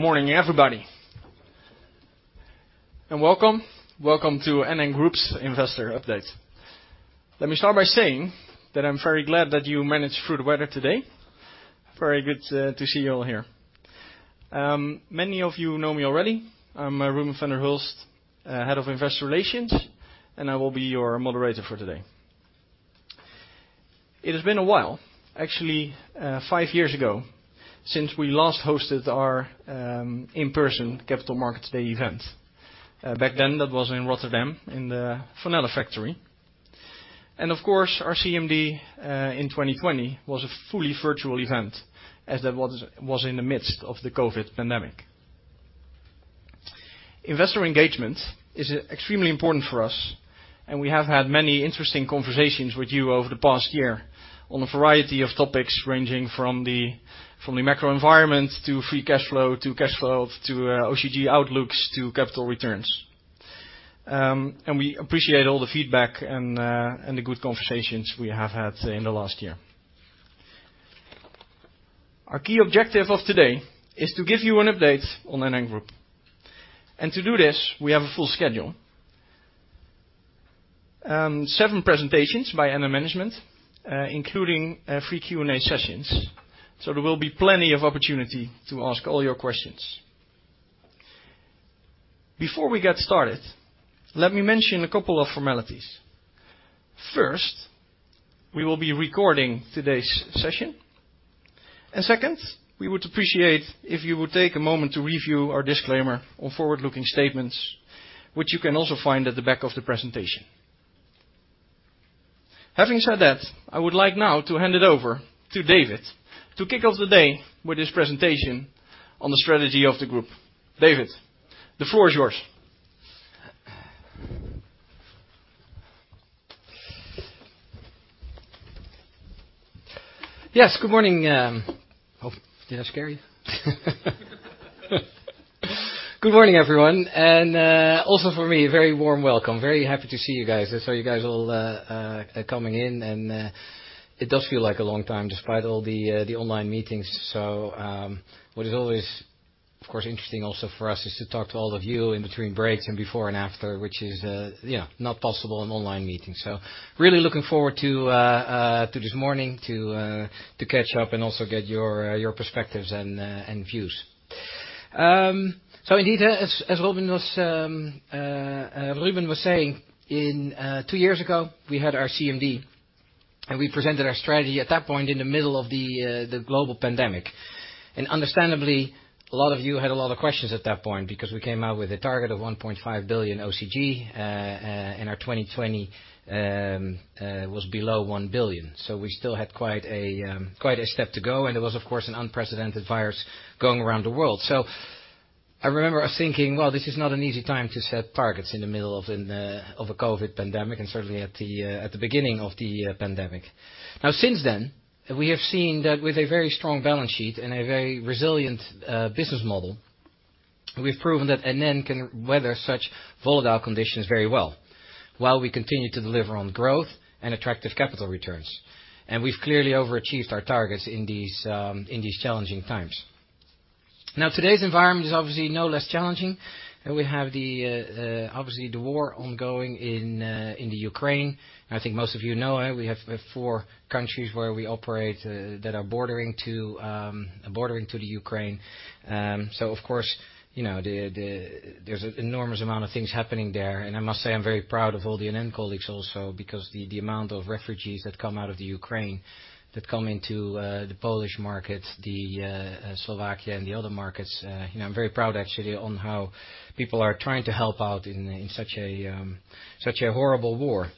Good morning, everybody. And welcome to NN Group's investor update. Let me start by saying that I'm very glad that you managed through the weather today. Very good, to see you all here. many of you know me already. I'm, Ruben van der Hulst, head of investor relations, and I will be your moderator for today. It has been a while, actually, five years ago, since we last hosted our, in-person Capital Markets Day event, back then that was in Rotterdam, in the Van Nelle factory. And of course our CMD, in 2020 was a fully virtual event as that was in the midst of the COVID-19 pandemic. Investor engagements is extremely important for us and we have had many interesting conversations over the past year. On the variety of topics ranging from the macro environments to free cash to cash flow to OCG outlooks to capital returns. And we appreciate all the feedback and the good conversations we had in the last year. Our key objective of today is to give you an update on NN Group, and to do this, we have a full schedule. Seven presentations by our management including free Q&A sessions so there will be plenty of opportunity to ask all your questions. Before we get started, let me mention a couple of formalities. First, we will be recording today's session. Second, we would appreciate if you would take a moment to review our disclaimer or forward-looking statements, which you can also find at the back of the presentation. Having said that, I would like now to hand it over to David to kick off the day with his presentation on the strategy of the NN Group. David, the floor is yours. Yes, good morning. Did I scare you? Good morning, everyone. Also for me, a very warm welcome. Very happy to see you guys. I saw you guys all coming in, and it does feel like a long time despite all the online meetings. What is always, of course, interesting also for us is to talk to all of you in between breaks and before and after, which is, you know, not possible in online meetings. Really looking forward to this morning to catch up and also get your perspectives and views. Indeed, as Ruben was saying, two years ago we had our CMD and we presented our strategy at that point in the middle of the global pandemic. Understandably a lot of you had a lot of questions at that point because we came out with a target of 1.5 billion OCG, and our 2020 was below 1 billion. We still had quite a step to go and there was, of course, an unprecedented virus going around the world. I remember thinking, well, this is not an easy time to set targets in the middle of a COVID-19 pandemic and certainly at the beginning of the pandemic. Now since then we have seen that with a very strong balance sheet and a very resilient business model we've proven that NN Group can weather such volatile conditions very well while we continue to deliver on growth and attractive capital returns. We've clearly overachieved our targets in these challenging times. Now today's environment is obviously no less challenging, and we have obviously the war ongoing in the Ukraine. I think most of you know we have four countries where we operate that are bordering to the Ukraine. Of course, you know, there's an enormous amount of things happening there, and I must say I'm very proud of all the NN Group colleagues also because the amount of refugees that come out of the Ukraine that come into the Polish markets, Slovakia, and the other markets, you know, I'm very proud actually on how people are trying to help out in such a horrible war.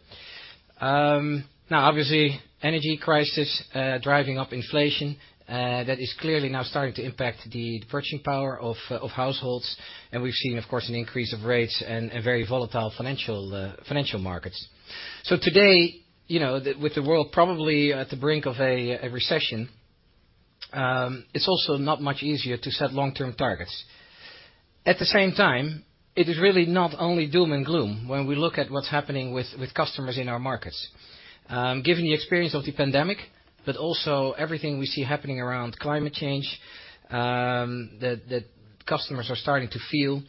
Now obviously energy crisis, driving up inflation, that is clearly now starting to impact the purchasing power of households and we've seen, of course, an increase of rates and very volatile financial markets. Today, you know, with the world probably at the brink of a recession, it's also not much easier to set long-term targets. At the same time, it is really not only doom and gloom when we look at what's happening with customers in our markets. Given the experience of the pandemic but also everything we see happening around climate change that customers are starting to feel,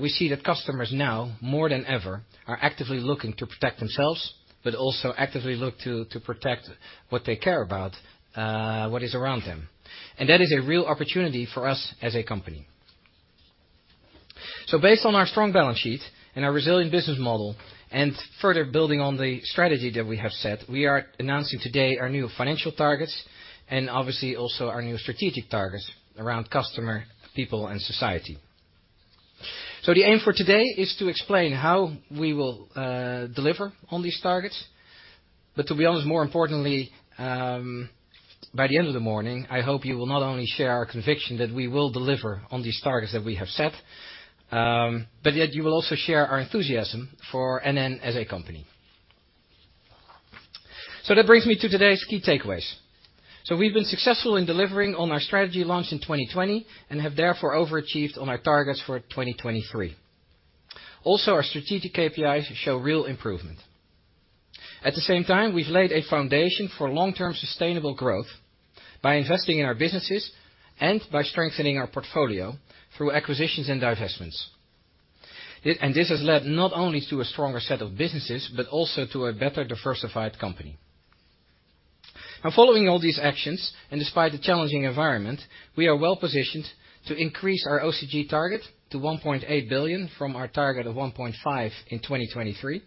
we see that customers now more than ever are actively looking to protect themselves but also actively look to protect what they care about, what is around them. That is a real opportunity for us as a company. Based on our strong balance sheet and our resilient business model and further building on the strategy that we have set, we are announcing today our new financial targets and obviously also our new strategic targets around customer, people, and society. The aim for today is to explain how we will deliver on these targets, but to be honest, more importantly, by the end of the morning, I hope you will not only share our conviction that we will deliver on these targets that we have set, but that you will also share our enthusiasm for NN Group as a company. That brings me to today's key takeaways. We've been successful in delivering on our strategy launched in 2020 and have therefore overachieved on our targets for 2023. Also, our strategic KPIs show real improvement. At the same time, we've laid a foundation for long-term sustainable growth by investing in our businesses and by strengthening our portfolio through acquisitions and divestments. This has led not only to a stronger set of businesses but also to a better-diversified company. Now, following all these actions and despite the challenging environment, we are well-positioned to increase our OCG target to 1.8 billion from our target of 1.5 billion in 2023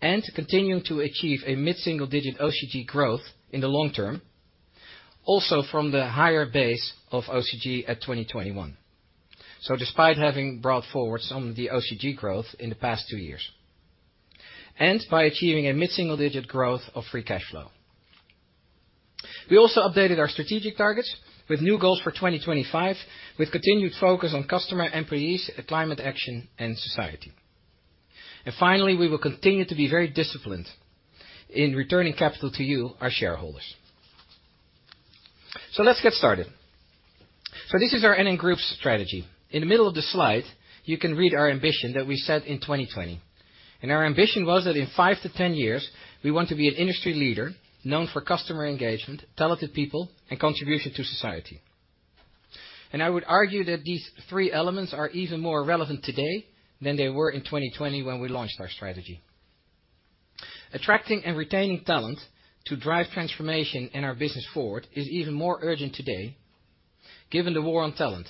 and to continue to achieve a mid-single-digit OCG growth in the long-term, also from the higher base of OCG at 2021. Despite having brought forward some of the OCG growth in the past two years and by achieving a mid-single-digit growth of free cash flow, we also updated our strategic targets with new goals for 2025 with continued focus on customer, employees, climate action, and society. Finally, we will continue to be very disciplined in returning capital to you, our shareholders. Let's get started. This is our NN Group's strategy. In the middle of the slide you can read our ambition that we set in 2020. Our ambition was that in five to 10 years we want to be an industry leader known for customer engagement, talented people, and contribution to society. I would argue that these three elements are even more relevant today than they were in 2020 when we launched our strategy. Attracting and retaining talent to drive transformation in our business forward is even more urgent today given the war on talent.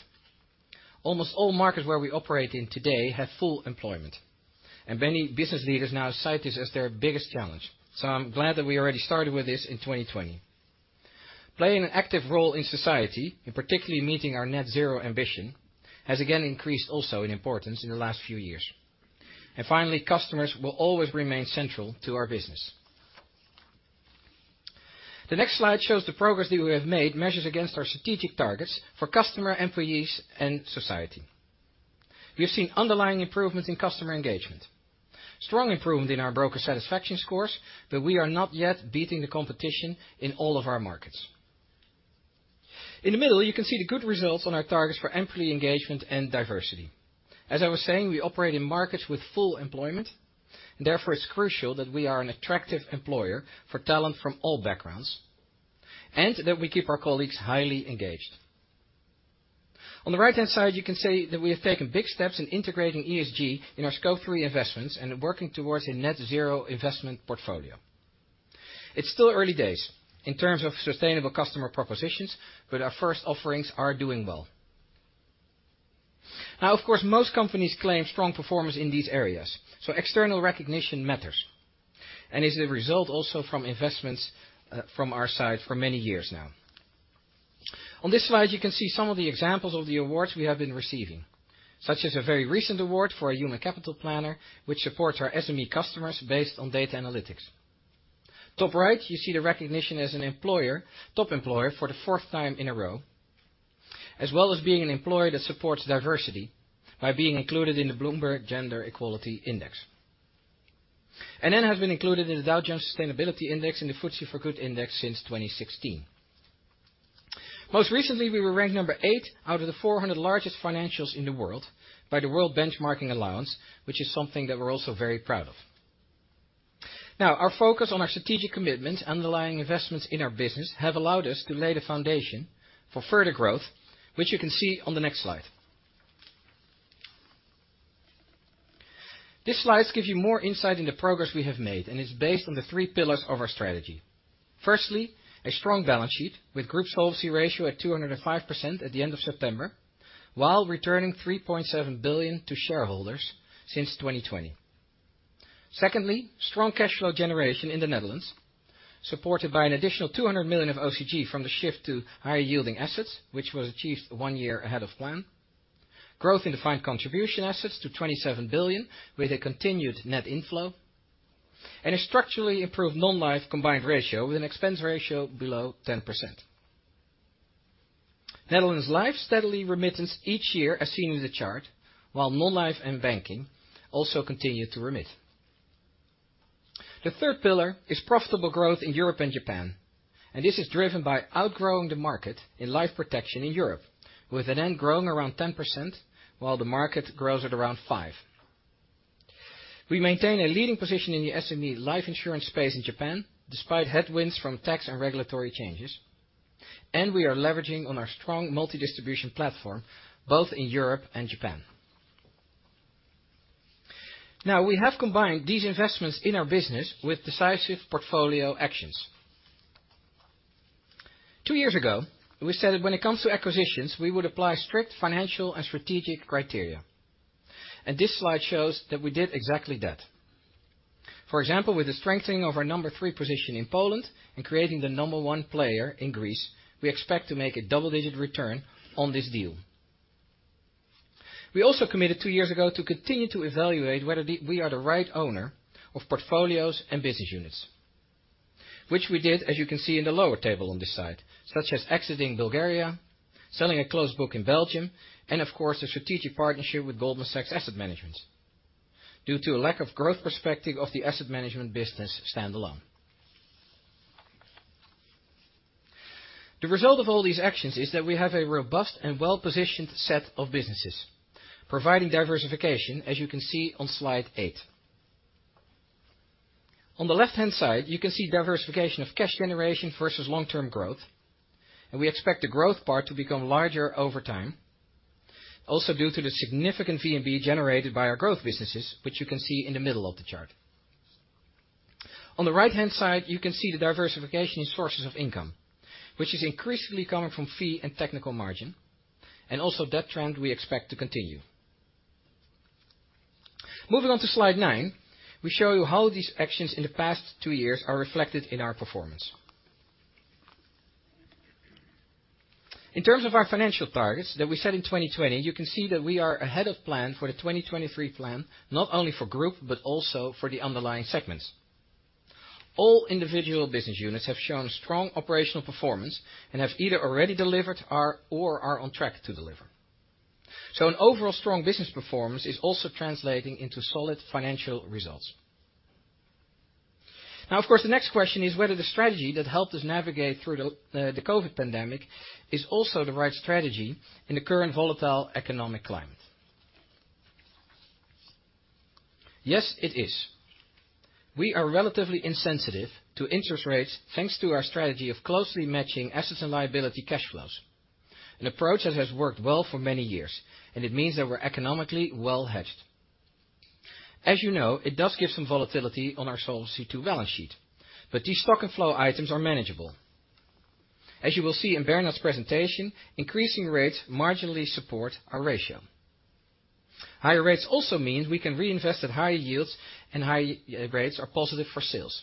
Almost all markets where we operate in today have full employment and many business leaders now cite this as their biggest challenge. I'm glad that we already started with this in 2020. Playing an active role in society, in particular meeting our net-zero ambition, has again increased also in importance in the last few years. Finally, customers will always remain central to our business. The next slide shows the progress that we have made, measured against our strategic targets for customer, employees, and society. We have seen underlying improvements in customer engagement. Strong improvement in our broker satisfaction scores, but we are not yet beating the competition in all of our markets. In the middle, you can see the good results on our targets for employee engagement and diversity. As I was saying, we operate in markets with full employment, and therefore it's crucial that we are an attractive employer for talent from all backgrounds and that we keep our colleagues highly engaged. On the right-hand side you can see that we have taken big steps in integrating ESG in our scope three investments and working towards a net-zero investment portfolio. It's still early days in terms of sustainable customer propositions but our first offerings are doing well. Now of course most companies claim strong performance in these areas so external recognition matters and is a result also from investments, from our side for many years now. On this slide you can see some of the examples of the awards we have been receiving such as a very recent award for a human capital planner which supports our SME customers based on data analytics. Top right you see the recognition as an employer, top employer for the fourth time in a row as well as being an employer that supports diversity by being included in the Bloomberg Gender-Equality Index. NN Group has been included in the Dow Jones Sustainability Index and the FTSE4Good Index since 2016. Most recently we were ranked number eight out of the 400 largest financials in the world by the World Benchmarking Alliance, which is something that we're also very proud of. Now our focus on our strategic commitments, underlying investments in our business have allowed us to lay the foundation for further growth, which you can see on the next slide. These slides give you more insight in the progress we have made and it's based on the three pillars of our strategy. Firstly, a strong balance sheet with Group Solvency Ratio at 205% at the end of September while returning 3.7 billion to shareholders since 2020. Secondly, strong cash flow generation in the Netherlands supported by an additional 200 million of OCG from the shift to higher yielding assets, which was achieved one year ahead of plan. Growth in defined contribution assets to 27 billion with a continued net inflow. A structurally improved Non-life combined ratio with an expense ratio below 10%. Netherlands Life steadily remits each year as seen in the chart while Non-life and Banking also continue to remit. The third pillar is profitable growth in Europe and Japan and this is driven by outgrowing the market in life protection in Europe with NN Group growing around 10% while the market grows at around 5%. We maintain a leading position in the SME Life insurance space in Japan despite headwinds from tax and regulatory changes and we are leveraging on our strong multi-distribution platform both in Europe and Japan. Now we have combined these investments in our business with decisive portfolio actions. Two years ago, we said that when it comes to acquisitions we would apply strict financial and strategic criteria. This slide shows that we did exactly that. For example, with the strengthening of our number three position in Poland and creating the number one player in Greece, we expect to make a double-digit return on this deal. We also committed two years ago to continue to evaluate whether we are the right owner of portfolios and business units, which we did, as you can see in the lower table on this side, such as exiting Bulgaria, selling a closed book in Belgium, and of course a strategic partnership with Goldman Sachs Asset Management due to a lack of growth perspective of the asset management business stand-alone. The result of all these actions is that we have a robust and well-positioned set of businesses providing diversification, as you can see on slide eight. On the left-hand side you can see diversification of cash generation versus long-term growth and we expect the growth part to become larger over time also due to the significant VNB generated by our growth businesses, which you can see in the middle of the chart. On the right-hand side you can see the diversification in sources of income, which is increasingly coming from fee and technical margin and also that trend we expect to continue. Moving on to slide nine, we show you how these actions in the past two years are reflected in our performance. In terms of our financial targets that we set in 2020, you can see that we are ahead of plan for the 2023 plan not only for Group but also for the underlying segments. All individual business units have shown strong operational performance and have either already delivered or are on track to deliver. An overall strong business performance is also translating into solid financial results. Now, of course, the next question is whether the strategy that helped us navigate through the COVID-19 pandemic is also the right strategy in the current volatile economic climate. Yes, it is. We are relatively insensitive to interest rates thanks to our strategy of closely matching assets and liability cash flows, an approach that has worked well for many years and it means that we're economically well hedged. As you know, it does give some volatility on our Solvency II balance sheet, but these stock and flow items are manageable. As you will see in Bernhard's presentation, increasing rates marginally support our ratio. Higher rates also mean we can reinvest at higher yields and higher rates are positive for sales.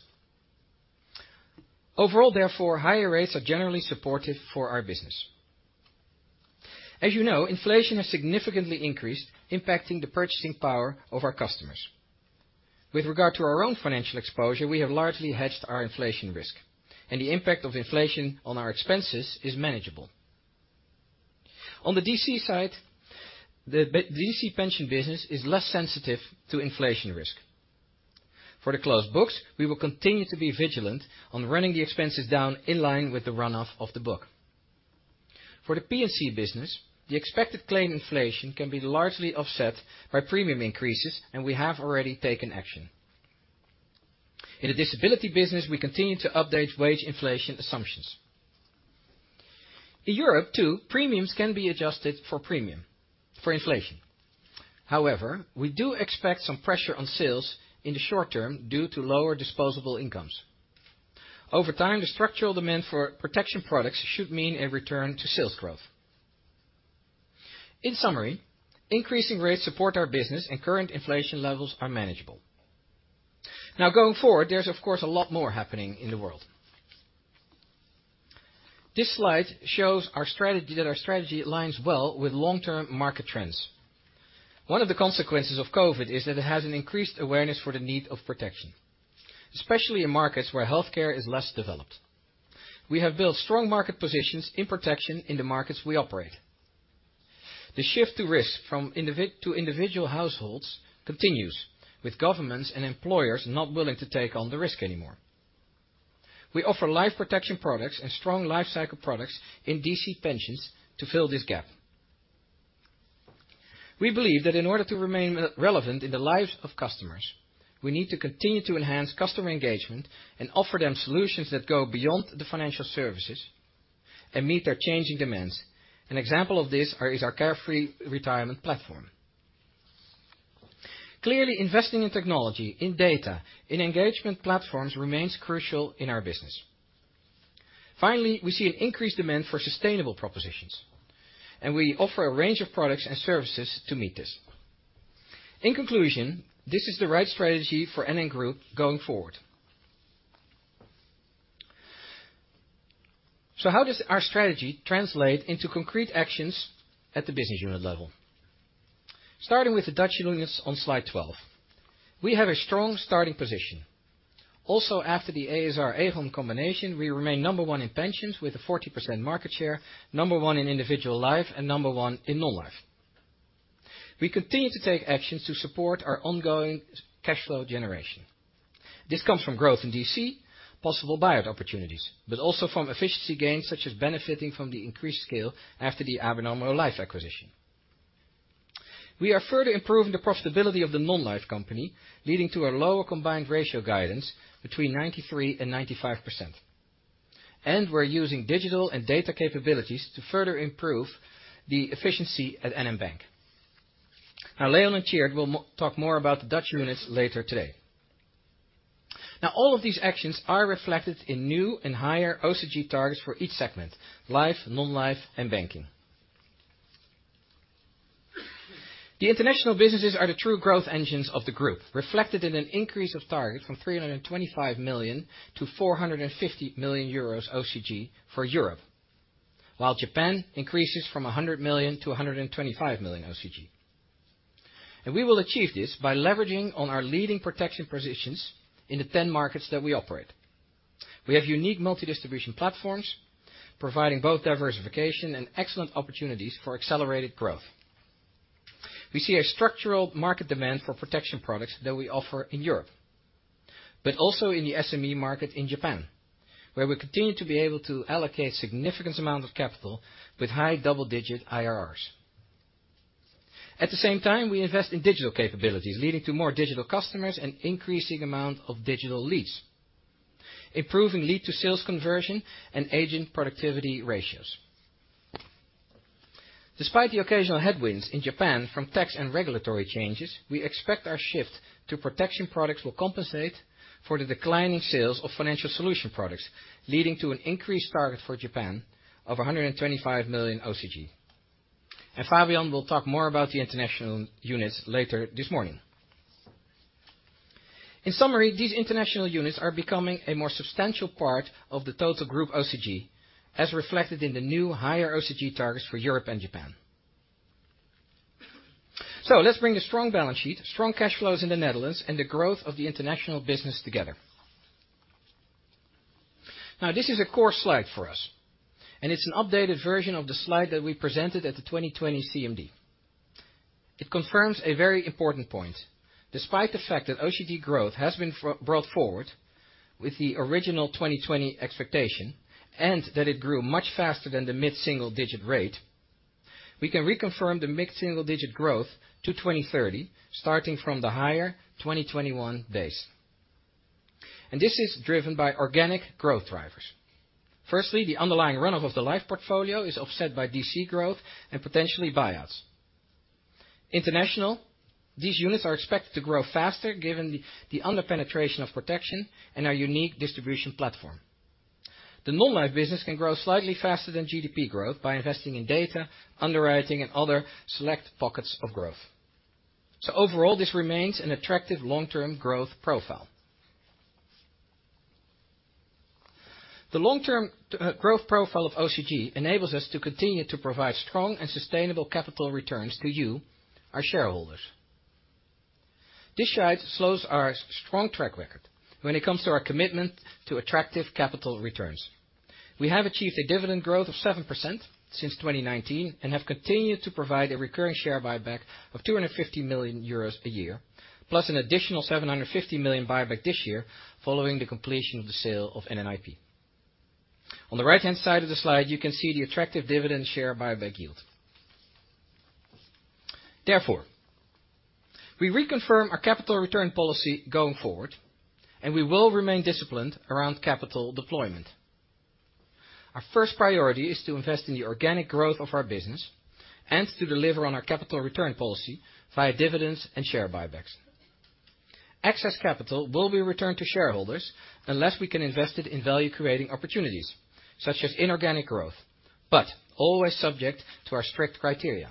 Overall, therefore, higher rates are generally supportive for our business. As you know, inflation has significantly increased, impacting the purchasing power of our customers. With regard to our own financial exposure, we have largely hedged our inflation risk and the impact of inflation on our expenses is manageable. On the DC Pension side, the DC Pension business is less sensitive to inflation risk. For the closed books, we will continue to be vigilant on running the expenses down in line with the run-off of the book. For the P&C business, the expected claim inflation can be largely offset by premium increases, and we have already taken action. In the disability business, we continue to update wage inflation assumptions. In Europe, too, premiums can be adjusted for inflation. However, we do expect some pressure on sales in the short term due to lower disposable incomes. Over time, the structural demand for protection products should mean a return to sales growth. In summary, increasing rates support our business, and current inflation levels are manageable. Now, going forward, there's, of course, a lot more happening in the world. This slide shows our strategy aligns well with long-term market trends. One of the consequences of COVID-19 is that it has an increased awareness for the need of protection, especially in markets where healthcare is less developed. We have built strong market positions in protection in the markets we operate. The shift to risk from individual households continues, with governments and employers not willing to take on the risk anymore. We offer life protection products and strong lifecycle products in DC Pensions to fill this gap. We believe that in order to remain relevant in the lives of customers, we need to continue to enhance customer engagement and offer them solutions that go beyond the financial services and meet their changing demands. An example of this is our Carefree Retirement platform. Clearly, investing in technology, in data, in engagement platforms remains crucial in our business. Finally, we see an increased demand for sustainable propositions, and we offer a range of products and services to meet this. In conclusion, this is the right strategy for NN Group going forward. How does our strategy translate into concrete actions at the business unit level? Starting with the Dutch units on slide 12, we have a strong starting position. Also, after the ASR or Aegon combination, we remain number one in pensions with a 40% market share, number one in individual life, and number one in Non-life. We continue to take actions to support our ongoing cash flow generation. This comes from growth in DC, possible buyout opportunities, but also from efficiency gains such as benefiting from the increased scale after the ABN AMRO Life acquisition. We are further improving the profitability of the Non-life company, leading to a lower combined ratio guidance between 93% and 95%. We're using digital and data capabilities to further improve the efficiency at NN Bank. Now, Leon and Tjeerd will talk more about the Dutch units later today. Now, all of these actions are reflected in new and higher OCG targets for each segment, Life, Non-life, and Banking. The international businesses are the true growth engines of the Group, reflected in an increase of targets from 325 million-450 million euros OCG for Europe, while Japan increases from 100 million-125 million OCG. We will achieve this by leveraging on our leading protection positions in the 10 markets that we operate. We have unique multi-distribution platforms providing both diversification and excellent opportunities for accelerated growth. We see a structural market demand for protection products that we offer in Europe, but also in the SME market in Japan, where we continue to be able to allocate significant amounts of capital with high double-digit IRRs. At the same time, we invest in digital capabilities, leading to more digital customers and an increasing amount of digital leads, improving lead-to-sales conversion and agent productivity ratios. Despite the occasional headwinds in Japan from tax and regulatory changes, we expect our shift to protection products will compensate for the declining sales of financial solution products, leading to an increased target for Japan of 125 million OCG. Fabian will talk more about the international units later this morning. In summary, these international units are becoming a more substantial part of the total Group OCG, as reflected in the new higher OCG targets for Europe and Japan. Let's bring the strong balance sheet, strong cash flows in the Netherlands, and the growth of the international business together. Now, this is a core slide for us, and it's an updated version of the slide that we presented at the 2020 CMD. It confirms a very important point. Despite the fact that OCG growth has been brought forward with the original 2020 expectation and that it grew much faster than the mid-single digit rate, we can reconfirm the mid-single digit growth to 2030, starting from the higher 2021 base. This is driven by organic growth drivers. Firstly, the underlying run-off of the Life portfolio is offset by DC growth and potentially buyouts. International, these units are expected to grow faster given the underpenetration of protection and our unique distribution platform. The Non-life business can grow slightly faster than GDP growth by investing in data, underwriting, and other select pockets of growth. Overall, this remains an attractive long-term growth profile. The long-term growth profile of OCG enables us to continue to provide strong and sustainable capital returns to you, our shareholders. This shows our strong track record when it comes to our commitment to attractive capital returns. We have achieved a dividend growth of 7% since 2019 and have continued to provide a recurring share buyback of 250 million euros a year, plus an additional 750 million buyback this year following the completion of the sale of NNIP. On the right-hand side of the slide, you can see the attractive dividend share buyback yield. Therefore, we reconfirm our capital return policy going forward, and we will remain disciplined around capital deployment. Our first priority is to invest in the organic growth of our business and to deliver on our capital return policy via dividends and share buybacks. Excess capital will be returned to shareholders unless we can invest it in value-creating opportunities, such as inorganic growth, but always subject to our strict criteria.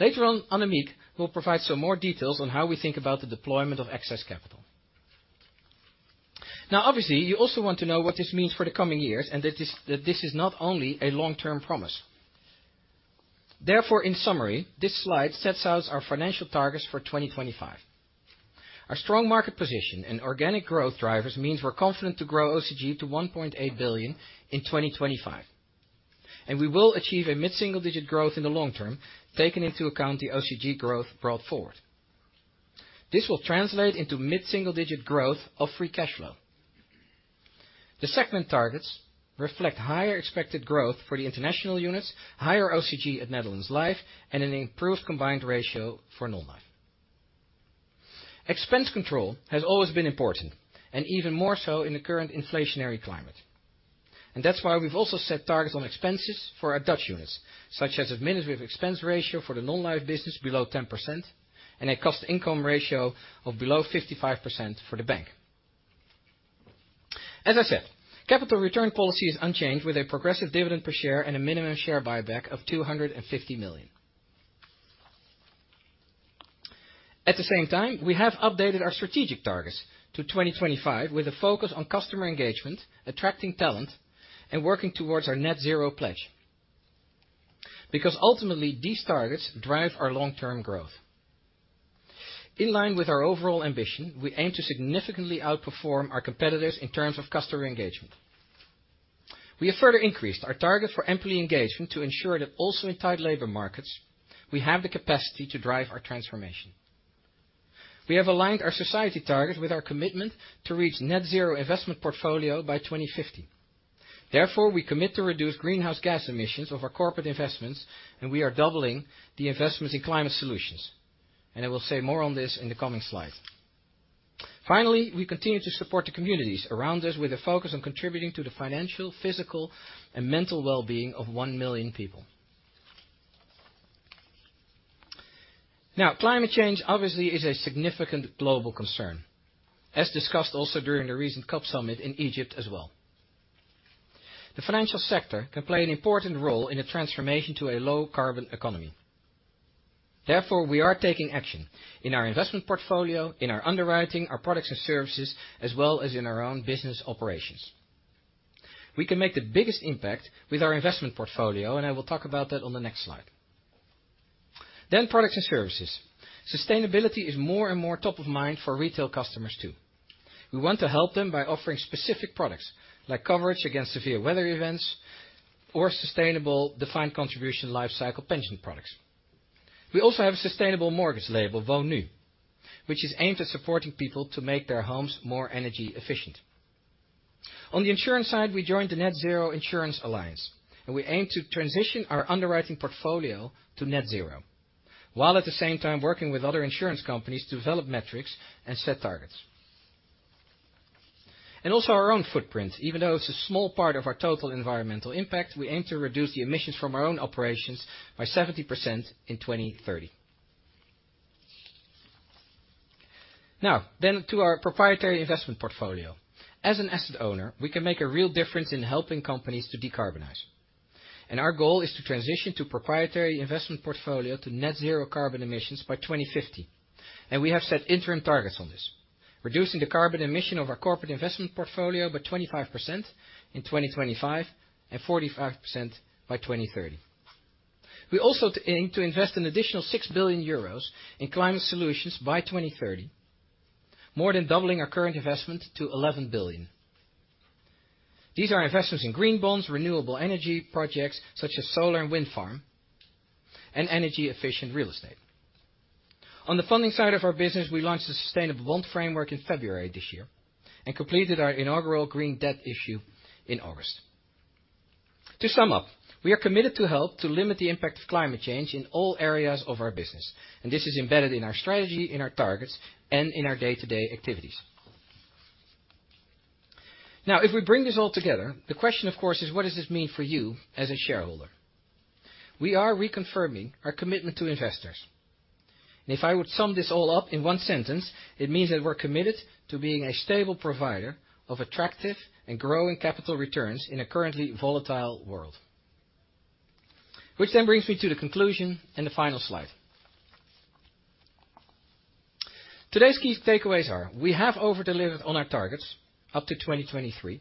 Later on, Annemiek will provide some more details on how we think about the deployment of excess capital. Now, obviously, you also want to know what this means for the coming years, and that this is not only a long-term promise. Therefore, in summary, this slide sets out our financial targets for 2025. Our strong market position and organic growth drivers mean we're confident to grow OCG to 1.8 billion in 2025, and we will achieve a mid-single digit growth in the long term, taking into account the OCG growth brought forward. This will translate into mid-single digit growth of free cash flow. The segment targets reflect higher expected growth for the international units, higher OCG at Netherlands Life, and an improved combined ratio for Non-life. Expense control has always been important, and even more so in the current inflationary climate. That's why we've also set targets on expenses for our Dutch units, such as an administrative expense ratio for the Non-life business below 10% and a cost-income ratio of below 55% for the bank. As I said, capital return policy is unchanged, with a progressive dividend per share and a minimum share buyback of 250 million. At the same time, we have updated our strategic targets to 2025, with a focus on customer engagement, attracting talent, and working towards our net zero pledge. Because ultimately, these targets drive our long-term growth. In line with our overall ambition, we aim to significantly outperform our competitors in terms of customer engagement. We have further increased our target for employee engagement to ensure that, also in tight labor markets, we have the capacity to drive our transformation. We have aligned our society targets with our commitment to reach net-zero investment portfolio by 2050. Therefore, we commit to reduce greenhouse gas emissions of our corporate investments, and we are doubling the investments in climate solutions. I will say more on this in the coming slides. Finally, we continue to support the communities around us with a focus on contributing to the financial, physical, and mental well-being of 1 million people. Now, climate change, obviously, is a significant global concern, as discussed also during the recent COP summit in Egypt as well. The financial sector can play an important role in the transformation to a low-carbon economy. Therefore, we are taking action in our investment portfolio, in our underwriting, our products and services, as well as in our own business operations. We can make the biggest impact with our investment portfolio, and I will talk about that on the next slide. Products and services, sustainability is more and more top of mind for retail customers, too. We want to help them by offering specific products, like coverage against severe weather events or sustainable defined contribution lifecycle pension products. We also have a sustainable mortgage label, Woonnu, which is aimed at supporting people to make their homes more energy efficient. On the insurance side, we joined the Net-Zero Insurance Alliance, and we aim to transition our underwriting portfolio to net zero, while at the same time working with other insurance companies to develop metrics and set targets. Our own footprint, even though it's a small part of our total environmental impact, we aim to reduce the emissions from our own operations by 70% in 2030. To our proprietary investment portfolio, as an asset owner, we can make a real difference in helping companies to decarbonize. Our goal is to transition to a proprietary investment portfolio to net zero carbon emissions by 2050, and we have set interim targets on this, reducing the carbon emission of our corporate investment portfolio by 25% in 2025 and 45% by 2030. We also aim to invest an additional 6 billion euros in climate solutions by 2030, more than doubling our current investment to 11 billion. These are investments in green bonds, renewable energy projects such as solar and wind farm, and energy-efficient real estate. On the funding side of our business, we launched the Sustainability Bond Framework in February this year and completed our inaugural green debt issue in August. To sum up, we are committed to help to limit the impact of climate change in all areas of our business, and this is embedded in our strategy, in our targets, and in our day-to-day activities. Now, if we bring this all together, the question, of course, is what does this mean for you as a shareholder? We are reconfirming our commitment to investors. If I would sum this all up in one sentence, it means that we're committed to being a stable provider of attractive and growing capital returns in a currently volatile world. Which then brings me to the conclusion and the final slide. Today's key takeaways are we have overdelivered on our targets up to 2023,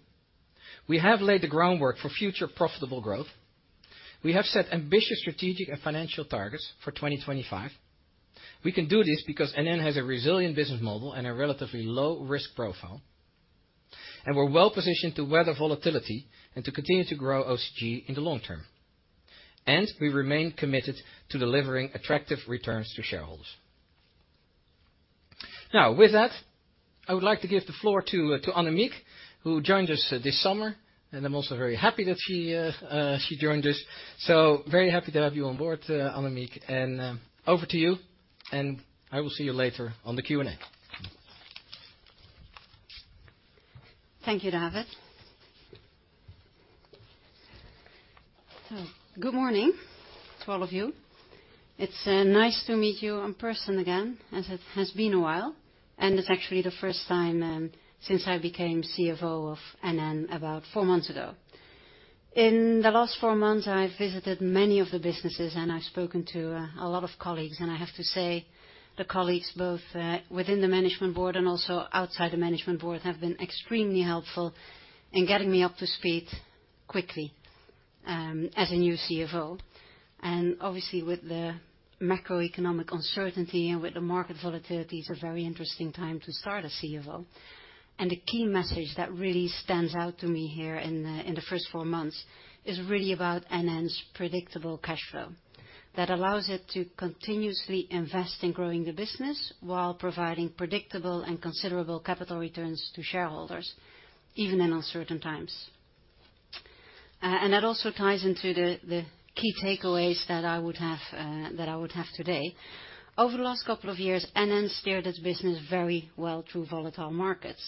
we have laid the groundwork for future profitable growth, we have set ambitious strategic and financial targets for 2025, we can do this because NN Group has a resilient business model and a relatively low-risk profile, and we're well positioned to weather volatility and to continue to grow OCG in the long term, and we remain committed to delivering attractive returns to shareholders. Now, with that, I would like to give the floor to Annemiek, who joined us this summer, and I'm also very happy that she joined us. Very happy to have you on board, Annemiek, and over to you, and I will see you later on the Q&A. Thank you, David. Good morning to all of you. It's nice to meet you in person again, as it has been a while, and it's actually the first time since I became CFO of NN Group about four months ago. In the last four months, I've visited many of the businesses, and I've spoken to a lot of colleagues, and I have to say the colleagues, both within the Management Board and also outside the Management Board, have been extremely helpful in getting me up to speed quickly as a new CFO. Obviously, with the macroeconomic uncertainty and with the market volatility, it's a very interesting time to start as CFO. The key message that really stands out to me here in the first four months is really about NN Group's predictable cash flow. That allows it to continuously invest in growing the business while providing predictable and considerable capital returns to shareholders, even in uncertain times. That also ties into the key takeaways that I would have today. Over the last couple of years, NN Group steered its business very well through volatile markets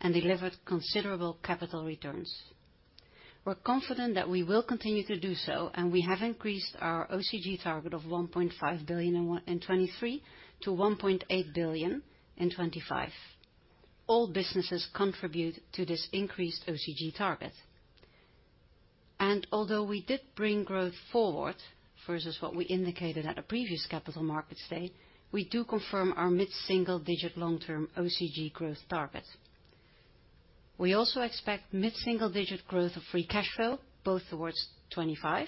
and delivered considerable capital returns. We're confident that we will continue to do so, and we have increased our OCG target of 1.5 billion in 2023 to 1.8 billion in 2025. All businesses contribute to this increased OCG target. Although we did bring growth forward versus what we indicated at a previous Capital Markets Day, we do confirm our mid-single-digit long-term OCG growth target. We also expect mid-single-digit growth of free cash flow, both towards 2025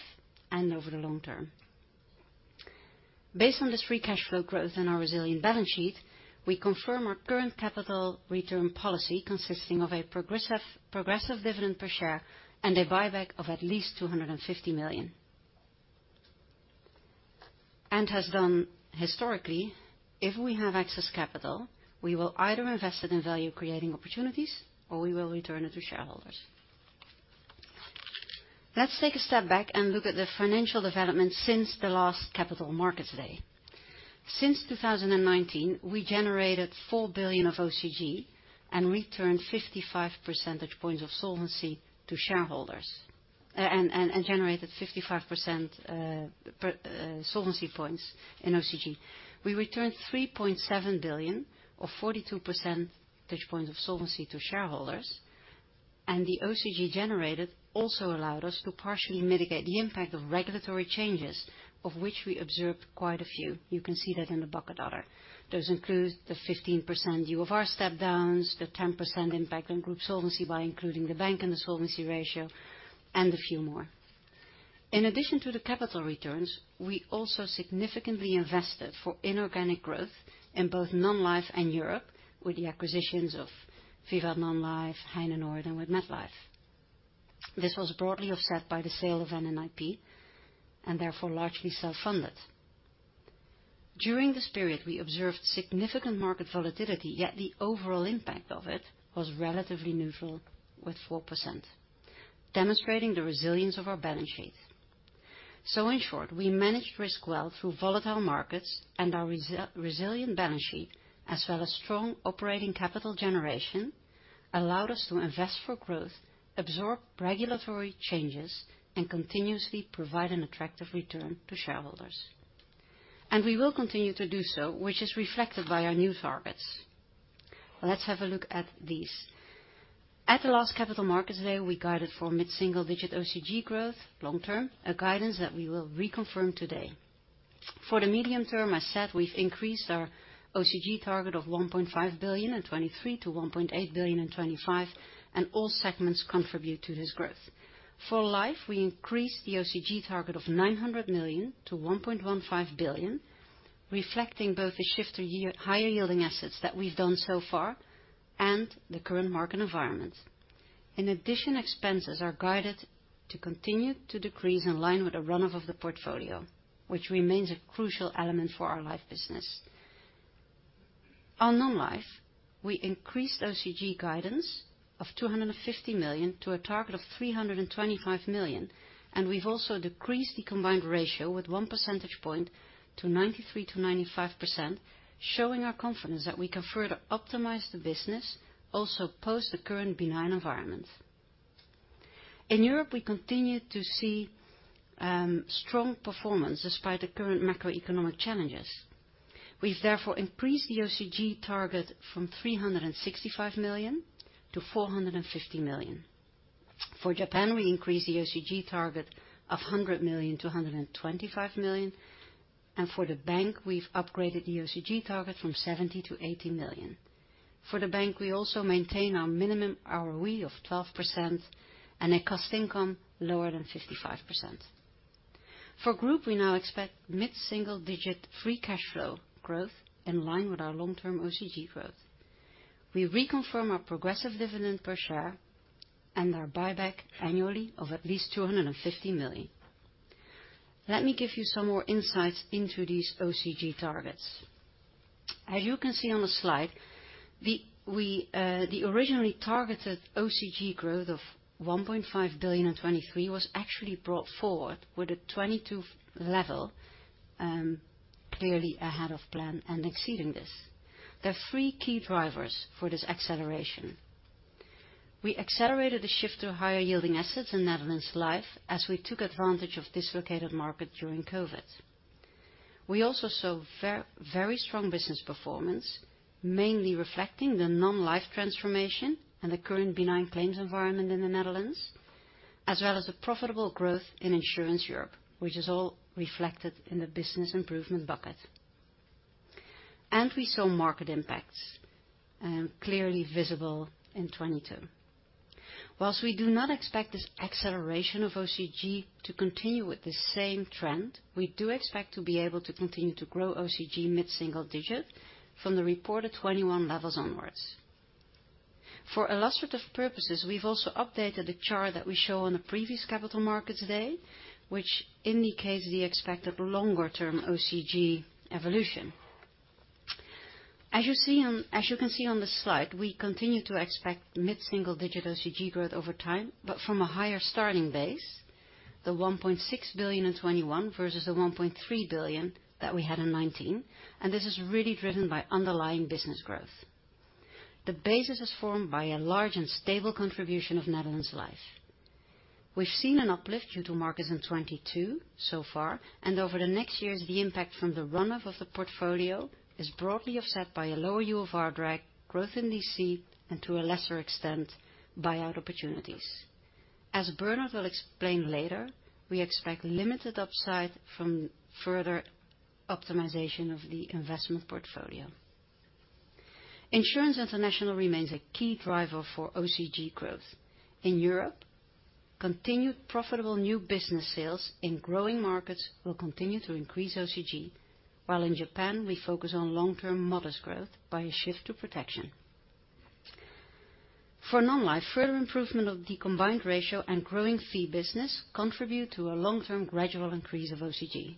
and over the long term. Based on this free cash flow growth in our resilient balance sheet, we confirm our current capital return policy, consisting of a progressive dividend per share and a buyback of at least 250 million. Has done historically, if we have excess capital, we will either invest it in value-creating opportunities or we will return it to shareholders. Let's take a step back and look at the financial development since the last Capital Markets Day. Since 2019, we generated 4 billion of OCG and returned 55 percentage points of solvency to shareholders and generated 55% solvency points in OCG. We returned 3.7 billion or 42 percentage points of solvency to shareholders, and the OCG generated also allowed us to partially mitigate the impact of regulatory changes, of which we observed quite a few. You can see that in the bucket order. Those include the 15% UFR step-downs, the 10% impact on Group solvency by including the Bank and the solvency ratio, and a few more. In addition to the capital returns, we also significantly invested for inorganic growth in both Non-life and Europe with the acquisitions of VIVAT Non-life, Heinenoord, and with MetLife. This was broadly offset by the sale of NNIP and therefore largely self-funded. During this period, we observed significant market volatility, yet the overall impact of it was relatively neutral with 4%, demonstrating the resilience of our balance sheet. In short, we managed risk well through volatile markets, and our resilient balance sheet, as well as strong operating capital generation, allowed us to invest for growth, absorb regulatory changes, and continuously provide an attractive return to shareholders. We will continue to do so, which is reflected by our new targets. Let's have a look at these. At the last Capital Markets Day, we guided for mid-single-digit OCG growth long-term, a guidance that we will reconfirm today. For the medium term, as said, we've increased our OCG target of 1.5 billion in 2023 to 1.8 billion in 2025, and all segments contribute to this growth. For Life, we increased the OCG target of 900 million to 1.15 billion, reflecting both the shift to higher-yielding assets that we've done so far and the current market environment. In addition, expenses are guided to continue to decrease in line with a run-off of the portfolio, which remains a crucial element for our Life business. On Non-life, we increased OCG guidance of 250 million to a target of 325 million, and we've also decreased the combined ratio with one percentage point to 93%-95%, showing our confidence that we can further optimize the business, also post the current benign environment. In Europe, we continue to see strong performance despite the current macroeconomic challenges. We've therefore increased the OCG target from 365 million-450 million. For Japan, we increased the OCG target of 100 million-125 million, and for the Bank, we've upgraded the OCG target from 70 million-80 million. For the Bank, we also maintain our minimum ROE of 12% and a cost-to-income lower than 55%. For Group, we now expect mid-single-digit free cash flow growth in line with our long-term OCG growth. We reconfirm our progressive dividend per share and our buyback annually of at least 250 million. Let me give you some more insights into these OCG targets. As you can see on the slide, the originally targeted OCG growth of 1.5 billion in 2023 was actually brought forward with a 2022 level clearly ahead of plan and exceeding this. There are three key drivers for this acceleration. We accelerated the shift to higher-yielding assets in Netherlands Life as we took advantage of dislocated markets during COVID-19. We also saw very strong business performance, mainly reflecting the Non-life transformation and the current benign claims environment in the Netherlands, as well as profitable growth in Insurance Europe, which is all reflected in the business improvement bucket. We saw market impacts clearly visible in 2022. Whilst we do not expect this acceleration of OCG to continue with the same trend, we do expect to be able to continue to grow OCG mid-single-digit from the reported 2021 levels onwards. For illustrative purposes, we've also updated the chart that we show on the previous Capital Markets Day, which indicates the expected longer-term OCG evolution. As you can see on the slide, we continue to expect mid-single digit OCG growth over time, but from a higher starting base, the 1.6 billion in 2021 versus the 1.3 billion that we had in 2019, and this is really driven by underlying business growth. The basis is formed by a large and stable contribution of Netherlands Life. We've seen an uplift due to markets in 2022 so far, and over the next years, the impact from the run-off of the portfolio is broadly offset by a lower UFR drag, growth in DC, and to a lesser extent, buyout opportunities. As Bernhard will explain later, we expect limited upside from further optimization of the investment portfolio. Insurance International remains a key driver for OCG growth. In Europe, continued profitable new business sales in growing markets will continue to increase OCG, while in Japan, we focus on long-term modest growth by a shift to protection. For Non-life, further improvement of the combined ratio and growing fee business contribute to a long-term gradual increase of OCG.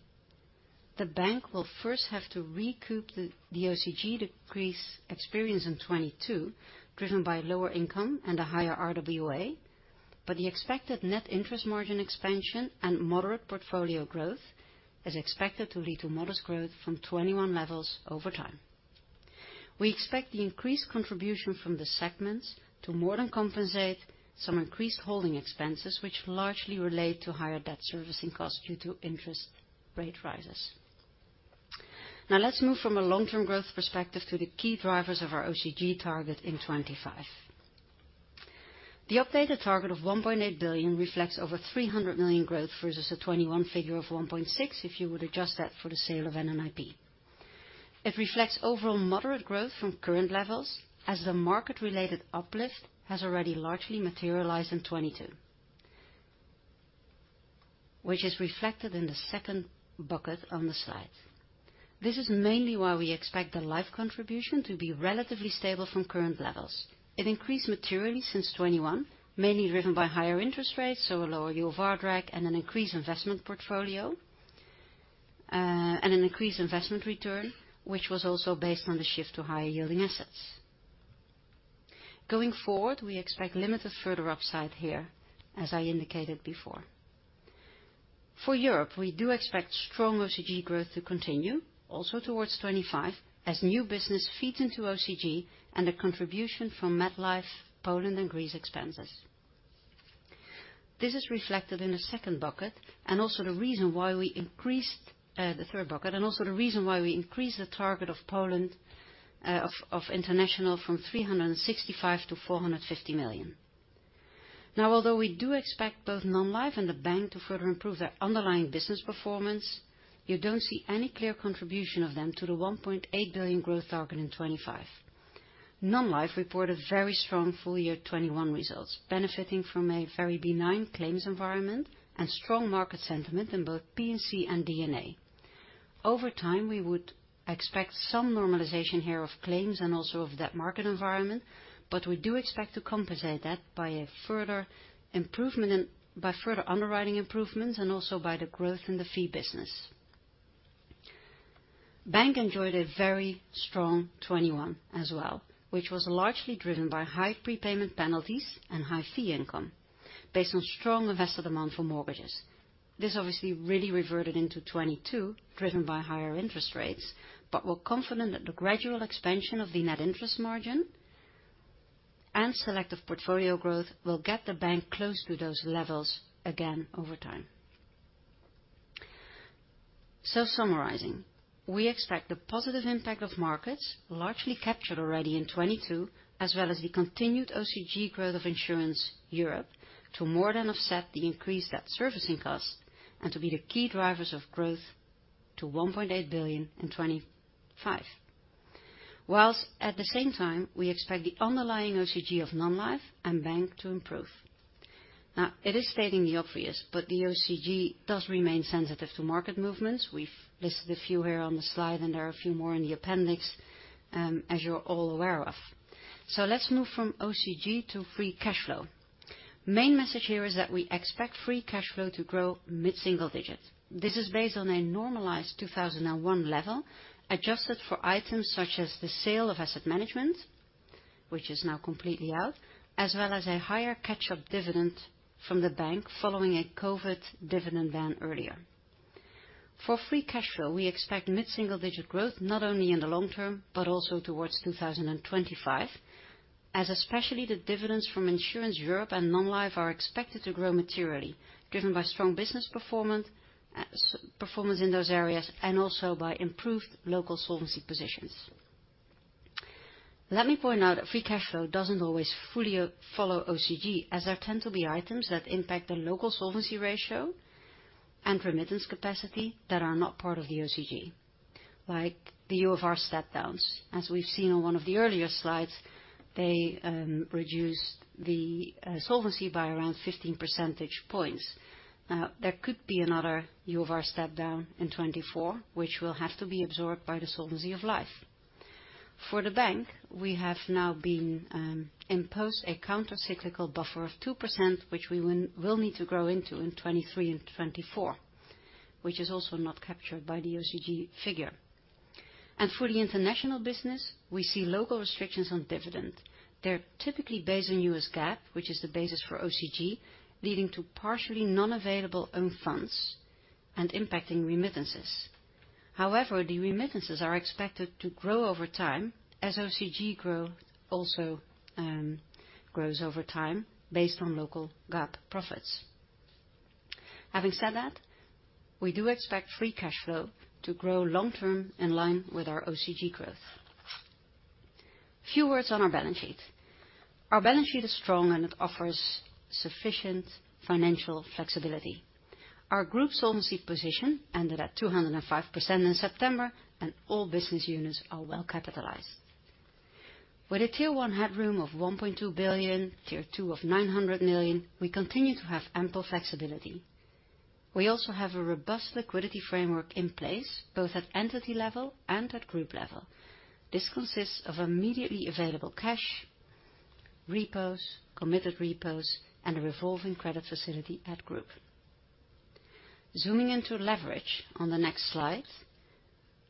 The bank will first have to recoup the OCG decrease experience in 2022, driven by lower income and a higher RWA, but the expected net interest margin expansion and moderate portfolio growth is expected to lead to modest growth from 2021 levels over time. We expect the increased contribution from the segments to more than compensate some increased holding expenses, which largely relate to higher debt servicing costs due to interest rate rises. Now, let's move from a long-term growth perspective to the key drivers of our OCG target in 2025. The updated target of 1.8 billion reflects over 300 million growth versus a 2021 figure of 1.6 if you would adjust that for the sale of NNIP. It reflects overall moderate growth from current levels as the market-related uplift has already largely materialized in 2022, which is reflected in the second bucket on the slide. This is mainly why we expect the Life contribution to be relatively stable from current levels. It increased materially since 2021, mainly driven by higher interest rates, so a lower UFR drag, and an increased investment portfolio and an increased investment return, which was also based on the shift to higher-yielding assets. Going forward, we expect limited further upside here, as I indicated before. For Europe, we do expect strong OCG growth to continue, also towards 2025, as new business feeds into OCG and the contribution from MetLife, Poland, and Greece expands. This is reflected in the second bucket and also the reason why we increased the third bucket and also the reason why we increased the target of Poland of international from 365 million-450 million. Now, although we do expect both Non-life and the Bank to further improve their underlying business performance, you don't see any clear contribution of them to the 1.8 billion growth target in 2025. Non-life reported very strong full year 2021 results, benefiting from a very benign claims environment and strong market sentiment in both P&C and D&A. Over time, we would expect some normalization here of claims and also of debt market environment, but we do expect to compensate that by further improvement and by further underwriting improvements and also by the growth in the fee business. Bank enjoyed a very strong 2021 as well, which was largely driven by high prepayment penalties and high fee income based on strong investor demand for mortgages. This obviously really reverted into 2022, driven by higher interest rates, but we're confident that the gradual expansion of the net interest margin and selective portfolio growth will get the Bank close to those levels again over time. Summarizing, we expect the positive impact of markets, largely captured already in 2022, as well as the continued OCG growth of Insurance Europe, to more than offset the increased debt servicing costs and to be the key drivers of growth to 1.8 billion in 2025, whilst at the same time, we expect the underlying OCG of Non-life and Bank to improve. Now, it is stating the obvious, but the OCG does remain sensitive to market movements. We've listed a few here on the slide, and there are a few more in the appendix, as you're all aware of. So, let's move from OCG to free cash flow. Main message here is that we expect free cash flow to grow mid-single digit. This is based on a normalized 2001 level adjusted for items such as the sale of asset management, which is now completely out, as well as a higher catch-up dividend from the bank following a COVID-19 dividend ban earlier. For free cash flow, we expect mid-single digit growth not only in the long term but also towards 2025, as especially the dividends from insurance Europe and Non-life are expected to grow materially, driven by strong business performance in those areas and also by improved local solvency positions. Let me point out that free cash flow doesn't always fully follow OCG, as there tend to be items that impact the local solvency ratio and remittance capacity that are not part of the OCG, like the UFR step-downs. As we've seen on one of the earlier slides, they reduced the solvency by around 15 percentage points. Now, there could be another UFR step-down in 2024, which will have to be absorbed by the solvency of Life. For the Bank, we have now been imposed a countercyclical buffer of 2%, which we will need to grow into in 2023 and 2024, which is also not captured by the OCG figure. For the international business, we see local restrictions on dividend. They're typically based on U.S. GAAP, which is the basis for OCG, leading to partially non-available owned funds and impacting remittances. However, the remittances are expected to grow over time as OCG growth also grows over time based on local GAAP profits. Having said that, we do expect free cash flow to grow long term in line with our OCG growth. Few words on our balance sheet. Our balance sheet is strong, and it offers sufficient financial flexibility. Our group solvency position ended at 205% in September, and all business units are well capitalized. With a Tier 1 headroom of 1.2 billion, Tier 2 of 900 million, we continue to have ample flexibility. We also have a robust liquidity framework in place both at entity level and at group level. This consists of immediately available cash, repos, committed repos, and a revolving credit facility at group. Zooming into leverage on the next slide,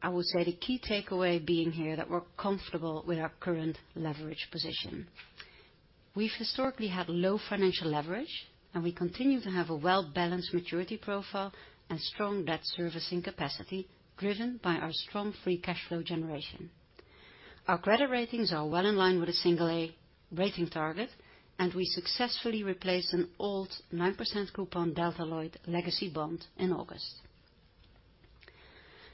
I would say the key takeaway being here is that we're comfortable with our current leverage position. We've historically had low financial leverage, and we continue to have a well-balanced maturity profile and strong debt servicing capacity driven by our strong free cash flow generation. Our credit ratings are well in line with a single-A rating target, and we successfully replaced an old 9% coupon Delta Lloyd legacy bond in August.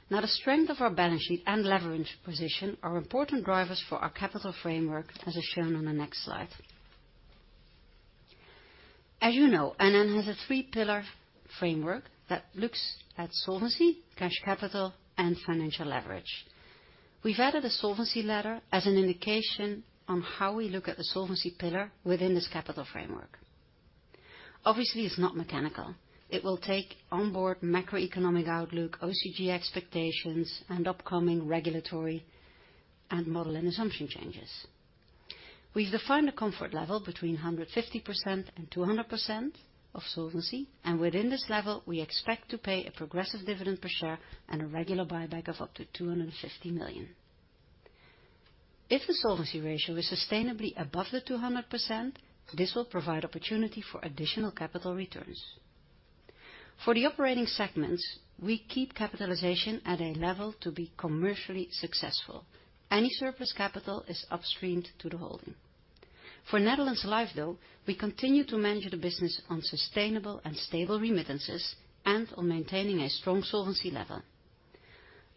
Now, the strength of our balance sheet and leverage position are important drivers for our capital framework, as is shown on the next slide. As you know, NN Group has a three-pillar framework that looks at solvency, cash capital, and financial leverage. We've added a solvency ladder as an indication on how we look at the solvency pillar within this capital framework. Obviously, it's not mechanical. It will take onboard macroeconomic outlook, OCG expectations, and upcoming regulatory and model and assumption changes. We've defined a comfort level between 150% and 200% of solvency, and within this level, we expect to pay a progressive dividend per share and a regular buyback of up to 250 million. If the solvency ratio is sustainably above the 200%, this will provide opportunity for additional capital returns. For the operating segments, we keep capitalization at a level to be commercially successful. Any surplus capital is upstreamed to the holding. For Netherlands Life, though, we continue to manage the business on sustainable and stable remittances and on maintaining a strong solvency level.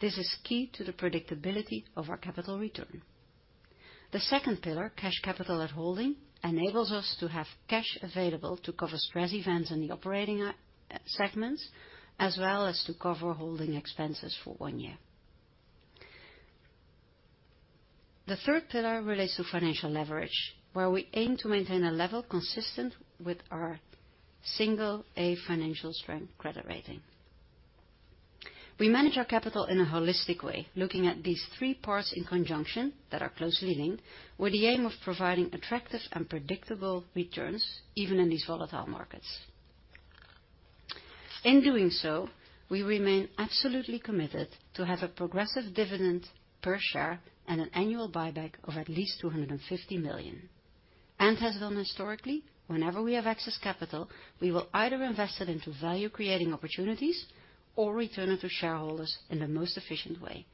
This is key to the predictability of our capital return. The second pillar, cash capital at holding, enables us to have cash available to cover stress events in the operating segments, as well as to cover holding expenses for one year. The third pillar relates to financial leverage, where we aim to maintain a level consistent with our Single A financial strength credit rating. We manage our capital in a holistic way, looking at these three parts in conjunction that are closely linked, with the aim of providing attractive and predictable returns even in these volatile markets. In doing so, we remain absolutely committed to have a progressive dividend per share and an annual buyback of at least 250 million. As done historically, whenever we have excess capital, we will either invest it into value-creating opportunities or return it to shareholders in the most efficient way,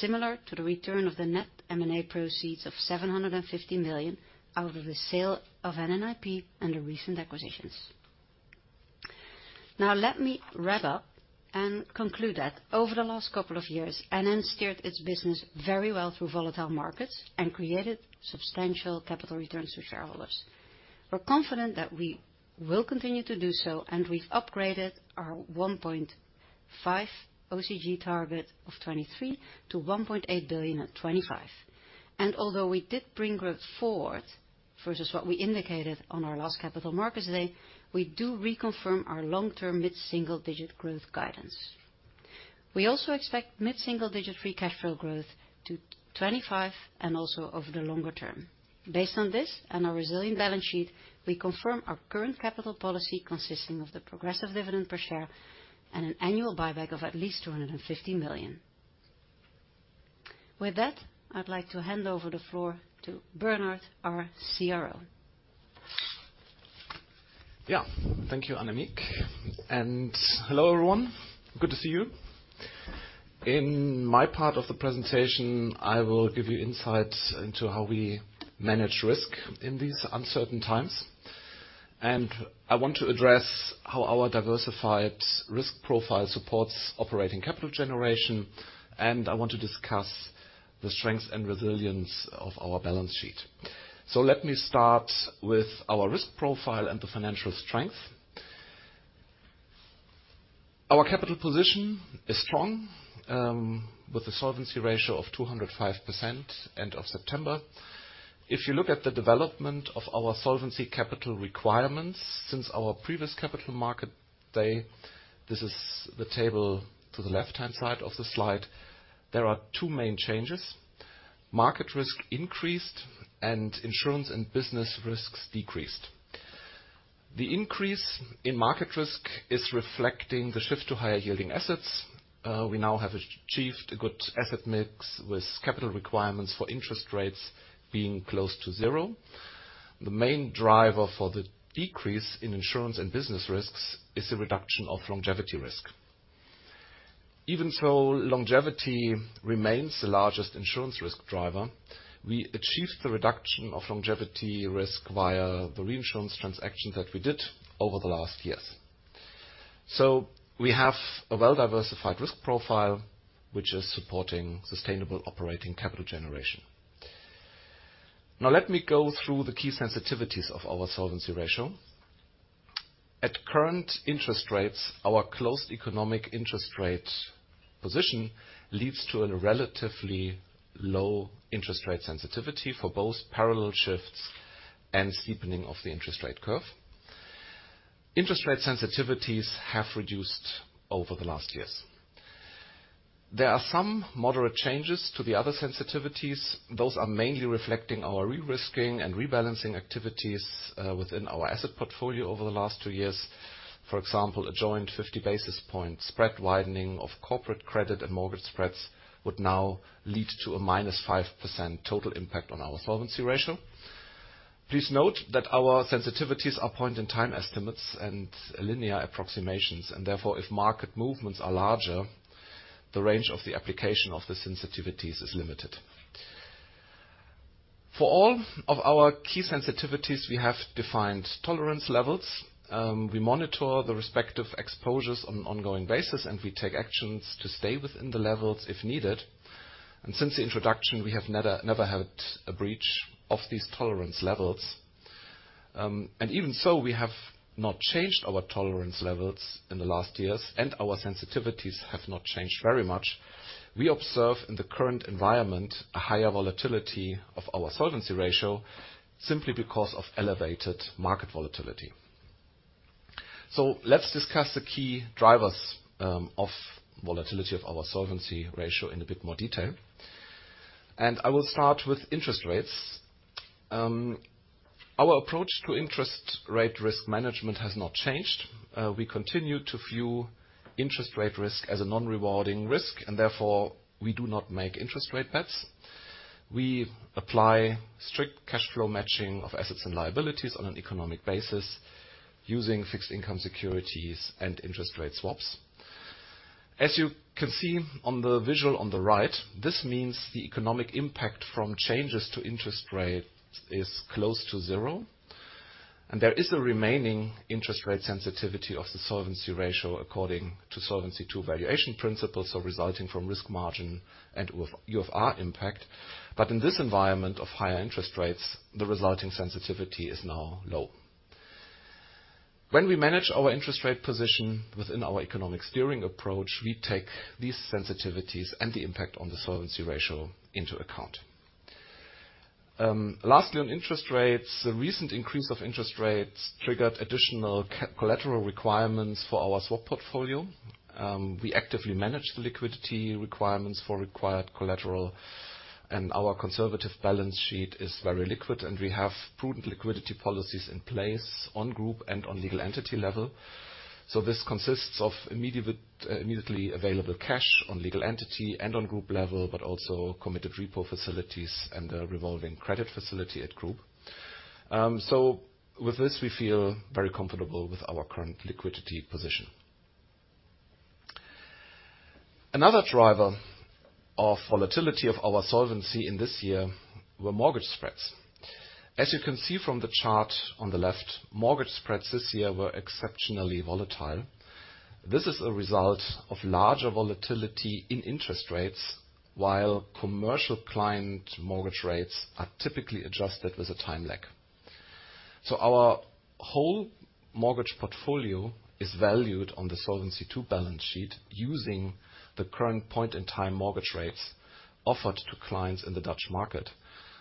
similar to the return of the net M&A proceeds of 750 million out of the sale of NNIP and the recent acquisitions. Now, let me wrap up and conclude that over the last couple of years, NN Group steered its business very well through volatile markets and created substantial capital returns to shareholders. We're confident that we will continue to do so, and we've upgraded our 1.5 OCG target of 2023 to 1.8 billion at 2025. Although we did bring growth forward versus what we indicated on our last Capital Markets Day, we do reconfirm our long-term mid-single-digit growth guidance. We also expect mid-single-digit free cash flow growth to 2025 and also over the longer term. Based on this and our resilient balance sheet, we confirm our current capital policy consisting of the progressive dividend per share and an annual buyback of at least 250 million. With that, I'd like to hand over the floor to Bernhard, our CRO. Yeah. Thank you, Annemiek. Hello, everyone. Good to see you. In my part of the presentation, I will give you insights into how we manage risk in these uncertain times. I want to address how our diversified risk profile supports operating capital generation, and I want to discuss the strengths and resilience of our balance sheet. Let me start with our risk profile and the financial strength. Our capital position is strong with a solvency ratio of 205% end of September. If you look at the development of our solvency capital requirements since our previous Capital Market Day, this is the table to the left-hand side of the slide, there are two main changes, market risk increased and insurance and business risks decreased. The increase in market risk is reflecting the shift to higher-yielding assets. We now have achieved a good asset mix with capital requirements for interest rates being close to zero. The main driver for the decrease in insurance and business risks is the reduction of longevity risk. Even though longevity remains the largest insurance risk driver, we achieved the reduction of longevity risk via the reinsurance transaction that we did over the last years. We have a well-diversified risk profile, which is supporting sustainable operating capital generation. Now, let me go through the key sensitivities of our solvency ratio. At current interest rates, our closed economic interest rate position leads to a relatively low interest rate sensitivity for both parallel shifts and steepening of the interest rate curve. Interest rate sensitivities have reduced over the last years. There are some moderate changes to the other sensitivities. Those are mainly reflecting our re-risking and rebalancing activities within our asset portfolio over the last two years. For example, a joint 50 basis point spread widening of corporate credit and mortgage spreads would now lead to a -5% total impact on our solvency ratio. Please note that our sensitivities are point-in-time estimates and linear approximations. Therefore, if market movements are larger, the range of the application of the sensitivities is limited. For all of our key sensitivities, we have defined tolerance levels. We monitor the respective exposures on an ongoing basis, and we take actions to stay within the levels if needed. Since the introduction, we have never had a breach of these tolerance levels. Even so, we have not changed our tolerance levels in the last years, and our sensitivities have not changed very much. We observe in the current environment a higher volatility of our solvency ratio simply because of elevated market volatility. Let's discuss the key drivers of volatility of our solvency ratio in a bit more detail. I will start with interest rates. Our approach to interest rate risk management has not changed. We continue to view interest rate risk as a non-rewarding risk, and therefore, we do not make interest rate bets. We apply strict cash flow matching of assets and liabilities on an economic basis using fixed income securities and interest rate swaps. As you can see on the visual on the right, this means the economic impact from changes to interest rate is close to zero. There is a remaining interest rate sensitivity of the solvency ratio according to Solvency II valuation principles, so resulting from risk margin and UFR impact. In this environment of higher interest rates, the resulting sensitivity is now low. When we manage our interest rate position within our economic steering approach, we take these sensitivities and the impact on the solvency ratio into account. Lastly, on interest rates, the recent increase of interest rates triggered additional collateral requirements for our swap portfolio. We actively manage the liquidity requirements for required collateral, and our conservative balance sheet is very liquid, and we have prudent liquidity policies in place on Group and on legal entity level. This consists of immediately available cash on legal entity and on Group level, but also committed repo facilities and a revolving credit facility at Group. With this, we feel very comfortable with our current liquidity position. Another driver of volatility of our solvency in this year were mortgage spreads. As you can see from the chart on the left, mortgage spreads this year were exceptionally volatile. This is a result of larger volatility in interest rates, while commercial client mortgage rates are typically adjusted with a time lag. Our whole mortgage portfolio is valued on the Solvency II balance sheet using the current point-in-time mortgage rates offered to clients in the Dutch market.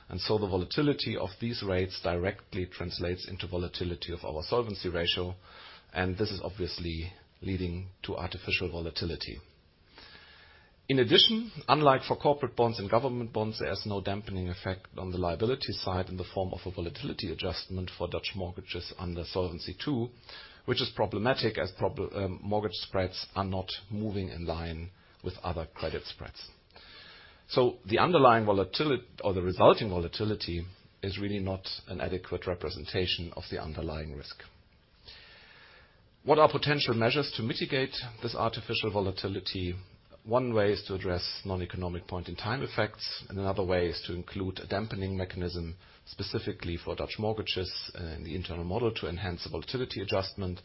The volatility of these rates directly translates into volatility of our solvency ratio, and this is obviously leading to artificial volatility. In addition, unlike for corporate bonds and government bonds, there is no dampening effect on the liability side in the form of a volatility adjustment for Dutch mortgages under Solvency II, which is problematic as mortgage spreads are not moving in line with other credit spreads. The underlying volatility or the resulting volatility is really not an adequate representation of the underlying risk. What are potential measures to mitigate this artificial volatility? One way is to address non-economic point-in-time effects, and another way is to include a dampening mechanism specifically for Dutch mortgages in the internal model to enhance the volatility adjustment.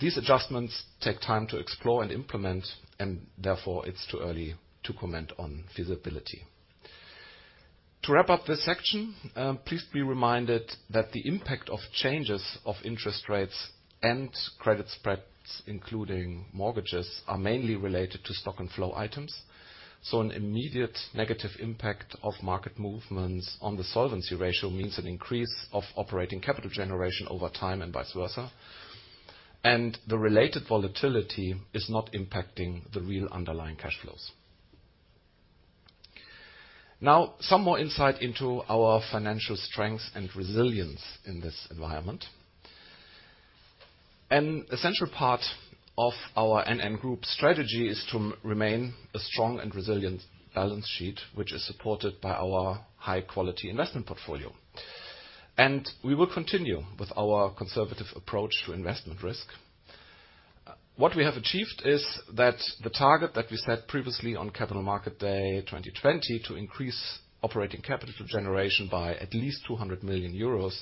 These adjustments take time to explore and implement, and therefore, it's too early to comment on feasibility. To wrap up this section, please be reminded that the impact of changes of interest rates and credit spreads, including mortgages, are mainly related to stock and flow items. An immediate negative impact of market movements on the solvency ratio means an increase of operating capital generation over time and vice versa. The related volatility is not impacting the real underlying cash flows. Now, some more insight into our financial strengths and resilience in this environment. An essential part of our NN Group strategy is to maintain a strong and resilient balance sheet, which is supported by our high-quality investment portfolio. We will continue with our conservative approach to investment risk. What we have achieved is that the target that we set previously on Capital Markets Day 2020 to increase operating capital generation by at least 200 million euros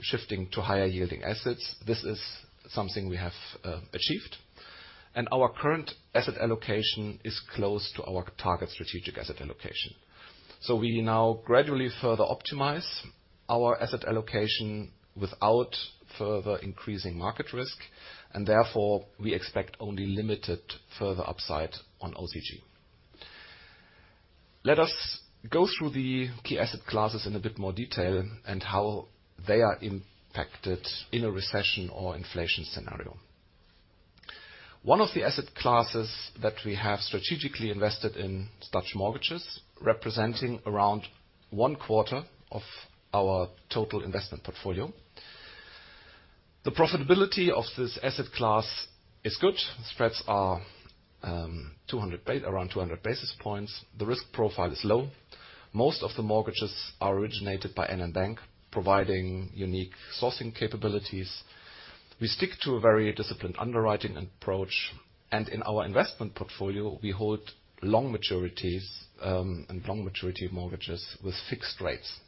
shifting to higher-yielding assets, this is something we have achieved. Our current asset allocation is close to our target strategic asset allocation. We now gradually further optimize our asset allocation without further increasing market risk, and therefore, we expect only limited further upside on OCG. Let us go through the key asset classes in a bit more detail and how they are impacted in a recession or inflation scenario. One of the asset classes that we have strategically invested in is Dutch mortgages, representing around 1/4 of our total investment portfolio. The profitability of this asset class is good. Spreads are around 200 basis points. The risk profile is low. Most of the mortgages are originated by NN Bank, providing unique sourcing capabilities. We stick to a very disciplined underwriting approach. In our investment portfolio, we hold long maturities and long maturity mortgages with fixed rates.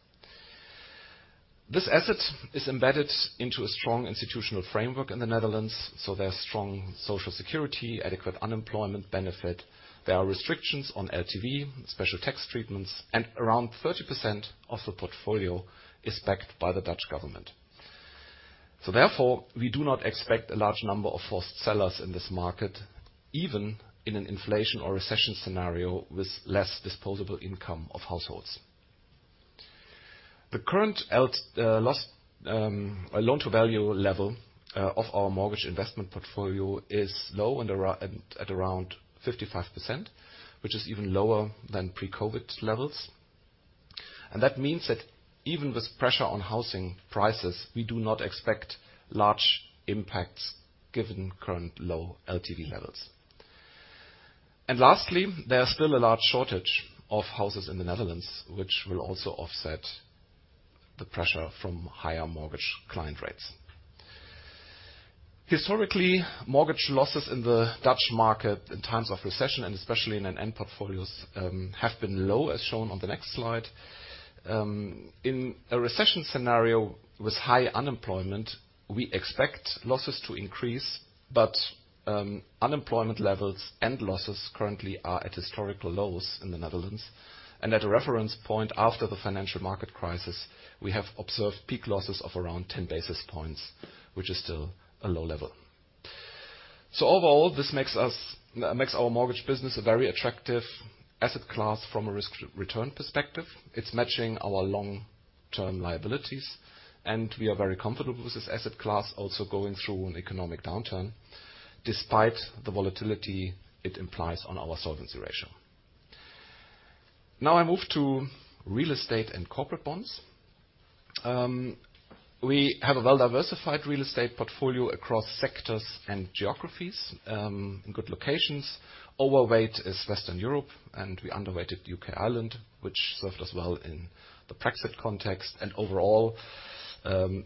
This asset is embedded into a strong institutional framework in the Netherlands. There's strong social security, adequate unemployment benefit. There are restrictions on LTV, special tax treatments, and around 30% of the portfolio is backed by the Dutch government. Therefore, we do not expect a large number of forced sellers in this market, even in an inflation or recession scenario with less disposable income of households. The current loan-to-value level of our mortgage investment portfolio is low at around 55%, which is even lower than pre-COVID-19 levels. That means that even with pressure on housing prices, we do not expect large impacts given current low LTV levels. Lastly, there's still a large shortage of houses in the Netherlands, which will also offset the pressure from higher mortgage client rates. Historically, mortgage losses in the Dutch market in times of recession, and especially in NN Group portfolios, have been low, as shown on the next slide. In a recession scenario with high unemployment, we expect losses to increase, but unemployment levels and losses currently are at historical lows in the Netherlands. At a reference point after the financial market crisis, we have observed peak losses of around 10 basis points, which is still a low level. So overall, this makes our mortgage business a very attractive asset class from a risk-return perspective. It's matching our long-term liabilities, and we are very comfortable with this asset class also going through an economic downturn despite the volatility it implies on our solvency ratio. Now, I move to real estate and corporate bonds. We have a well-diversified real estate portfolio across sectors and geographies in good locations. Overweight is Western Europe, and we underweighted UK Island, which served us well in the Brexit context. And overall,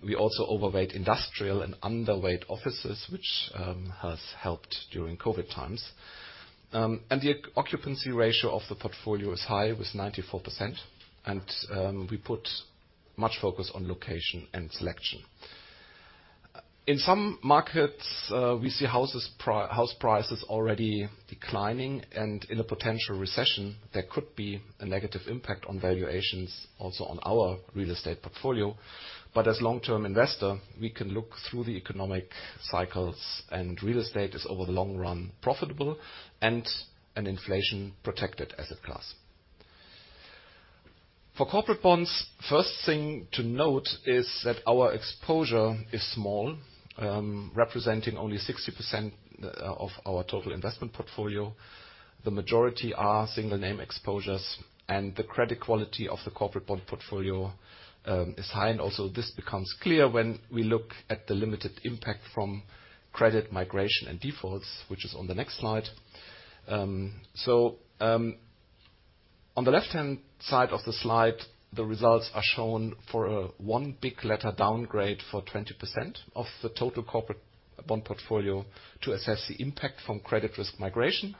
we also overweight industrial and underweight offices, which has helped during COVID-19 times. And the occupancy ratio of the portfolio is high with 94 percent, and we put much focus on location and selection. In some markets, we see house prices already declining, and in a potential recession, there could be a negative impact on valuations also on our real estate portfolio. As a long-term investor, we can look through the economic cycles, and real estate is over the long run profitable and an inflation-protected asset class. For corporate bonds, the first thing to note is that our exposure is small, representing only 60% of our total investment portfolio. The majority are single-name exposures, and the credit quality of the corporate bond portfolio is high. Also, this becomes clear when we look at the limited impact from credit migration and defaults, which is on the next slide. On the left-hand side of the slide, the results are shown for a one big letter downgrade for 20% of the total corporate bond portfolio to assess the impact from credit risk migration.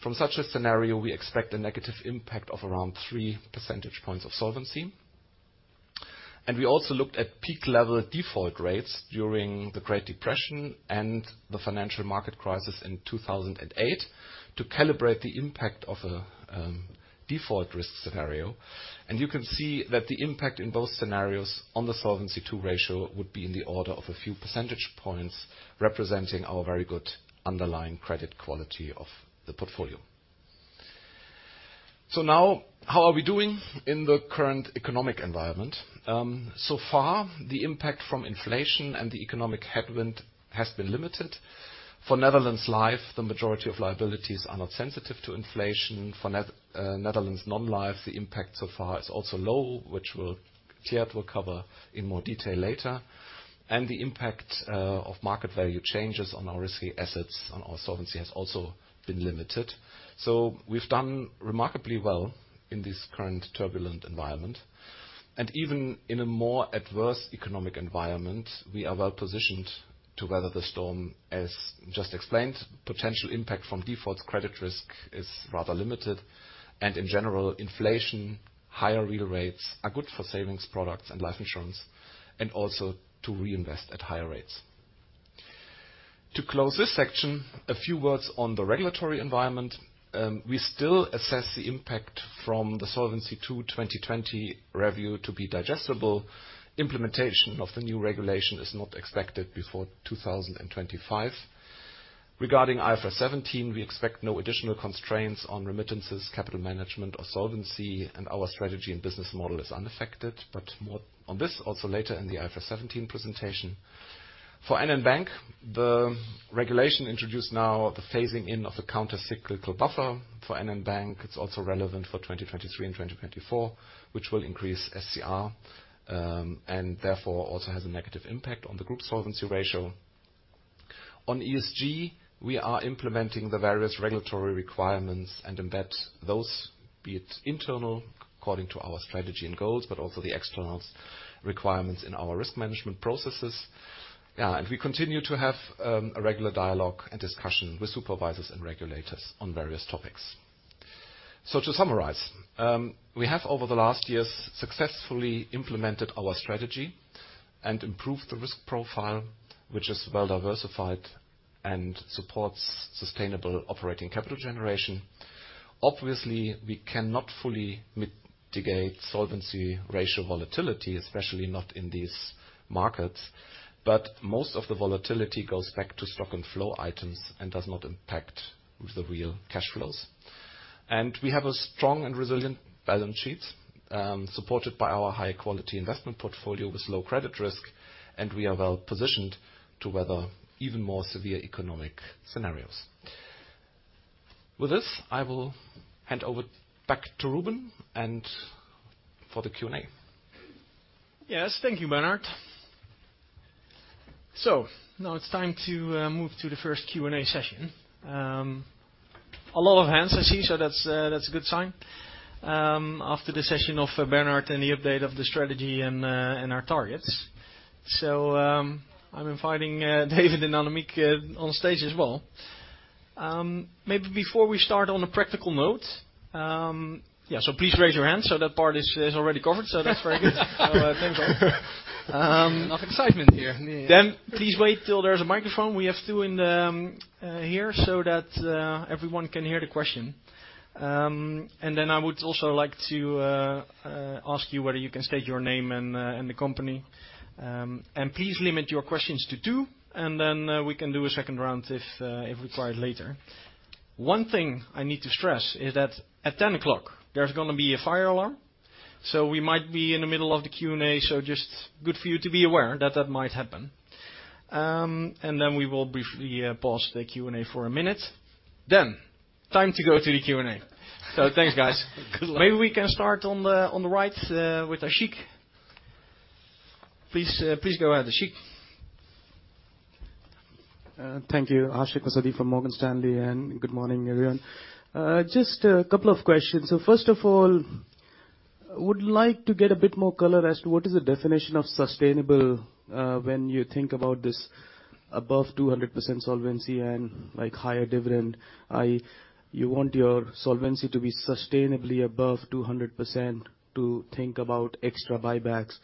From such a scenario, we expect a negative impact of around three percentage points of solvency. We also looked at peak-level default rates during the Great Depression and the financial market crisis in 2008 to calibrate the impact of a default risk scenario. You can see that the impact in both scenarios on the Solvency II ratio would be in the order of a few percentage points, representing our very good underlying credit quality of the portfolio. Now, how are we doing in the current economic environment? So far, the impact from inflation and the economic headwind has been limited. For Netherlands Life, the majority of liabilities are not sensitive to inflation. For Netherlands Non-life, the impact so far is also low, which Tjeerd will cover in more detail later. The impact of market value changes on our risky assets and our solvency has also been limited. We've done remarkably well in this current turbulent environment. Even in a more adverse economic environment, we are well positioned to weather the storm. As just explained, the potential impact from defaults and credit risk is rather limited. In general, inflation, higher real rates are good for savings products and life insurance and also to reinvest at higher rates. To close this section, a few words on the regulatory environment. We still assess the impact from the Solvency II 2020 review to be digestible. Implementation of the new regulation is not expected before 2025. Regarding IFRS 17, we expect no additional constraints on remittances, capital management, or solvency, and our strategy and business model is unaffected. More on this also later in the IFRS 17 presentation. For NN Bank, the regulation introduced now the phasing in of a countercyclical buffer. For NN Bank, it's also relevant for 2023 and 2024, which will increase SCR and therefore also has a negative impact on the Group solvency ratio. On ESG, we are implementing the various regulatory requirements and embed those, be it internal according to our strategy and goals, but also the external requirements in our risk management processes. Yeah, we continue to have a regular dialogue and discussion with supervisors and regulators on various topics. To summarize, we have over the last years successfully implemented our strategy and improved the risk profile, which is well diversified and supports sustainable operating capital generation. Obviously, we cannot fully mitigate solvency ratio volatility, especially not in these markets, but most of the volatility goes back to stock and flow items and does not impact the real cash flows. We have a strong and resilient balance sheet supported by our high-quality investment portfolio with low credit risk, and we are well positioned to weather even more severe economic scenarios. With this, I will hand over back to Ruben for the Q&A. Yes, thank you, Bernhard. Now it's time to move to the first Q&A session. A lot of hands, I see, so that's a good sign after the session of Bernhard and the update of the strategy and our targets. I'm inviting David and Annemiek on stage as well. Maybe before we start on a practical note, yeah, so please raise your hand so that part is already covered. That's very good. Thanks, all. Enough excitement here. Please wait till there's a microphone. We have two here so that everyone can hear the question. I would also like to ask you whether you can state your name and the company. Please limit your questions to two, and then we can do a second round if required later. One thing I need to stress is that at 10:00 A.M., there's going to be a fire alarm. We might be in the middle of the Q&A, so just good for you to be aware that that might happen. We will briefly pause the Q&A for a minute. Time to go to the Q&A. Thanks, guys. Maybe we can start on the right with Ashik. Please go ahead, Ashik. Thank you, Ashik Musaddi from Morgan Stanley, and good morning, everyone. Just a couple of questions. First of all, I would like to get a bit more color as to what is the definition of sustainable when you think about this above 200% solvency and higher dividend? You want your solvency to be sustainably above 200% to think about extra buybacks.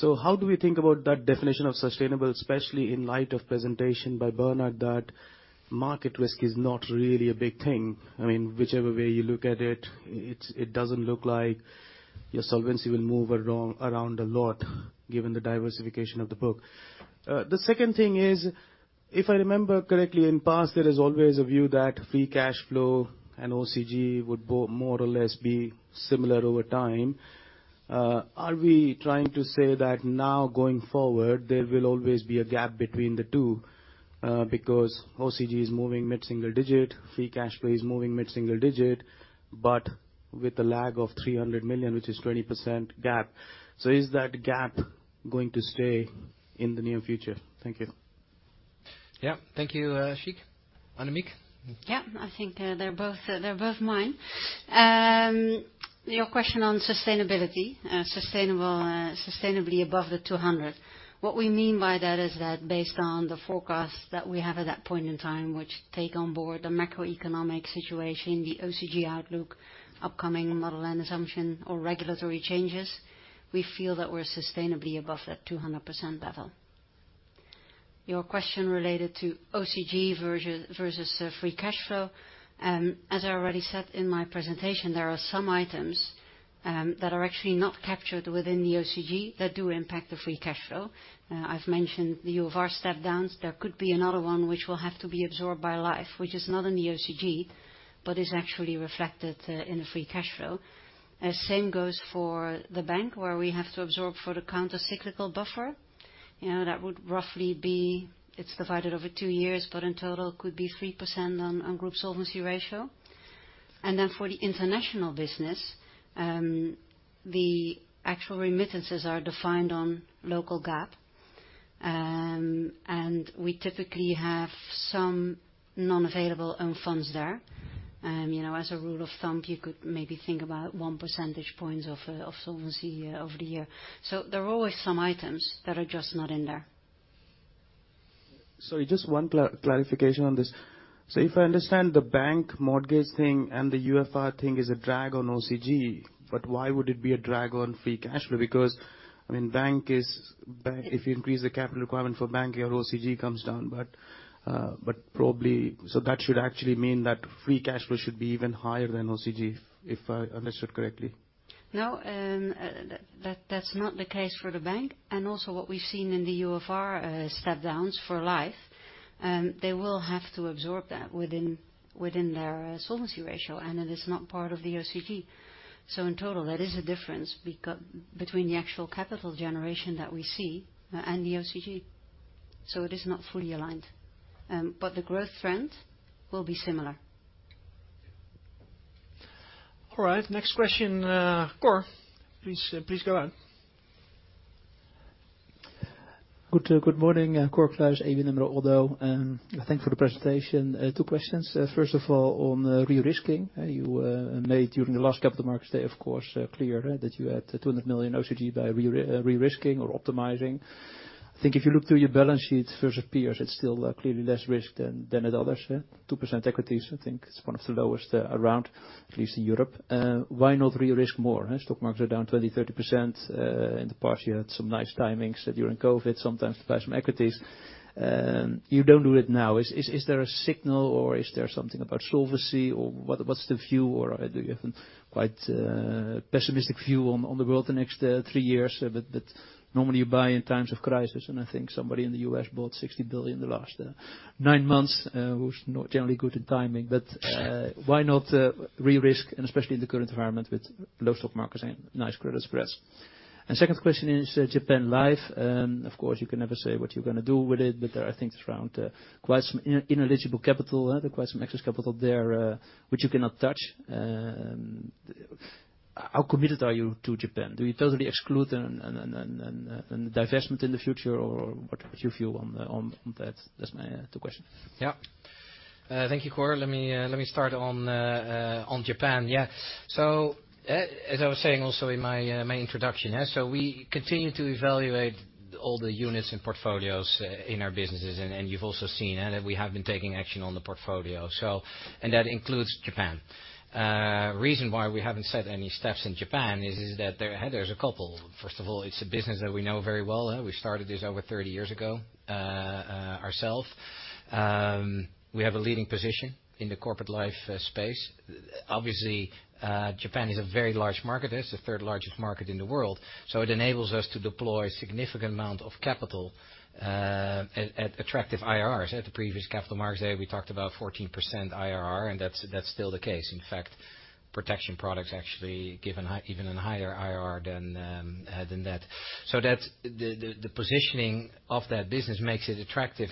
How do we think about that definition of sustainable, especially in light of the presentation by Bernhard that market risk is not really a big thing? I mean, whichever way you look at it doesn't look like your solvency will move around a lot given the diversification of the book. The second thing is, if I remember correctly, in the past, there is always a view that free cash flow and OCG would more or less be similar over time. Are we trying to say that now going forward, there will always be a gap between the two because OCG is moving mid-single digit, free cash flow is moving mid-single digit, but with a lag of 300 million, which is a 20% gap? Is that gap going to stay in the near future? Thank you. Yeah, thank you, Ashik. Annemiek? Yeah, I think they're both mine. Your question on sustainability, sustainably above the 200%, what we mean by that is that based on the forecast that we have at that point in time, which takes on board the macroeconomic situation, the OCG outlook, upcoming model and assumption, or regulatory changes, we feel that we're sustainably above that 200% level. Your question related to OCG versus free cash flow, as I already said in my presentation, there are some items that are actually not captured within the OCG that do impact the free cash flow. I've mentioned the UFR step-downs. There could be another one which will have to be absorbed by Life, which is not in the OCG but is actually reflected in the free cash flow. Same goes for the bank where we have to absorb for the countercyclical buffer. That would roughly be it's divided over two years, but in total, it could be 3% on Group Solvency ratio. And then for the international business, the actual remittances are defined on local gap. And we typically have some non-available owned funds there. As a rule of thumb, you could maybe think about 1 percentage points of solvency over the year. There are always some items that are just not in there. Sorry, just one clarification on this. If I understand, the bank mortgage thing and the UFR thing is a drag on OCG, but why would it be a drag on free cash flow? Because, I mean, if you increase the capital requirement for Bank, your OCG comes down. Probably so that should actually mean that free cash flow should be even higher than OCG, if I understood correctly. No, that's not the case for the bank. What we've seen in the UFR step-downs for Life, they will have to absorb that within their solvency ratio, and it is not part of the OCG. In total, that is a difference between the actual capital generation that we see and the OCG. It is not fully aligned. The growth trend will be similar. All right, next question. Cor, please go ahead. Good morning, Cor Kluis, ABN AMRO ODDO BHF. Thanks for the presentation. Two questions. First of all, on re-risking. You made during the last Capital Markets Day, of course, clear that you had 200 million OCG by re-risking or optimizing. I think if you look through your balance sheet versus peers, it's still clearly less risk than at others. 2% equities, I think, is one of the lowest around, at least in Europe. Why not re-risk more? Stock markets are down 20%-30%. In the past, you had some nice timings during COVID-19 sometimes to buy some equities. You don't do it now. Is there a signal, or is there something about solvency, or what's the view? Do you have a quite pessimistic view on the world the next three years? Normally, you buy in times of crisis. I think somebody in the U.S. bought 60 billion the last nine months, who's generally good at timing. Why not re-risk, and especially in the current environment with low stock markets and nice credit spreads? The second question is Japan Life. Of course, you can never say what you're going to do with it, but there are things around quite some ineligible capital. There's quite some excess capital there, which you cannot touch. How committed are you to Japan? Do you totally exclude a divestment in the future, or what do you view on that? Those are my two questions. Yeah, thank you, Cor. Let me start on Japan. Yeah, as I was saying also in my introduction, so we continue to evaluate all the units and portfolios in our businesses. You've also seen that we have been taking action on the portfolio, and that includes Japan. The reason why we haven't set any steps in Japan is that there's a couple. First of all, it's a business that we know very well. We started this over 30 years ago ourselves. We have a leading position in the corporate Life space. Obviously, Japan is a very large market. It's the third largest market in the world. It enables us to deploy a significant amount of capital at attractive IRRs. At the previous Capital Markets Day, we talked about 14% IRR, and that's still the case. In fact, protection products actually give even a higher IRR than that. The positioning of that business makes it attractive.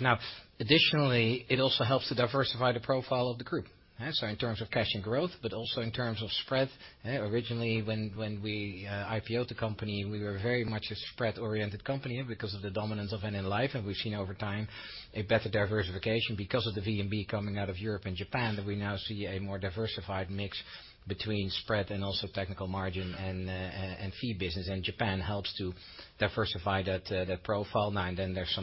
Additionally, it also helps to diversify the profile of the group, so in terms of cash and growth, but also in terms of spread. Originally, when we IPO'd the company, we were very much a spread-oriented company because of the dominance of NN Life. We've seen over time a better diversification because of the VNB coming out of Europe and Japan, that we now see a more diversified mix between spread and also technical margin and fee business. Japan helps to diversify that profile. Now, there's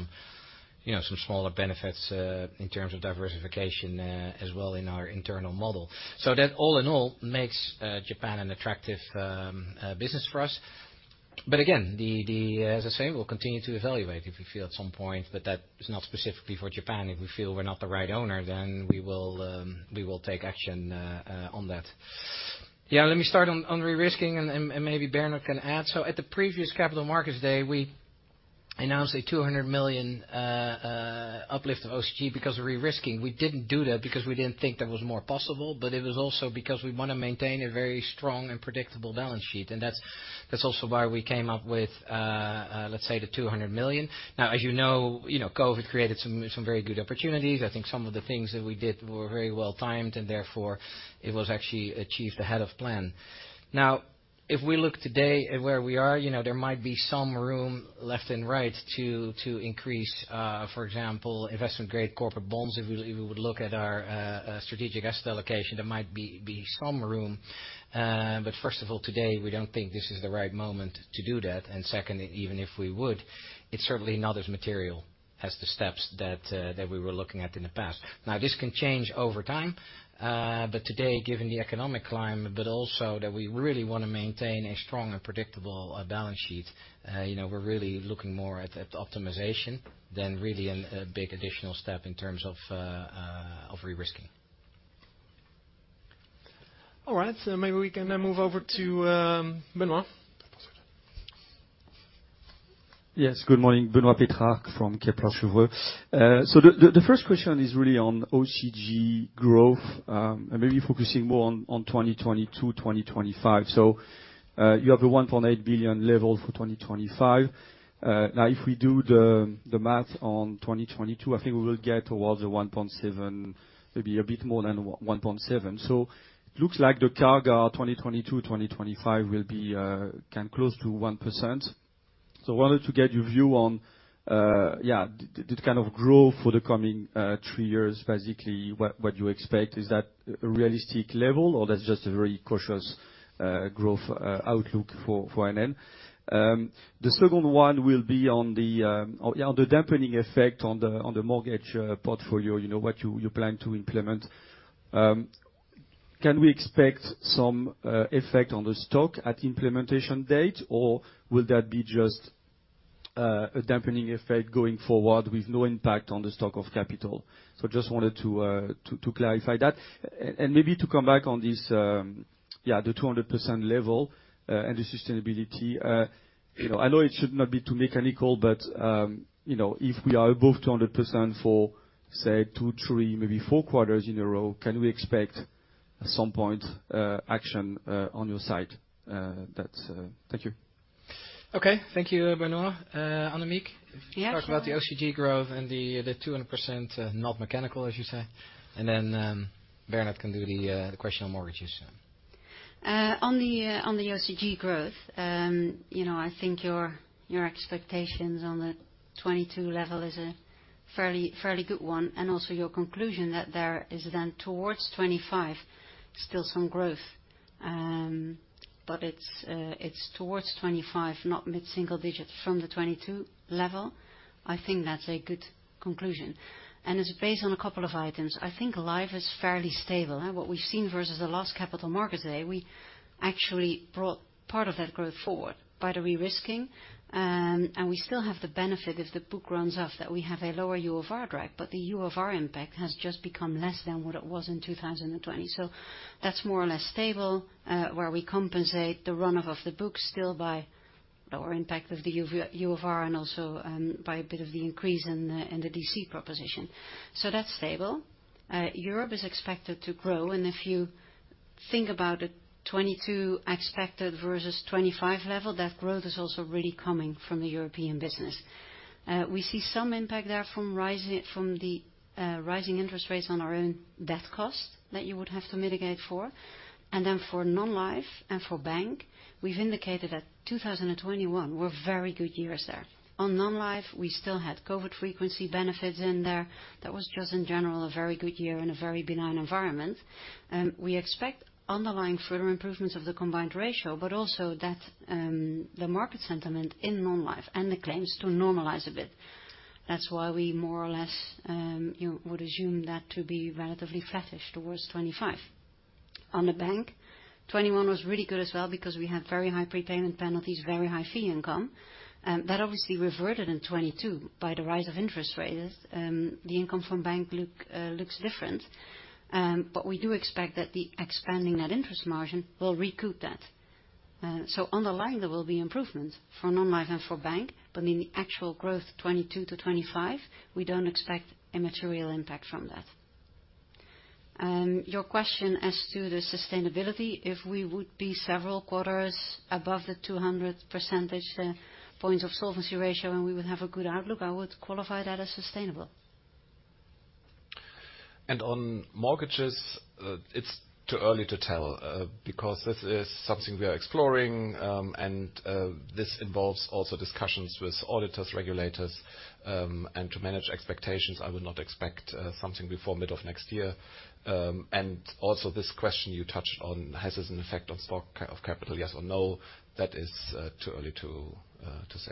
some smaller benefits in terms of diversification as well in our internal model. That, all in all, makes Japan an attractive business for us. Again, as I say, we'll continue to evaluate if we feel at some point. That is not specifically for Japan. If we feel we're not the right owner, then we will take action on that. Yeah, let me start on re-risking, and maybe Bernhard can add. At the previous Capital Markets Day, we announced a 200 million uplift of OCG because of re-risking. We didn't do that because we didn't think that was more possible, but it was also because we want to maintain a very strong and predictable balance sheet. That's also why we came up with, let's say, the 200 million. Now, as you know, COVID-19 created some very good opportunities. I think some of the things that we did were very well timed, and therefore, it was actually achieved ahead of plan. Now, if we look today at where we are, there might be some room left and right to increase, for example, investment-grade corporate bonds. If we would look at our strategic asset allocation, there might be some room. First of all, today, we don't think this is the right moment to do that. Second, even if we would, it's certainly not as material as the steps that we were looking at in the past. Now, this can change over time. Today, given the economic climate but also that we really want to maintain a strong and predictable balance sheet, we're really looking more at optimization than really a big additional step in terms of re-risking. All right, maybe we can move over to Benoît. Yes, good morning. Benoît Pétrarque from Kepler Cheuvreux. The first question is really on OCG growth, maybe focusing more on 2022-2025. You have the 1.8 billion level for 2025. Now, if we do the math on 2022, I think we will get towards 1.7 billion, maybe a bit more than 1.7 billion. It looks like the CAGR 2022-2025 will be close to 1%. I wanted to get your view on, yeah, this kind of growth for the coming three years, basically, what you expect. Is that a realistic level, or that's just a very cautious growth outlook for NN Group? The second one will be on the dampening effect on the mortgage portfolio, what you plan to implement. Can we expect some effect on the stock at implementation date, or will that be just a dampening effect going forward with no impact on the stock of capital? I just wanted to clarify that. Maybe to come back on this, yeah, the 200% level and the sustainability, I know it should not be too mechanical, but if we are above 200% for, say, two, three, maybe four quarters in a row, can we expect at some point action on your side? Thank you. Okay, thank you, Benoît. Annemiek, talk about the OCG growth and the 200% not mechanical, as you say. Bernhard can do the question on mortgages. On the OCG growth, I think your expectations on the 2022 level is a fairly good one. Also your conclusion that there is then towards 2025 still some growth. It's towards 2025, not mid-single digit from the 2022 level. I think that's a good conclusion. It's based on a couple of items. I think Life is fairly stable. What we've seen versus the last Capital Markets Day, we actually brought part of that growth forward by the re-risking. We still have the benefit, if the book runs up, that we have a lower UFR drag. The UFR impact has just become less than what it was in 2020. That's more or less stable where we compensate the run-off of the book still by lower impact of the UFR and also by a bit of the increase in the DC proposition. That's stable. Europe is expected to grow. If you think about the 2022 expected versus 2025 level, that growth is also really coming from the European business. We see some impact there from rising interest rates on our own debt cost that you would have to mitigate for. For Non-life and for Bank, we've indicated that 2021 were very good years there. On Non-life, we still had COVID-19 frequency benefits in there. That was just, in general, a very good year in a very benign environment. We expect underlying further improvements of the combined ratio, but also the market sentiment in Non-life and the claims to normalize a bit. That's why we more or less would assume that to be relatively flattish towards 2025. On the Bank, 2021 was really good as well because we had very high prepayment penalties, very high fee income. That obviously reverted in 2022 by the rise of interest rates. The income from Bank looks different. We do expect that the expanding net interest margin will recoup that. Underlying, there will be improvements for Non-life and for Bank. In the actual growth 2022-2025, we don't expect a material impact from that. Your question as to the sustainability, if we would be several quarters above the 200 percentage points of solvency ratio and we would have a good outlook, I would qualify that as sustainable. On mortgages, it's too early to tell because this is something we are exploring. This involves also discussions with auditors, regulators. To manage expectations, I would not expect something before mid of next year. This question you touched on, has this an effect on stock of capital, yes or no? That is too early to say.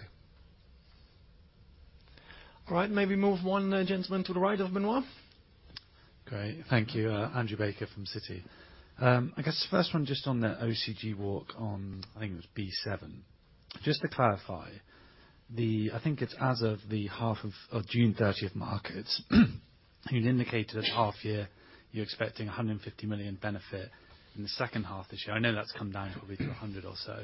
All right, maybe move one, gentlemen, to the right of Benoît. Great, thank you. Andrew Baker from Citi. I guess the first one just on the OCG walk on, I think it was B7. Just to clarify, I think it's as of the half of June 30th markets. You indicated at the half-year you're expecting 150 million benefit in the second half this year. I know that's come down probably to 100 million or so.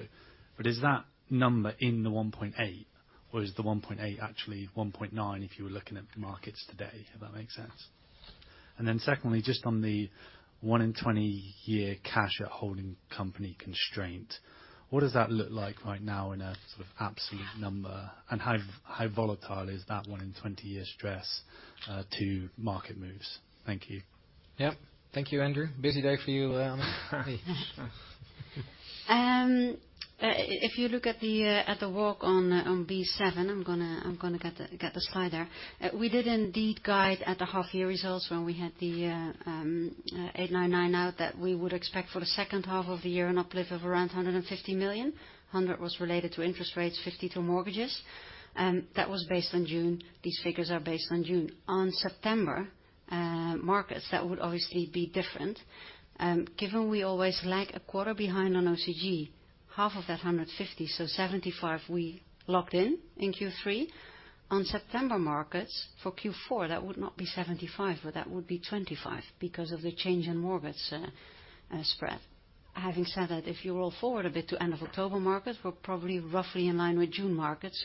Is that number in the 1.8 billion, or is the 1.8 billion actually 1.9 billion if you were looking at markets today, if that makes sense? Secondly, just on the 1-in-20-year cash-at-holding company constraint, what does that look like right now in a sort of absolute number? How volatile is that 1-in-20-year stress to market moves? Thank you. Yep, thank you, Andrew. Busy day for you, Annemiek. If you look at the walk on B7, I'm going to get the slide there. We did indeed guide at the half-year results when we had the 899 million out that we would expect for the second half of the year an uplift of around 150 million. 100 million was related to interest rates, 50 million to mortgages. That was based on June. These figures are based on June. On September markets, that would obviously be different. Given we always lag a quarter behind on OCG, half of that 150 million, so 75 million, we locked in in Q3. On September markets for Q4, that would not be 75 million, but that would be 25 million because of the change in mortgage spread. Having said that, if you roll forward a bit to end of October markets, we're probably roughly in line with June markets.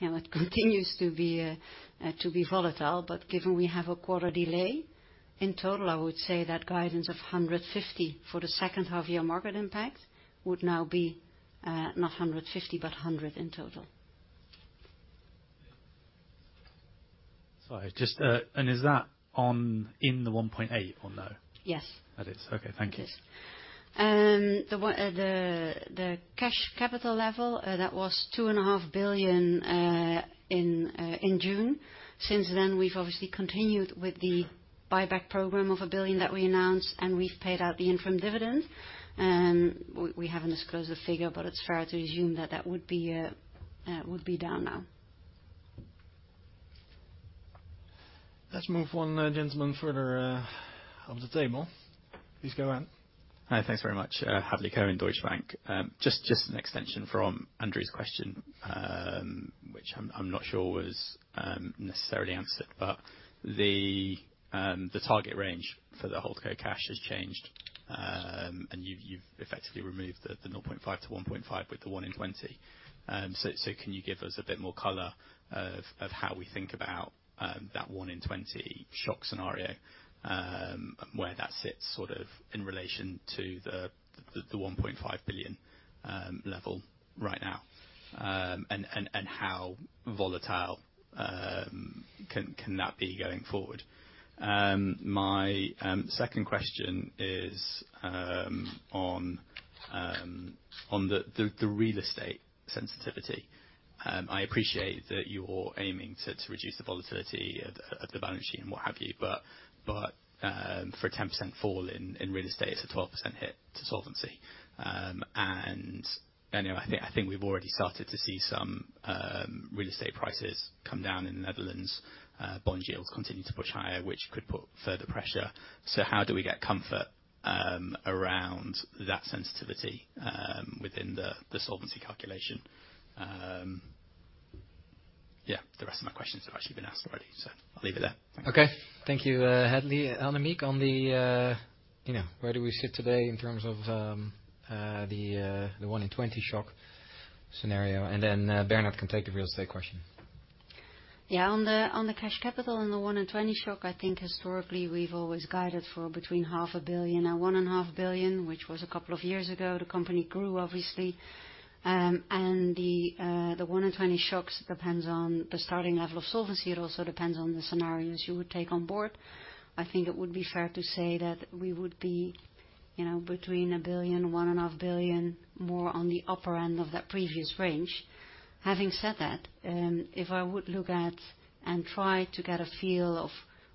It continues to be volatile. Given we have a quarter delay, in total, I would say that guidance of 150 million for the second half-year market impact would now be not 150 million but 100 million in total. Sorry, is that in the 1.8 billion or no? Yes. That is? Okay, thank you. It is. The cash capital level, that was 2.5 billion in June. Since then, we've obviously continued with the buyback program of 1 billion that we announced, and we've paid out the interim dividend. We haven't disclosed the figure, but it's fair to assume that that would be down now. Let's move on, gentlemen, further of the table. Please go ahead. Hi, thanks very much. Hadley Cohen, Deutsche Bank. Just an extension from Andrew's question, which I'm not sure was necessarily answered. The target range for the Holdco cash has changed, and you've effectively removed the 0.5 billion-1.5 billion with the 1-in-20. Can you give us a bit more color of how we think about that 1-in-20 shock scenario, where that sits sort of in relation to the 1.5 billion level right now, and how volatile can that be going forward? My second question is on the real estate sensitivity. I appreciate that you're aiming to reduce the volatility of the balance sheet and what have you. For a 10% fall in real estate, it's a 12% hit to solvency. Anyway, I think we've already started to see some real estate prices come down in the Netherlands Bond yields continue to push higher, which could put further pressure. How do we get comfort around that sensitivity within the solvency calculation? Yeah, the rest of my questions have actually been asked already, so I'll leave it there. Thank you. Okay, thank you, Hadley. Annemiek, on the where do we sit today in terms of the 1-in-20 shock scenario? Bernhard can take the real estate question. Yeah, on the cash capital and the 1-in-20 shock, I think historically, we've always guided for between 0.5 billion and 1.5 billion, which was a couple of years ago. The company grew, obviously. The 1-in-20 shocks depend on the starting level of solvency. It also depends on the scenarios you would take on board. I think it would be fair to say that we would be between 1 billion-1.5 billion, more on the upper end of that previous range. Having said that, if I would look at and try to get a feel of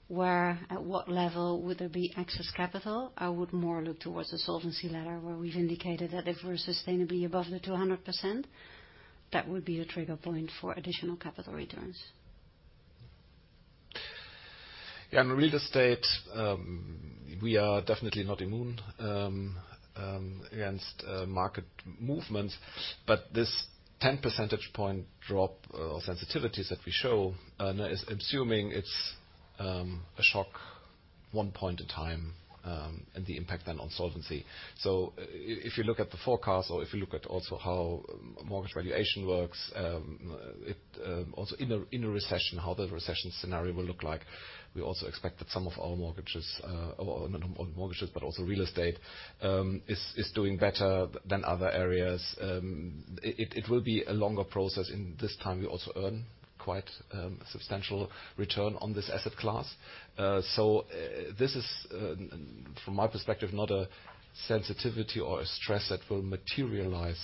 where, at what level, would there be excess capital, I would more look towards the solvency ladder where we've indicated that if we're sustainably above the 200%, that would be a trigger point for additional capital returns. Yeah, on real estate, we are definitely not immune against market movements. This 10 percentage point drop or sensitivities that we show, I'm assuming it's a shock one point in time and the impact then on solvency. If you look at the forecasts or if you look at also how mortgage valuation works, also in a recession, how the recession scenario will look like, we also expect that some of our mortgages, not only mortgages but also real estate, is doing better than other areas. It will be a longer process. In this time, we also earn quite a substantial return on this asset class. This is, from my perspective, not a sensitivity or a stress that will materialize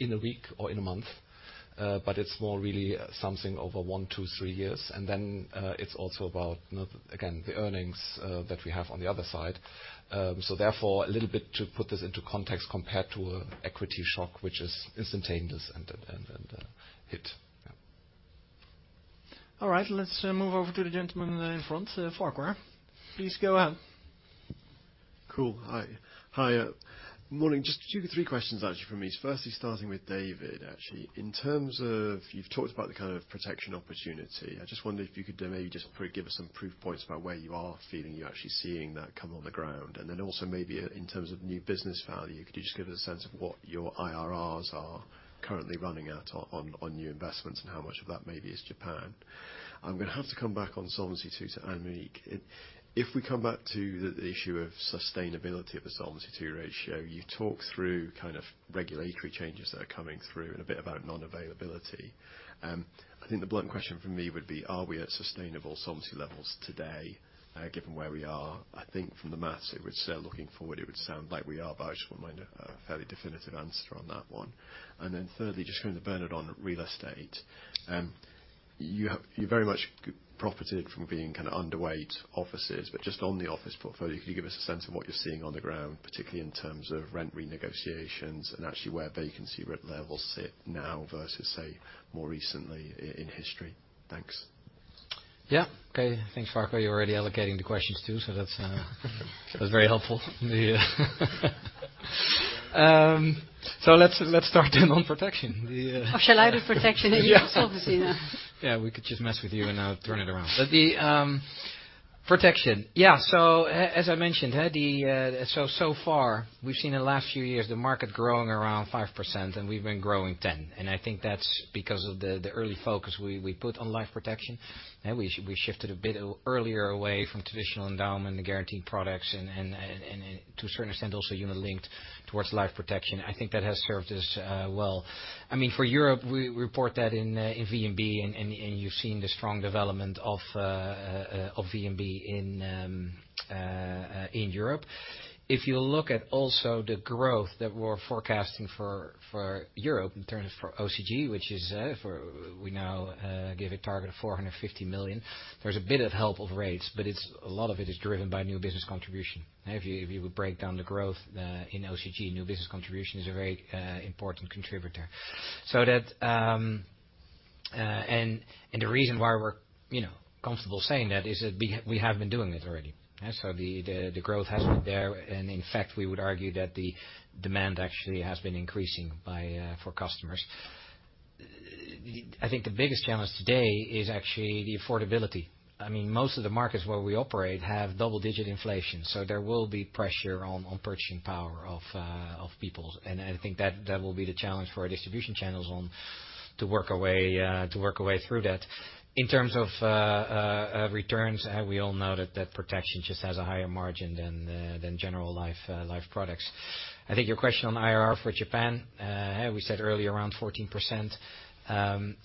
in a week or in a month, but it's more really something over one, two, three years. It's also about, again, the earnings that we have on the other side. Therefore, a little bit to put this into context compared to an equity shock, which is instantaneous and hit. Yeah. All right, let's move over to the gentleman in front, Farquhar. Please go ahead. Cool. Hi. Morning. Just two to three questions, actually, from me. Firstly, starting with David, actually. In terms of you've talked about the kind of protection opportunity. I just wonder if you could maybe just give us some proof points about where you are feeling you're actually seeing that come on the ground. Also maybe in terms of new business value, could you just give us a sense of what your IRRs are currently running at on new investments and how much of that maybe is Japan? I'm going to have to come back on Solvency II, to Annemiek. If we come back to the issue of sustainability of the Solvency II ratio, you talk through kind of regulatory changes that are coming through and a bit about non-availability. I think the blunt question for me would be, are we at sustainable solvency levels today, given where we are? I think from the math, it would say looking forward, it would sound like we are, but I just wouldn't mind a fairly definitive answer on that one. Thirdly, just going to Bernhard on real estate, you're very much profited from being kind of underweight offices, but just on the office portfolio, could you give us a sense of what you're seeing on the ground, particularly in terms of rent renegotiations and actually where vacancy levels sit now versus, say, more recently in history? Thanks. Yeah, okay. Thanks, Farquhar. You're already allocating the questions too, so that's very helpful. Let's start then on protection. Yeah, we could just mess with you and turn it around. The protection. As I mentioned, so far, we've seen in the last few years the market growing around 5%, and we've been growing 10%. I think that's because of the early focus we put on life protection. We shifted a bit earlier away from traditional endowment and guaranteed products and to a certain extent also unit-linked towards life protection. I think that has served us well. I mean, for Europe, we report that in VNB, and you've seen the strong development of VNB in Europe. If you look at also the growth that we're forecasting for Europe in terms of OCG, which is we now give a target of 450 million, there's a bit of help of rates, but a lot of it is driven by new business contribution. If you would break down the growth in OCG, new business contribution is a very important contributor. The reason why we're comfortable saying that is that we have been doing it already. The growth has been there. In fact, we would argue that the demand actually has been increasing for customers. I think the biggest challenge today is actually the affordability. I mean, most of the markets where we operate have double-digit inflation, so there will be pressure on purchasing power of people. I think that will be the challenge for our distribution channels to work away through that. In terms of returns, we all know that protection just has a higher margin than general life products. I think your question on IRR for Japan, we said earlier around 14%.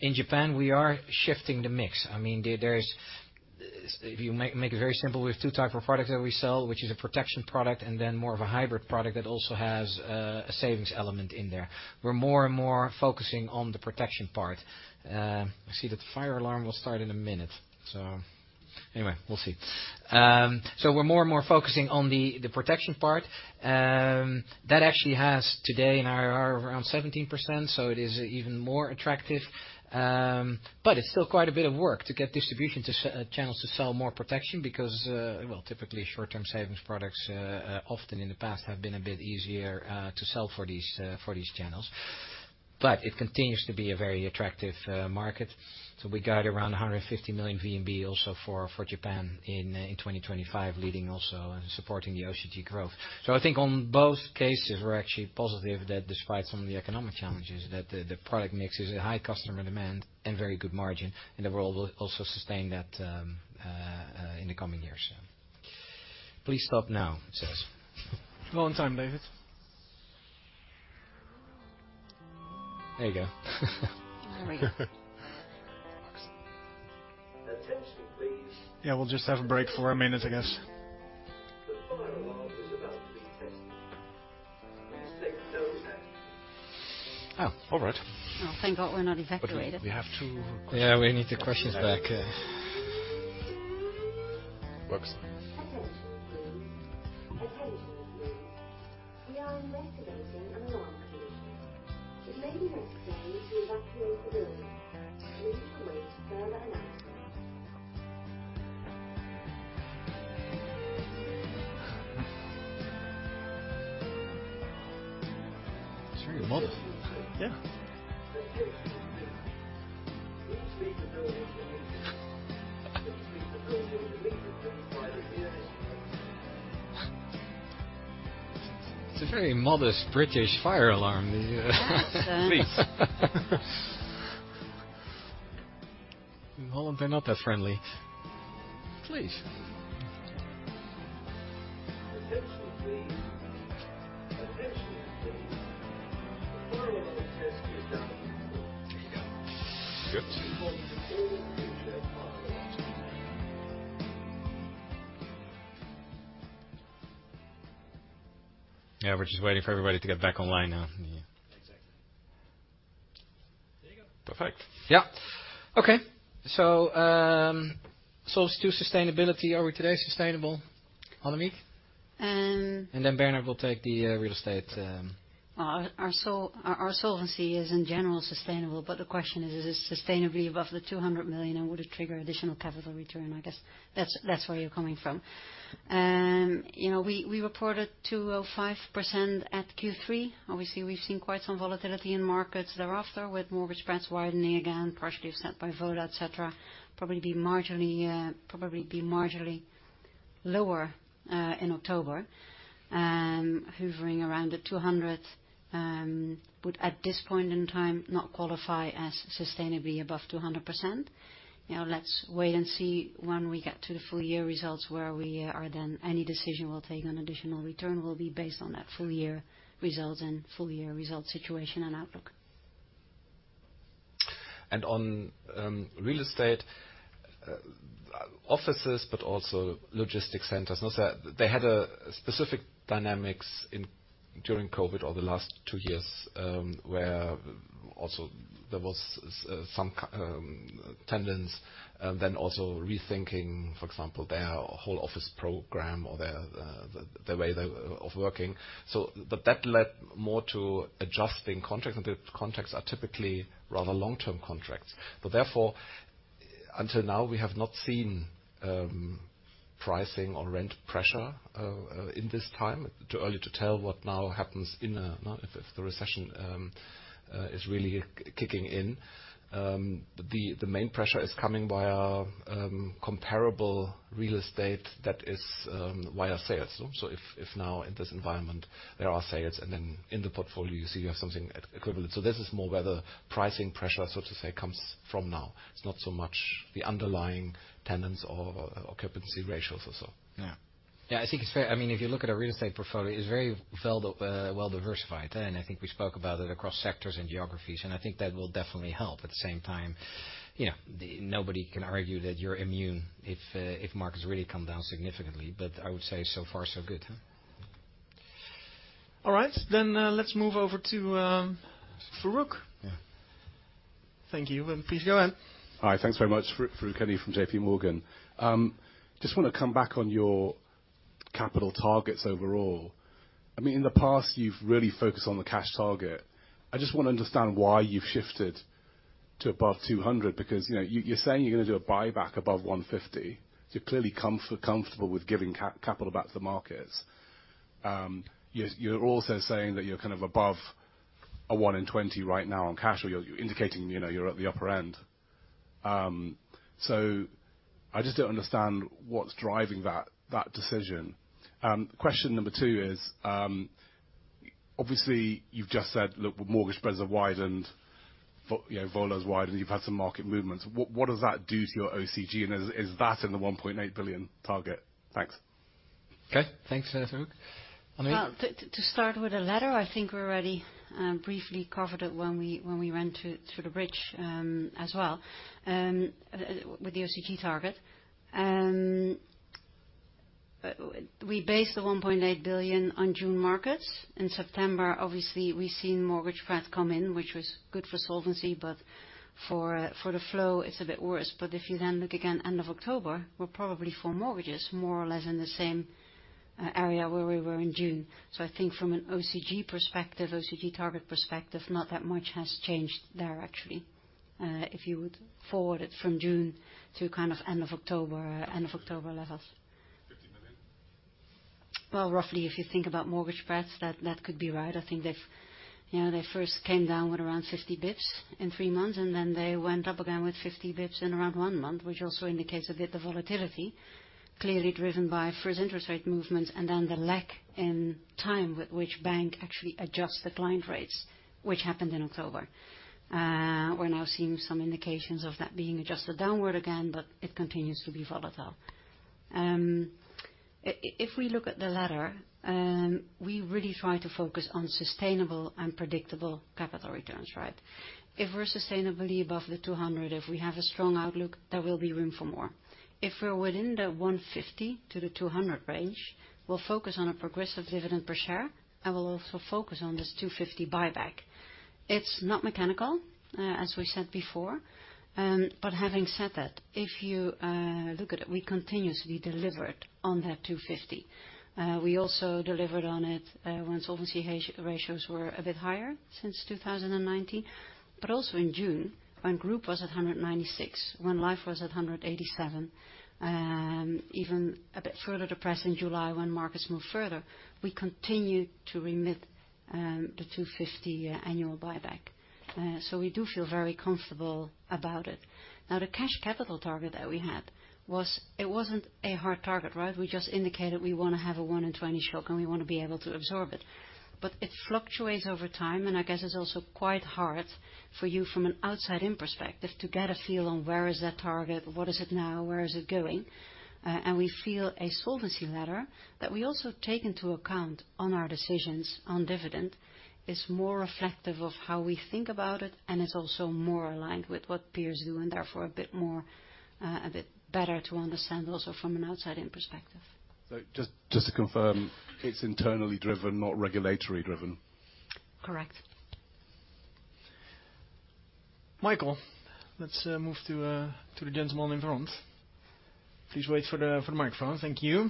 In Japan, we are shifting the mix. I mean, if you make it very simple, we have two types of products that we sell, which is a protection product and then more of a hybrid product that also has a savings element in there. We're more and more focusing on the protection part. I see that the fire alarm will start in a minute. Anyway, we'll see. We're more and more focusing on the protection part. That actually has today in IRR around 17%, so it is even more attractive. It's still quite a bit of work to get distribution channels to sell more protection because, well, typically, short-term savings products often in the past have been a bit easier to sell for these channels. It continues to be a very attractive market. We guide around 150 million VNB also for Japan in 2025, leading also and supporting the OCG growth. I think on both cases, we're actually positive that despite some of the economic challenges, that the product mix is a high customer demand and very good margin, and that we'll also sustain that in the coming years. Please stop now, it says. You're on time, David. There you go. There we go. Yeah, we'll just have a break for a minute, I guess. The fire alarm is about to be tested. Please take no action. Oh, all right. Well, thank God we're not evacuated. We have to. Yeah, we need the questions back. Yeah, we're just waiting for everybody to get back online now. Exactly. There you go. Perfect. Yeah. Okay. It's two sustainability. Are we today sustainable, Annemiek? Bernhard will take the real estate. Well, our solvency is, in general, sustainable. The question is it sustainably above the 200 million, and would it trigger additional capital return? I guess that's where you're coming from. We reported 205% at Q3. Obviously, we've seen quite some volatility in markets thereafter with mortgage rates widening again, partially offset by VA, etc., probably be marginally lower in October. Hovering around the 200% would, at this point in time, not qualify as sustainably above 200%. Let's wait and see when we get to the full-year results where we are then. Any decision we'll take on additional return will be based on that full-year results situation and outlook. On real estate offices, but also logistics centers, they had specific dynamics during COVID-19 or the last two years where also there was some tendency, then also rethinking, for example, their whole office program or the way of working. That led more to adjusting contracts, and the contracts are typically rather long-term contracts. Therefore, until now, we have not seen pricing or rent pressure in this time. Too early to tell what now happens if the recession is really kicking in. The main pressure is coming via comparable real estate that is via sales. If now, in this environment, there are sales, and then in the portfolio, you see you have something equivalent. This is more where the pricing pressure, so to say, comes from now. It's not so much the underlying tenants or occupancy ratios or so. Yeah, I think it's fair. `I mean, if you look at a real estate portfolio it's very well diversified then I think we spoke about it across sectors and geographies and I think that will definitely help at the same time you know, nobody can argue that you're immune if markets really come down significantly but I would say so far so good. Alright then, let's move over to Farooq. Thank you and please go in. Alright, thanks very much. Farooq Hanif from JPMorgan. Just want to come backon your capital targets overall, I mean, in the past you've really focused on the cash target. I just want to understand why you've shifted to above 200% because you know, you're saying you're going to do a buyback above 150%. You're clearly comfortable with giving capital back to the markets You're also saying that you're kind of above a 1-in-20 right now on cash, or you're indicating you're at the upper end. I just don't understand what's driving that decision. Question number two is, obviously, you've just said, "Look, mortgage spreads are widened. VA is widened. You've had some market movements." What does that do to your OCG, and is that in the 1.8 billion target? Thanks. Okay. Thanks, Farooq. Annemiek. Well, to start with the latter, I think we already briefly covered it when we went through the bridge as well with the OCG target. We based the 1.8 billion on June markets. In September, obviously, we've seen mortgage rates come in, which was good for solvency, but for the flow, it's a bit worse. If you then look again end of October, we're probably for mortgages more or less in the same area where we were in June. I think from an OCG perspective, OCG target perspective, not that much has changed there, actually, if you would forward it from June to kind of end of October levels. EUR 50 million? Well, roughly, if you think about mortgage rates, that could be right. I think they first came down with around 50 basis points in three months, and then they went up again with 50 basis points in around one month, which also indicates a bit the volatility, clearly driven by first interest rate movements and then the lag in time with which banks actually adjust the client rates, which happened in October. We're now seeing some indications of that being adjusted downward again, but it continues to be volatile. If we look at the ladder, we really try to focus on sustainable and predictable capital returns, right? If we're sustainably above the 200%, if we have a strong outlook, there will be room for more. If we're within the 150% to the 200% range, we'll focus on a progressive dividend per share, and we'll also focus on this 250 million buyback. It's not mechanical, as we said before. Having said that, if you look at it, we continuously delivered on that 250 million. We also delivered on it when solvency ratios were a bit higher since 2019. Also in June, when Group was at 196%, when Life was at 187%, even a bit further depressed in July when markets moved further, we continued to remit the 250 million annual buyback. We do feel very comfortable about it. Now, the cash capital target that we had, it wasn't a hard target, right? We just indicated we want to have a 1-in-20 shock, and we want to be able to absorb it. It fluctuates over time, and I guess it's also quite hard for you from an outside-in perspective to get a feel on where is that target, what is it now, where is it going. We feel a solvency level that we also take into account on our decisions on dividend is more reflective of how we think about it, and it's also more aligned with what peers do and therefore a bit better to understand also from an outside-in perspective. Just to confirm, it's internally driven, not regulatory driven. Correct. Michael, let's move to the gentleman in front. Please wait for the microphone. Thank you.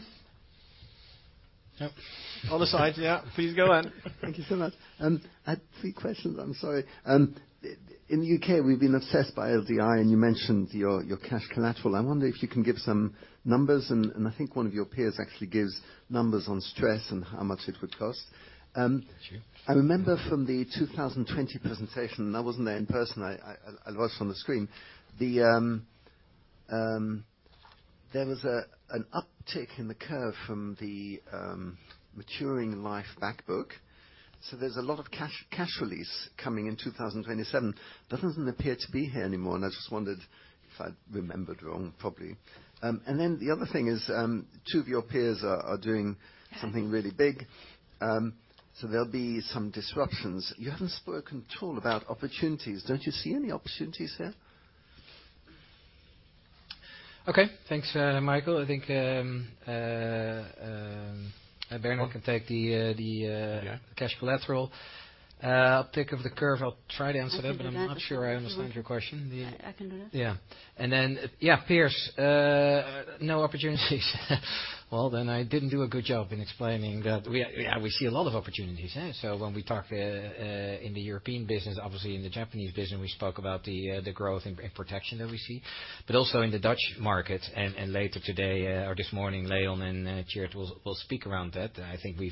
Other side, yeah. Please go ahead. Thank you so much. Three questions. I'm sorry. In the U.K., we've been obsessed by LDI, and you mentioned your cash collateral. I wonder if you can give some numbers, and I think one of your peers actually gives numbers on stress and how much it would cost. I remember from the 2020 presentation, and I wasn't there in person. I watched on the screen. There was an uptick in the curve from the maturing Life backbook. There's a lot of cash release coming in 2027. Doesn't appear to be here anymore, and I just wondered if I'd remembered wrong, probably. The other thing is two of your peers are doing something really big, so there'll be some disruptions. You haven't spoken at all about opportunities. Don't you see any opportunities here? Okay. Thanks, Michael. I think Bernhard can take the cash collateral. Uptick of the curve, I'll try to answer that, but I'm not sure I understand your question. I can do that. Yeah. Yeah, peers, no opportunities. Well, then I didn't do a good job in explaining that. Yeah, we see a lot of opportunities. When we talk in the European business, obviously, in the Japanese business, we spoke about the growth and protection that we see. Also in the Dutch market, and later today or this morning, Leon and Tjeerd will speak around that. I think we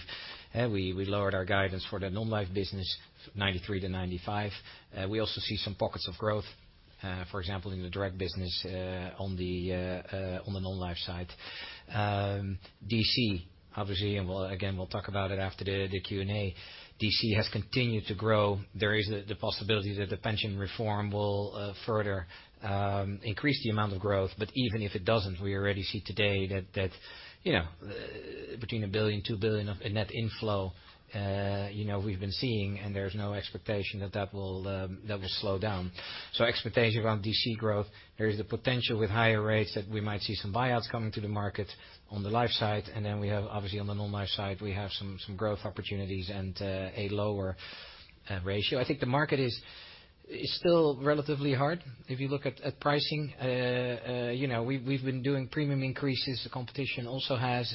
lowered our guidance for the Non-life business, 93%-95%. We also see some pockets of growth, for example, in the direct business on the Non-life side. DC, obviously, and again, we'll talk about it after the Q&A. DC has continued to grow. There is the possibility that the pension reform will further increase the amount of growth. Even if it doesn't, we already see today that between 1 billion, 2 billion of net inflow we've been seeing, and there's no expectation that that will slow down. Expectations around DC growth, there is the potential with higher rates that we might see some buyouts coming to the market on the Life side. Obviously, on the Non-life side, we have some growth opportunities and a lower ratio. I think the market is still relatively hard if you look at pricing. We've been doing premium increases. The competition also has.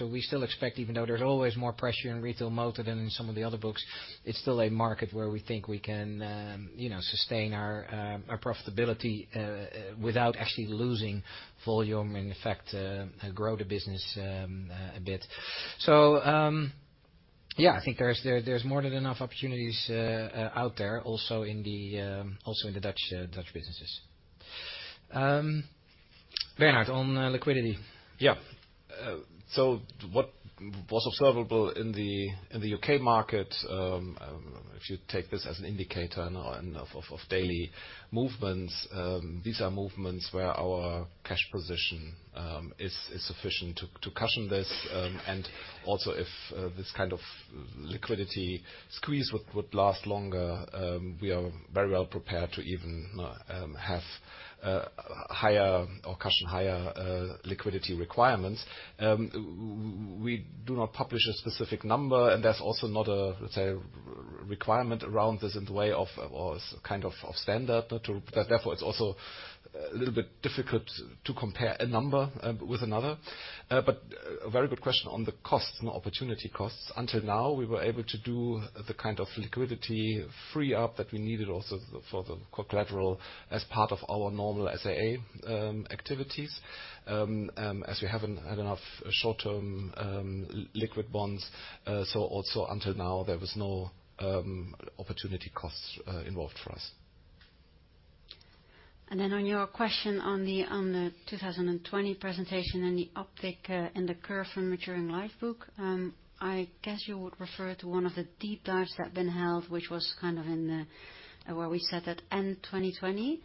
We still expect, even though there's always more pressure in retail motor than in some of the other books, it's still a market where we think we can sustain our profitability without actually losing volume and, in fact, grow the business a bit. Yeah, I think there's more than enough opportunities out there also in the Dutch businesses. Bernhard, on liquidity. Yeah. What was observable in the U.K. market, if you take this as an indicator of daily movements, these are movements where our cash position is sufficient to cushion this. If this kind of liquidity squeeze would last longer, we are very well prepared to even have higher or cushion higher liquidity requirements. We do not publish a specific number, and there's also not a, let's say, requirement around this in the way of or kind of standard to. Therefore, it's also a little bit difficult to compare a number with another. Very good question on the costs, opportunity costs. Until now, we were able to do the kind of liquidity free-up that we needed also for the collateral as part of our normal SAA activities as we haven't had enough short-term liquid bonds. Also until now, there was no opportunity costs involved for us. On your question on the 2020 presentation and the uptick in the curve from maturing Life book, I guess you would refer to one of the deep dives that have been held, which was kind of where we set at end 2020.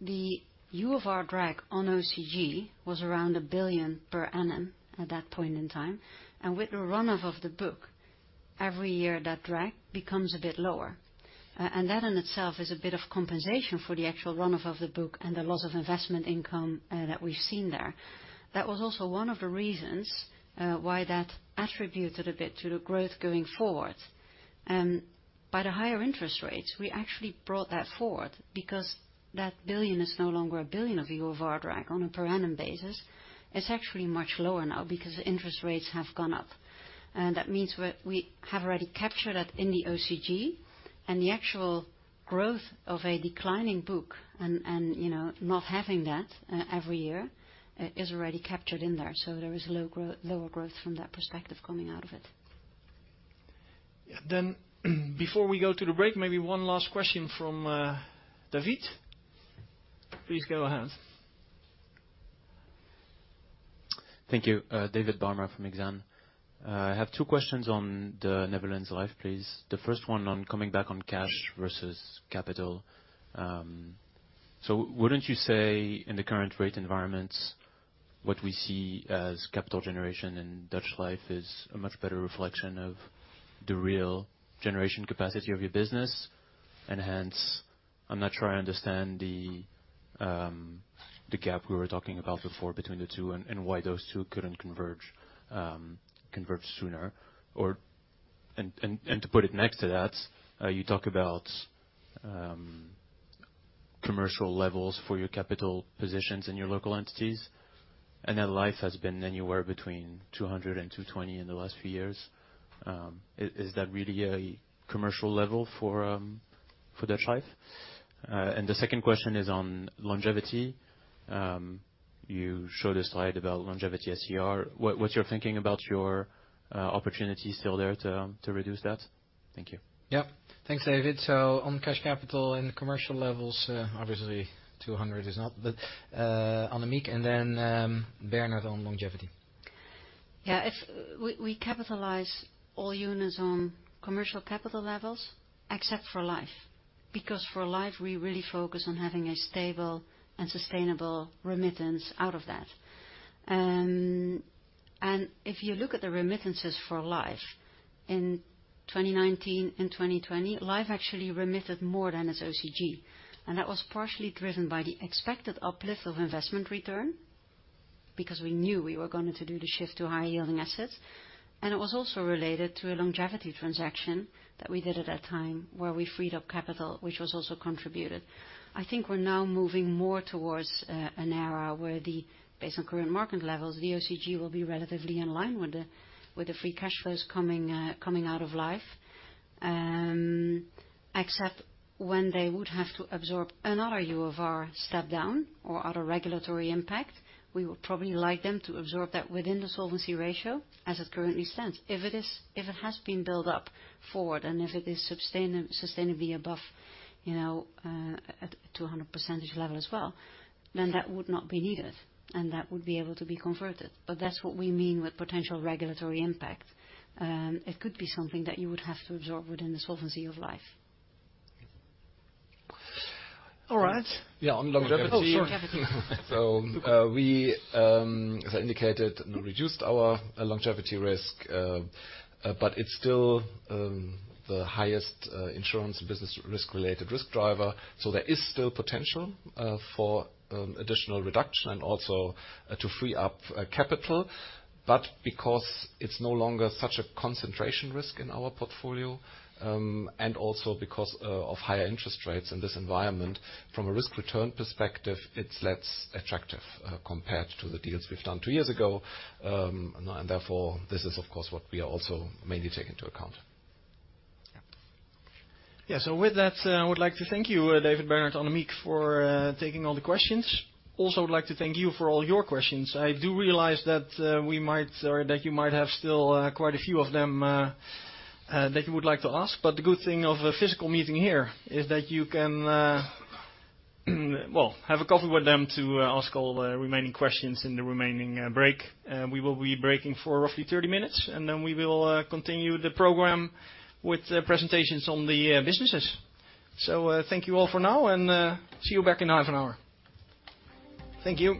The UFR drag on OCG was around 1 billion per annum at that point in time. With the runoff of the book, every year, that drag becomes a bit lower. That in itself is a bit of compensation for the actual runoff of the book and the loss of investment income that we've seen there. That was also one of the reasons why that attributed a bit to the growth going forward. By the higher interest rates, we actually brought that forward because that 1 billion is no longer 1 billion euro of UFR drag on a per annum basis. It's actually much lower now because interest rates have gone up. That means we have already captured that in the OCG, and the actual growth of a declining book and not having that every year is already captured in there. There is lower growth from that perspective coming out of it. Yeah. Before we go to the break, maybe one last question from David. Please go ahead. Thank you. David Barma from Exane. I have two questions on the Netherlands Life, please. The first one on coming back on cash versus capital. Wouldn't you say in the current rate environments, what we see as capital generation in Dutch Life is a much better reflection of the real generation capacity of your business? Hence, I'm not sure I understand the gap we were talking about before between the two and why those two couldn't converge sooner. To put it next to that, you talk about commercial levels for your capital positions in your local entities, and that Life has been anywhere between 200% and 220% in the last few years. Is that really a commercial level for Dutch Life? The second question is on longevity. You showed a slide about longevity SCR. What's your thinking about your opportunity still there to reduce that? Thank you. Yep. Thanks, David. On cash capital and commercial levels, obviously, 200% is not, Annemiek. Bernhard, on longevity. We capitalize all units on commercial capital levels except for Life because for Life, we really focus on having a stable and sustainable remittance out of that. If you look at the remittances for Life in 2019 and 2020, Life actually remitted more than its OCG. That was partially driven by the expected uplift of investment return because we knew we were going to do the shift to high-yielding assets. It was also related to a longevity transaction that we did at that time where we freed up capital, which was also contributed. I think we're now moving more towards an era where, based on current market levels, the OCG will be relatively in line with the free cash flows coming out of Life. Except when they would have to absorb another UFR step down or other regulatory impact, we would probably like them to absorb that within the solvency ratio as it currently stands. If it has been built up forward and if it is sustainably above a 200% level as well, then that would not be needed, and that would be able to be converted. That's what we mean with potential regulatory impact. It could be something that you would have to absorb within the solvency of Life. All right. Yeah. On longevity. Oh, sorry. We, as I indicated, reduced our longevity risk, but it's still the highest insurance business risk-related risk driver. There is still potential for additional reduction and also to free up capital. Because it's no longer such a concentration risk in our portfolio and also because of higher interest rates in this environment, from a risk-return perspective, it's less attractive compared to the deals we've done two years ago. Therefore, this is, of course, what we are also mainly taking into account. Yeah. Yeah. With that, I would like to thank you, David, Bernhard, Annemiek, for taking all the questions. Also, I would like to thank you for all your questions. I do realize that you might have still quite a few of them that you would like to ask. The good thing of a physical meeting here is that you can, well, have a coffee with them to ask all the remaining questions in the remaining break. We will be breaking for roughly 30 minutes, and then we will continue the program with presentations on the businesses. Thank you all for now, and see you back in half an hour. Thank you.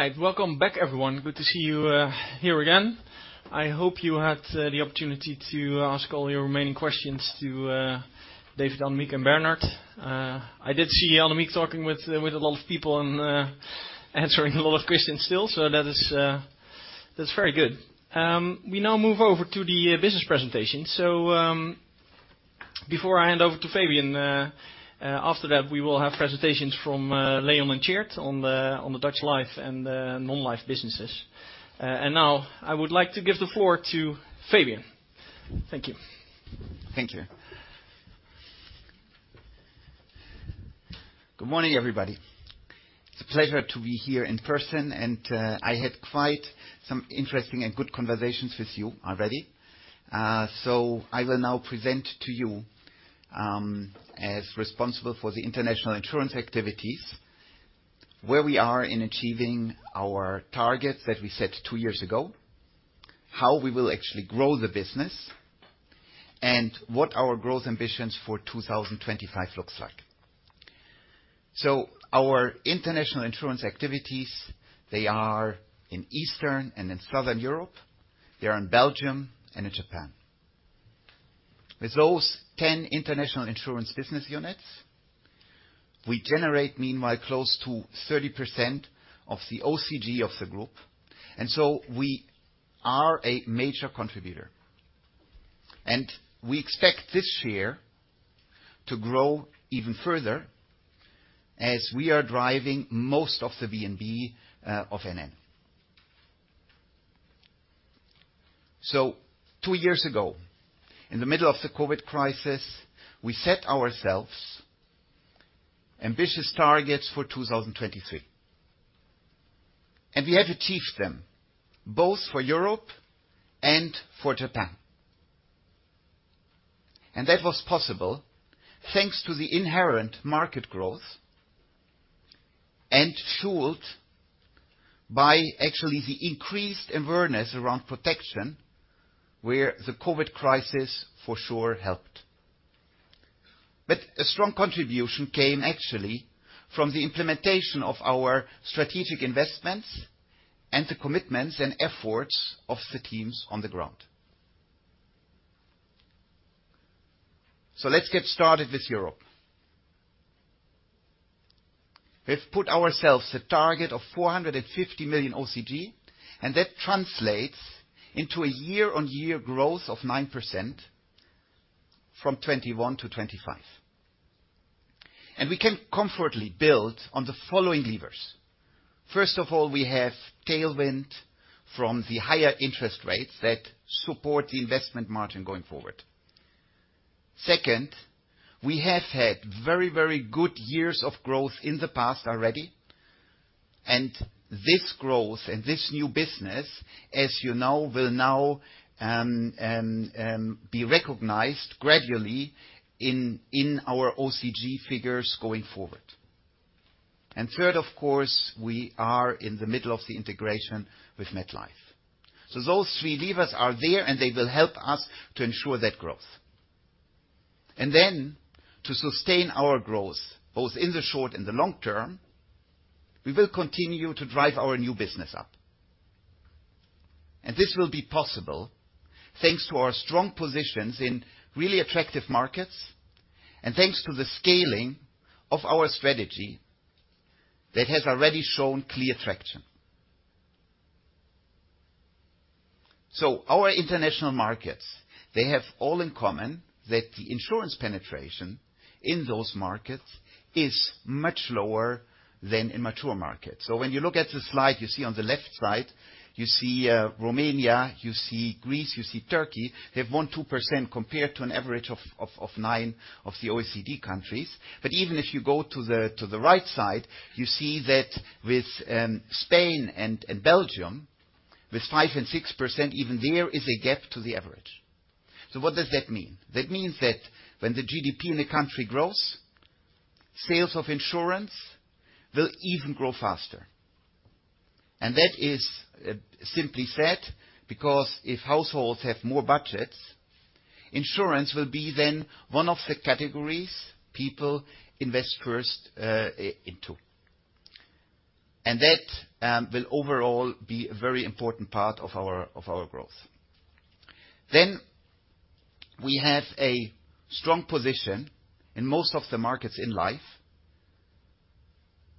All right. Welcome back, everyone. Good to see you here again. I hope you had the opportunity to ask all your remaining questions to David, Annemiek, and Bernhard. I did see Annemiek talking with a lot of people and answering a lot of questions still, so that is, that's very good. We now move over to the business presentation. Before I hand over to Fabian, after that we will have presentations from Leon and Tjeerd on the Dutch Life and Non-life businesses. Now I would like to give the floor to Fabian. Thank you. Thank you. Good morning, everybody. It's a pleasure to be here in person, and I had quite some interesting and good conversations with you already. I will now present to you, as responsible for the International Insurance activities, where we are in achieving our targets that we set two years ago, how we will actually grow the business, and what our growth ambitions for 2025 looks like. Our International Insurance activities, they are in Eastern and in Southern Europe. They are in Belgium and in Japan. With those 10 International Insurance business units, we generate, meanwhile, close to 30% of the OCG of the group, and so we are a major contributor. We expect this share to grow even further as we are driving most of the VNB of NN Group. Two years ago, in the middle of the COVID-19 crisis, we set ourselves ambitious targets for 2023. We have achieved them both for Europe and for Japan. That was possible thanks to the inherent market growth and fueled by, actually, the increased awareness around protection where the COVID-19 crisis for sure helped. A strong contribution came, actually, from the implementation of our strategic investments and the commitments and efforts of the teams on the ground. Let's get started with Europe. We've put ourselves a target of 450 million OCG, and that translates into a year-on-year growth of 9% from 2021-2025. We can comfortably build on the following levers. First of all, we have tailwind from the higher interest rates that support the investment margin going forward. Second, we have had very good years of growth in the past already. This growth and this new business, as you know, will now be recognized gradually in our OCG figures going forward. Third, of course, we are in the middle of the integration with MetLife. Those three levers are there, and they will help us to ensure that growth. To sustain our growth both in the short and the long term, we will continue to drive our new business up. This will be possible thanks to our strong positions in really attractive markets and thanks to the scaling of our strategy that has already shown clear traction. Our international markets, they have all in common that the insurance penetration in those markets is much lower than in mature markets. When you look at the slide, you see on the left side, you see Romania, you see Greece, you see Turkey. They have 1%-2% compared to an average of 9% of the OECD countries. Even if you go to the right side, you see that with Spain and Belgium, with 5% and 6%, even there is a gap to the average. What does that mean? That means that when the GDP in a country grows, sales of insurance will even grow faster. That is, simply said, because if households have more budgets, insurance will be then one of the categories people invest first into. That will overall be a very important part of our growth. We have a strong position in most of the markets in life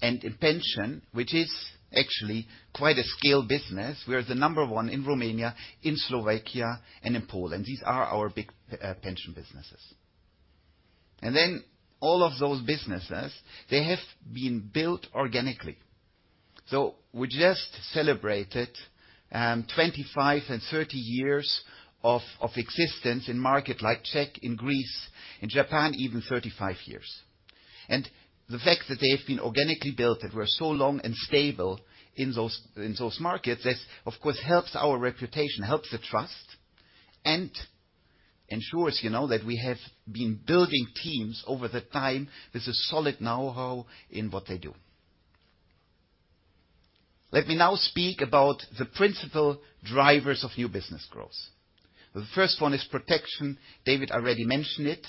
and in pension, which is actually quite a scale business. We are the number one in Romania, in Slovakia, and in Poland. These are our big pension businesses. All of those businesses, they have been built organically. We just celebrated 25 and 30 years of existence in markets like Czech, in Greece, in Japan, even 35 years. The fact that they have been organically built and were so long and stable in those markets, this, of course, helps our reputation, helps the trust, and ensures, you know, that we have been building teams over the time with a solid know-how in what they do. Let me now speak about the principal drivers of new business growth. The first one is protection. David already mentioned it.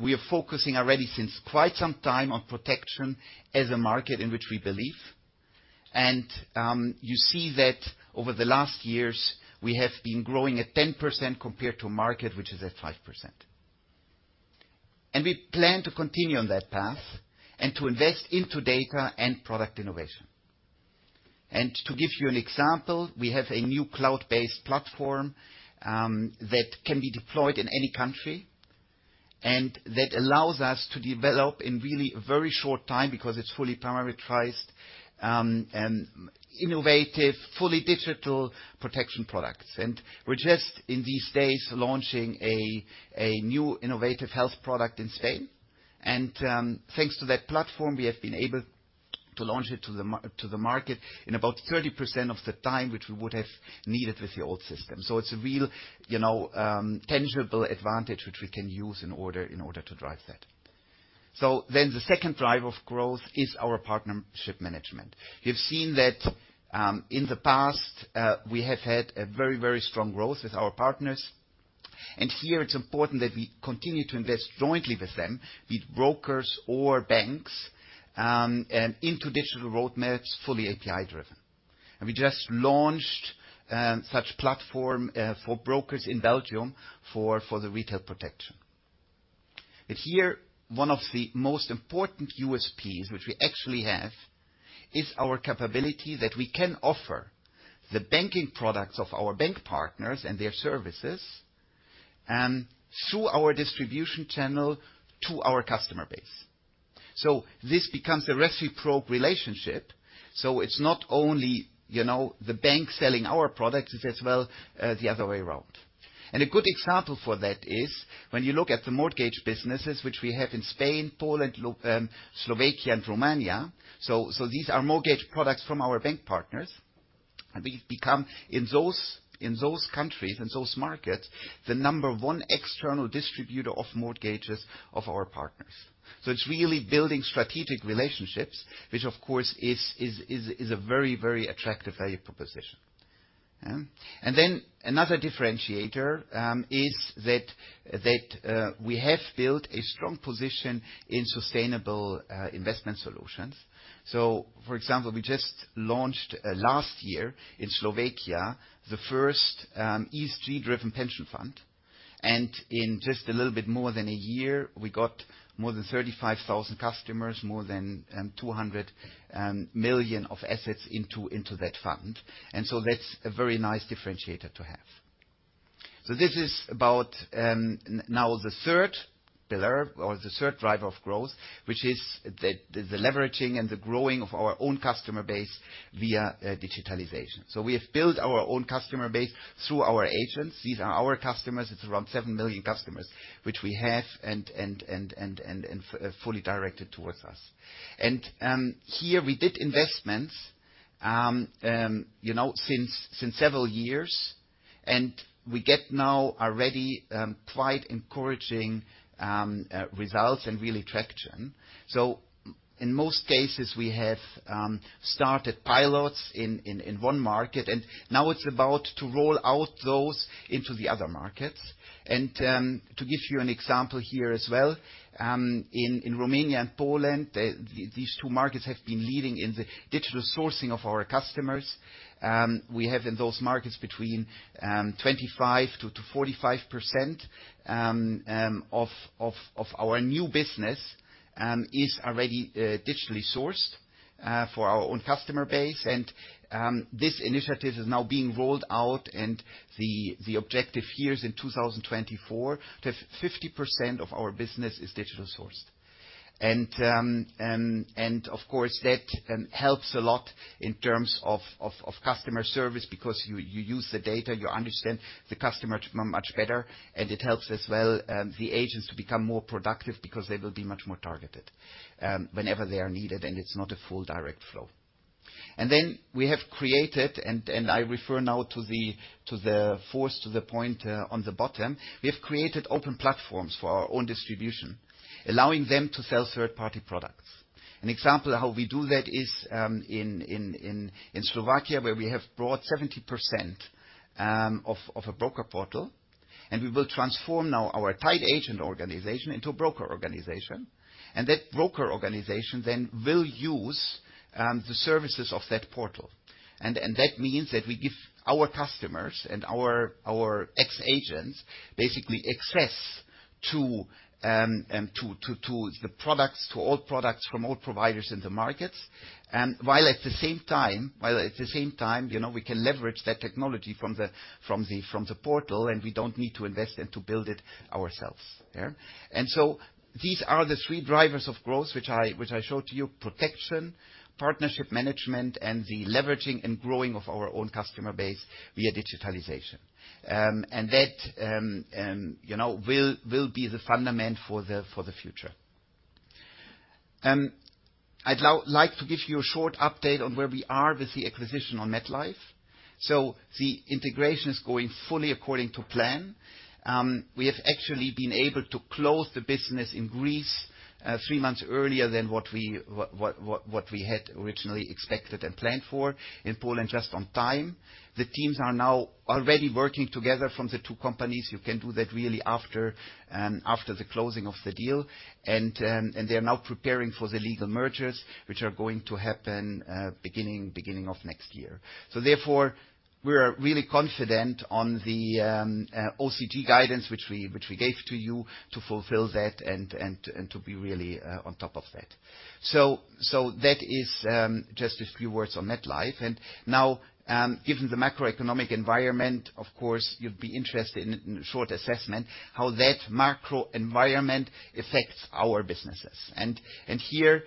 We are focusing already since quite some time on protection as a market in which we believe. You see that over the last years, we have been growing at 10% compared to a market which is at 5%. We plan to continue on that path and to invest into data and product innovation. To give you an example, we have a new cloud-based platform that can be deployed in any country and that allows us to develop in really a very short time because it's fully parameterized, innovative, fully digital protection products. We're just in these days launching a new innovative health product in Spain. Thanks to that platform, we have been able to launch it to the market in about 30% of the time which we would have needed with the old system. It's a real, you know, tangible advantage which we can use in order to drive that. The second driver of growth is our partnership management. You've seen that, in the past, we have had a very strong growth with our partners. Here, it's important that we continue to invest jointly with them, be it brokers or banks, into digital roadmaps fully API-driven. We just launched such platform for brokers in Belgium for the retail protection. Here, one of the most important USPs which we actually have is our capability that we can offer the banking products of our bank partners and their services through our distribution channel to our customer base. This becomes a reciprocal relationship. It's not only, you know, the bank selling our products. It's as well, the other way around. A good example for that is when you look at the mortgage businesses which we have in Spain, Poland, Slovakia, and Romania. These are mortgage products from our bank partners. We've become, in those countries and those markets, the number one external distributor of mortgages of our partners. It's really building strategic relationships which, of course, is a very, very attractive value proposition. Another differentiator is that we have built a strong position in sustainable investment solutions. For example, we just launched last year in Slovakia the first ESG-driven pension fund. In just a little bit more than a year, we got more than 35,000 customers, more than 200 million of assets into that fund. That's a very nice differentiator to have. This is about now the third pillar or the third driver of growth, which is the leveraging and the growing of our own customer base via digitalization. We have built our own customer base through our agents. These are our customers. It's around 7 million customers which we have and fully directed towards us. Here, we did investments, you know, since several years. We get now already, quite encouraging, results and really traction. In most cases, we have started pilots in one market. Now it's about to roll out those into the other markets. To give you an example here as well, in Romania and Poland, these two markets have been leading in the digital sourcing of our customers. We have in those markets between 25%-45% of our new business is already digitally sourced for our own customer base. This initiative is now being rolled out. The objective here is in 2024 to have 50% of our business is digital sourced. Of course, that helps a lot in terms of customer service because you use the data. You understand the customer much, much better. It helps as well, the agents to become more productive because they will be much more targeted, whenever they are needed. It's not a full direct flow. I refer now to the fourth point on the bottom. We have created open platforms for our own distribution, allowing them to sell third-party products. An example of how we do that is in Slovakia where we have bought 70% of a broker portal. We will transform now our tied agent organization into a broker organization. That broker organization then will use the services of that portal. That means that we give our customers and our ex-agents basically access to the products to all products from all providers in the markets, while at the same time, you know, we can leverage that technology from the portal. We don't need to invest and to build it ourselves. Yeah? These are the three drivers of growth which I showed to you, protection, partnership management, and the leveraging and growing of our own customer base via digitalization. That, you know, will be the fundament for the future. I'd like to give you a short update on where we are with the acquisition on MetLife. The integration is going fully according to plan. We have actually been able to close the business in Greece three months earlier than what we had originally expected and planned for in Poland just on time. The teams are now already working together from the two companies. You can do that really after the closing of the deal. They are now preparing for the legal mergers which are going to happen beginning of next year. Therefore, we are really confident on the OCG guidance which we gave to you to fulfill that and to be really on top of that. That is just a few words on MetLife. Now, given the macroeconomic environment, of course, you'd be interested in a short assessment how that macroenvironment affects our businesses. Here,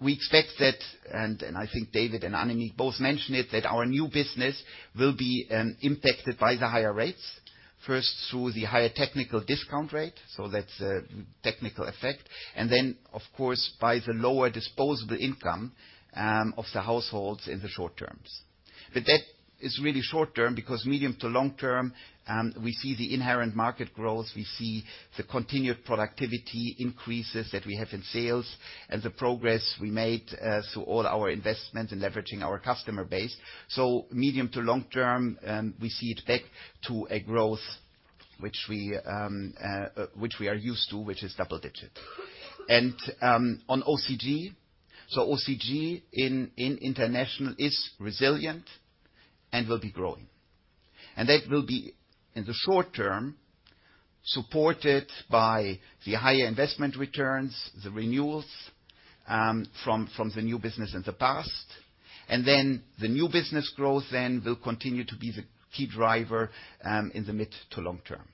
we expect that and I think David and Annemiek both mentioned it that our new business will be impacted by the higher rates, first through the higher technical discount rate. That's a technical effect. Of course, by the lower disposable income of the households in the short terms. That is really short-term because medium to long term, we see the inherent market growth. We see the continued productivity increases that we have in sales and the progress we made through all our investments in leveraging our customer base. Medium to long term, we see it back to a growth which we are used to, which is double-digit. On OCG, international is resilient and will be growing. That will be, in the short term, supported by the higher investment returns, the renewals, from the new business in the past. The new business growth then will continue to be the key driver, in the mid to long term.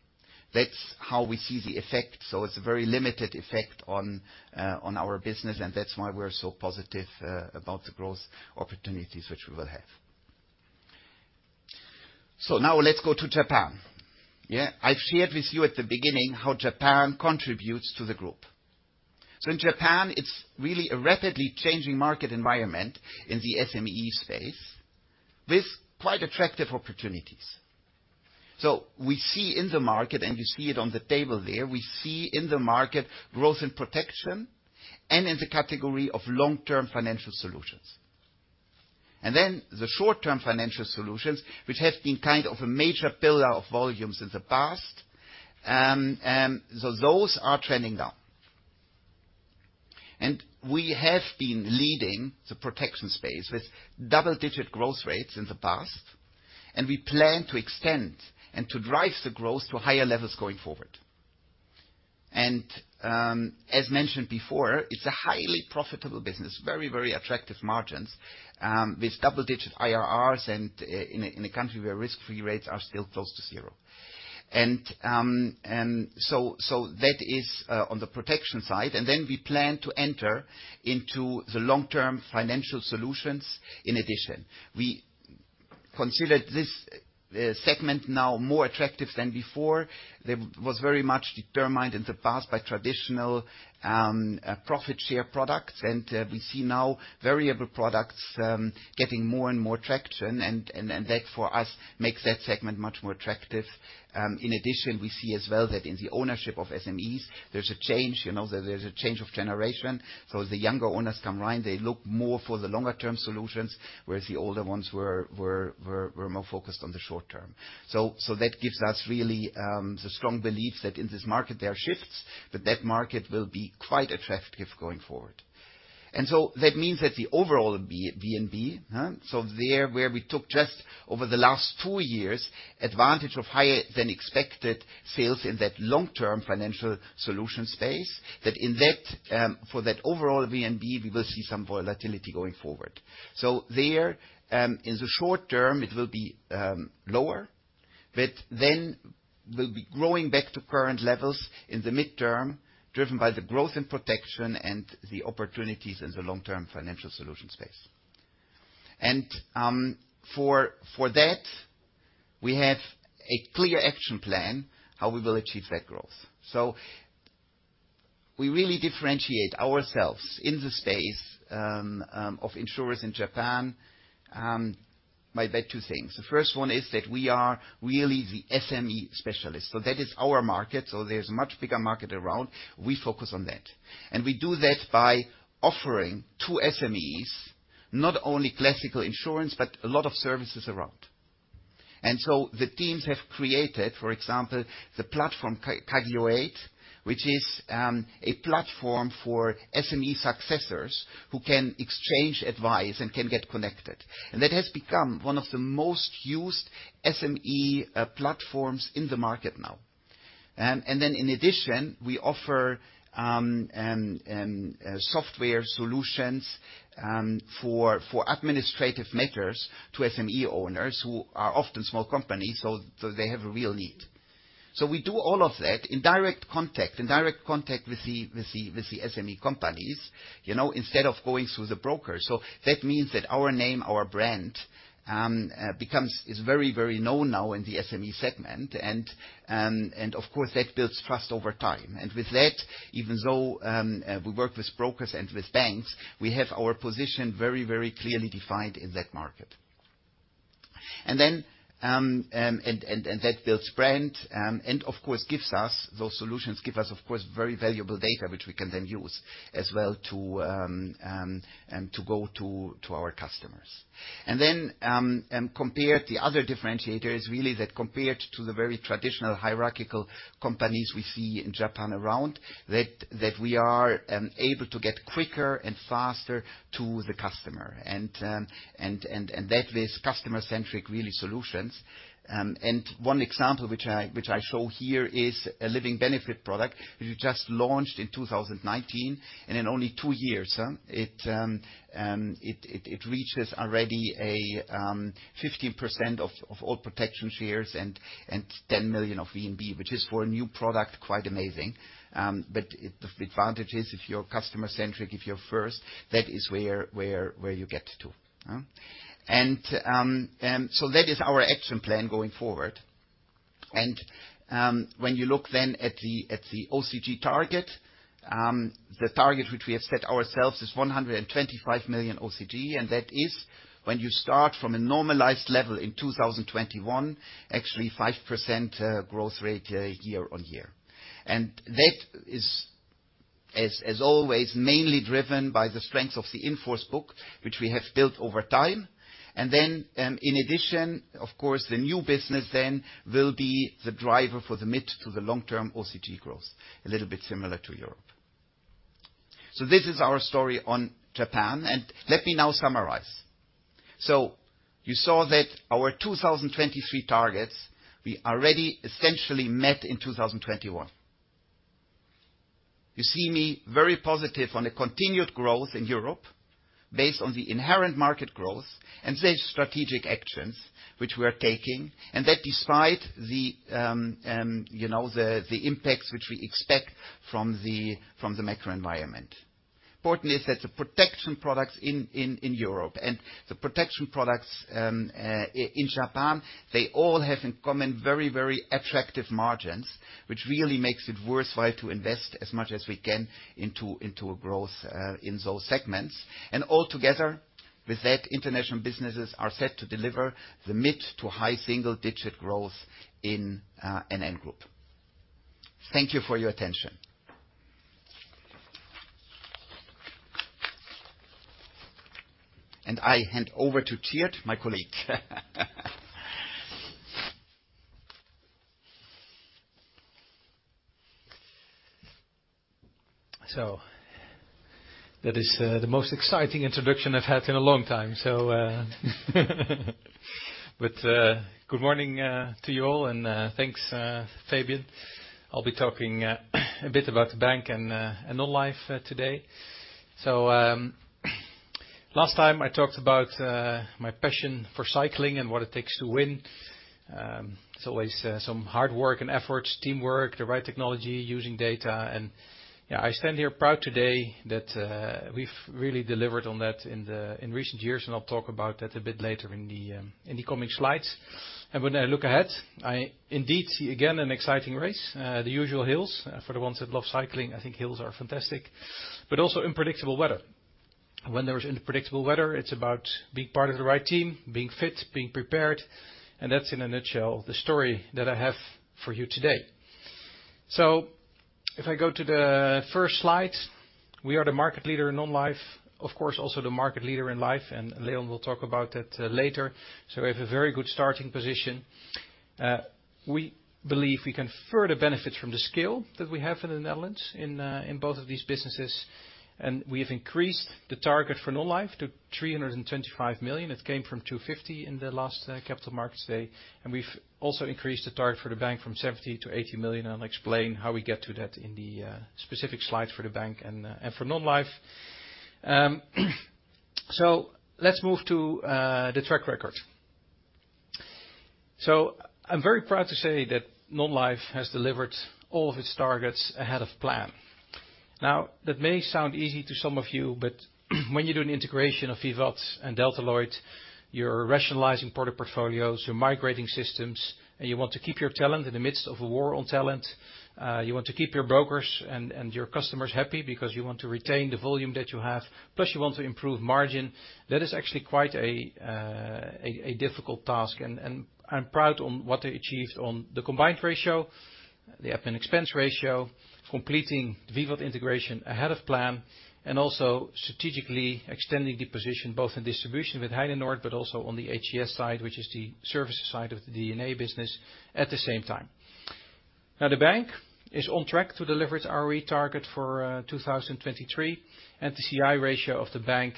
That's how we see the effect. It's a very limited effect on our business. That's why we are so positive, about the growth opportunities which we will have. Now let's go to Japan. Yeah? I've shared with you at the beginning how Japan contributes to the Group. In Japan, it's really a rapidly changing market environment in the SME space with quite attractive opportunities. We see in the market, and you see it on the table there, we see in the market growth in protection and in the category of long-term financial solutions. The short-term financial solutions which have been kind of a major pillar of volumes in the past, so those are trending down. We have been leading the protection space with double-digit growth rates in the past. We plan to extend and to drive the growth to higher levels going forward. As mentioned before, it's a highly profitable business, very, very attractive margins, with double-digit IRRs and in a country where risk-free rates are still close to zero. That is on the protection side. We plan to enter into the long-term financial solutions in addition. We considered this segment now more attractive than before. That was very much determined in the past by traditional profit-share products. We see now variable products getting more and more traction. That, for us, makes that segment much more attractive. In addition, we see as well that in the ownership of SMEs, there's a change, you know, that there's a change of generation. The younger owners come around. They look more for the longer-term solutions whereas the older ones were more focused on the short term. That gives us really, the strong belief that in this market, there are shifts. That market will be quite attractive going forward. That means that the overall VNB, huh? There where we took just over the last two years advantage of higher-than-expected sales in that long-term financial solution space, that in that, for that overall VNB, we will see some volatility going forward. There, in the short term, it will be lower. We'll be growing back to current levels in the mid-term driven by the growth in protection and the opportunities in the long-term financial solution space. For that, we have a clear action plan how we will achieve that growth. We really differentiate ourselves in the space of insurers in Japan by two things. The first one is that we are really the SME specialist. That is our market. There's a much bigger market around. We focus on that. We do that by offering to SMEs not only classical insurance but a lot of services around. The teams have created, for example, the platform Kagyo-aid, which is a platform for SME successors who can exchange advice and can get connected. That has become one of the most used SME platforms in the market now. In addition, we offer software solutions for administrative matters to SME owners who are often small companies. They have a real need. We do all of that in direct contact with the SME companies, you know, instead of going through the broker. That means that our name, our brand, is very known now in the SME segment. Of course, that builds trust over time. With that, even though we work with brokers and with banks, we have our position very clearly defined in that market. That builds brand, and, of course, those solutions give us, of course, very valuable data which we can then use as well to go to our customers. Compared the other differentiator is really that compared to the very traditional hierarchical companies we see in Japan around, that we are able to get quicker and faster to the customer. That with customer-centric, really, solutions. One example which I show here is a living benefit product which we just launched in 2019. In only two years, huh, it reaches already 15% of all protection shares and 10 million of VNB, which is for a new product quite amazing. The advantage is if you're customer-centric, if you're first, that is where you get to, huh? That is our action plan going forward. When you look then at the OCG target, the target which we have set ourselves is 125 million OCG. That is when you start from a normalized level in 2021, actually 5% growth rate, year-on-year. That is, as always, mainly driven by the strengths of the in-force book which we have built over time. In addition, of course, the new business then will be the driver for the mid- to the long-term OCG growth, a little bit similar to Europe. This is our story on Japan. Let me now summarize. You saw that our 2023 targets, we already essentially met in 2021. You see me very positive on the continued growth in Europe based on the inherent market growth and the strategic actions which we are taking. That despite the, you know, the impacts which we expect from the macroenvironment. Important is that the protection products in Europe and the protection products in Japan, they all have in common very attractive margins which really makes it worthwhile to invest as much as we can into a growth in those segments. Altogether with that, international businesses are set to deliver the mid- to high single-digit growth in NN Group. Thank you for your attention. I hand over to Tjeerd, my colleague. That is the most exciting introduction I've had in a long time. Good morning to you all. Thanks, Fabian. I'll be talking a bit about the bank and Non-life today. Last time, I talked about my passion for cycling and what it takes to win. It's always some hard work and efforts, teamwork, the right technology, using data. Yeah, I stand here proud today that we've really delivered on that in recent years. I'll talk about that a bit later in the coming slides. When I look ahead, I indeed see again an exciting race, the usual hills. For the ones that love cycling, I think hills are fantastic but also unpredictable weather. When there is unpredictable weather, it's about being part of the right team, being fit, being prepared. That's, in a nutshell, the story that I have for you today. If I go to the first slide, we are the market leader in Non-life, of course, also the market leader in Life. Leon will talk about that later. We have a very good starting position. We believe we can further benefit from the scale that we have in the Netherlands in both of these businesses. We have increased the target for Non-life to 325 million. It came from 250 million in the last Capital Markets Day. We've also increased the target for the bank from 70 million-80 million. I'll explain how we get to that in the specific slides for the bank and for Non-life. Let's move to the track record. I'm very proud to say that Non-life has delivered all of its targets ahead of plan. Now, that may sound easy to some of you. When you do an integration of Vivat and Delta Lloyd, you're rationalizing part of portfolios, you're migrating systems, and you want to keep your talent in the midst of a war on talent. You want to keep your brokers and your customers happy because you want to retain the volume that you have. Plus, you want to improve margin. That is actually quite a difficult task. I'm proud on what they achieved on the combined ratio, the admin expense ratio, completing Vivat integration ahead of plan, and also strategically extending the position both in distribution with Heinenoord but also on the HCS side, which is the services side of the D&A business, at the same time. Now, the bank is on track to deliver its ROE target for 2023. The C/I ratio of the bank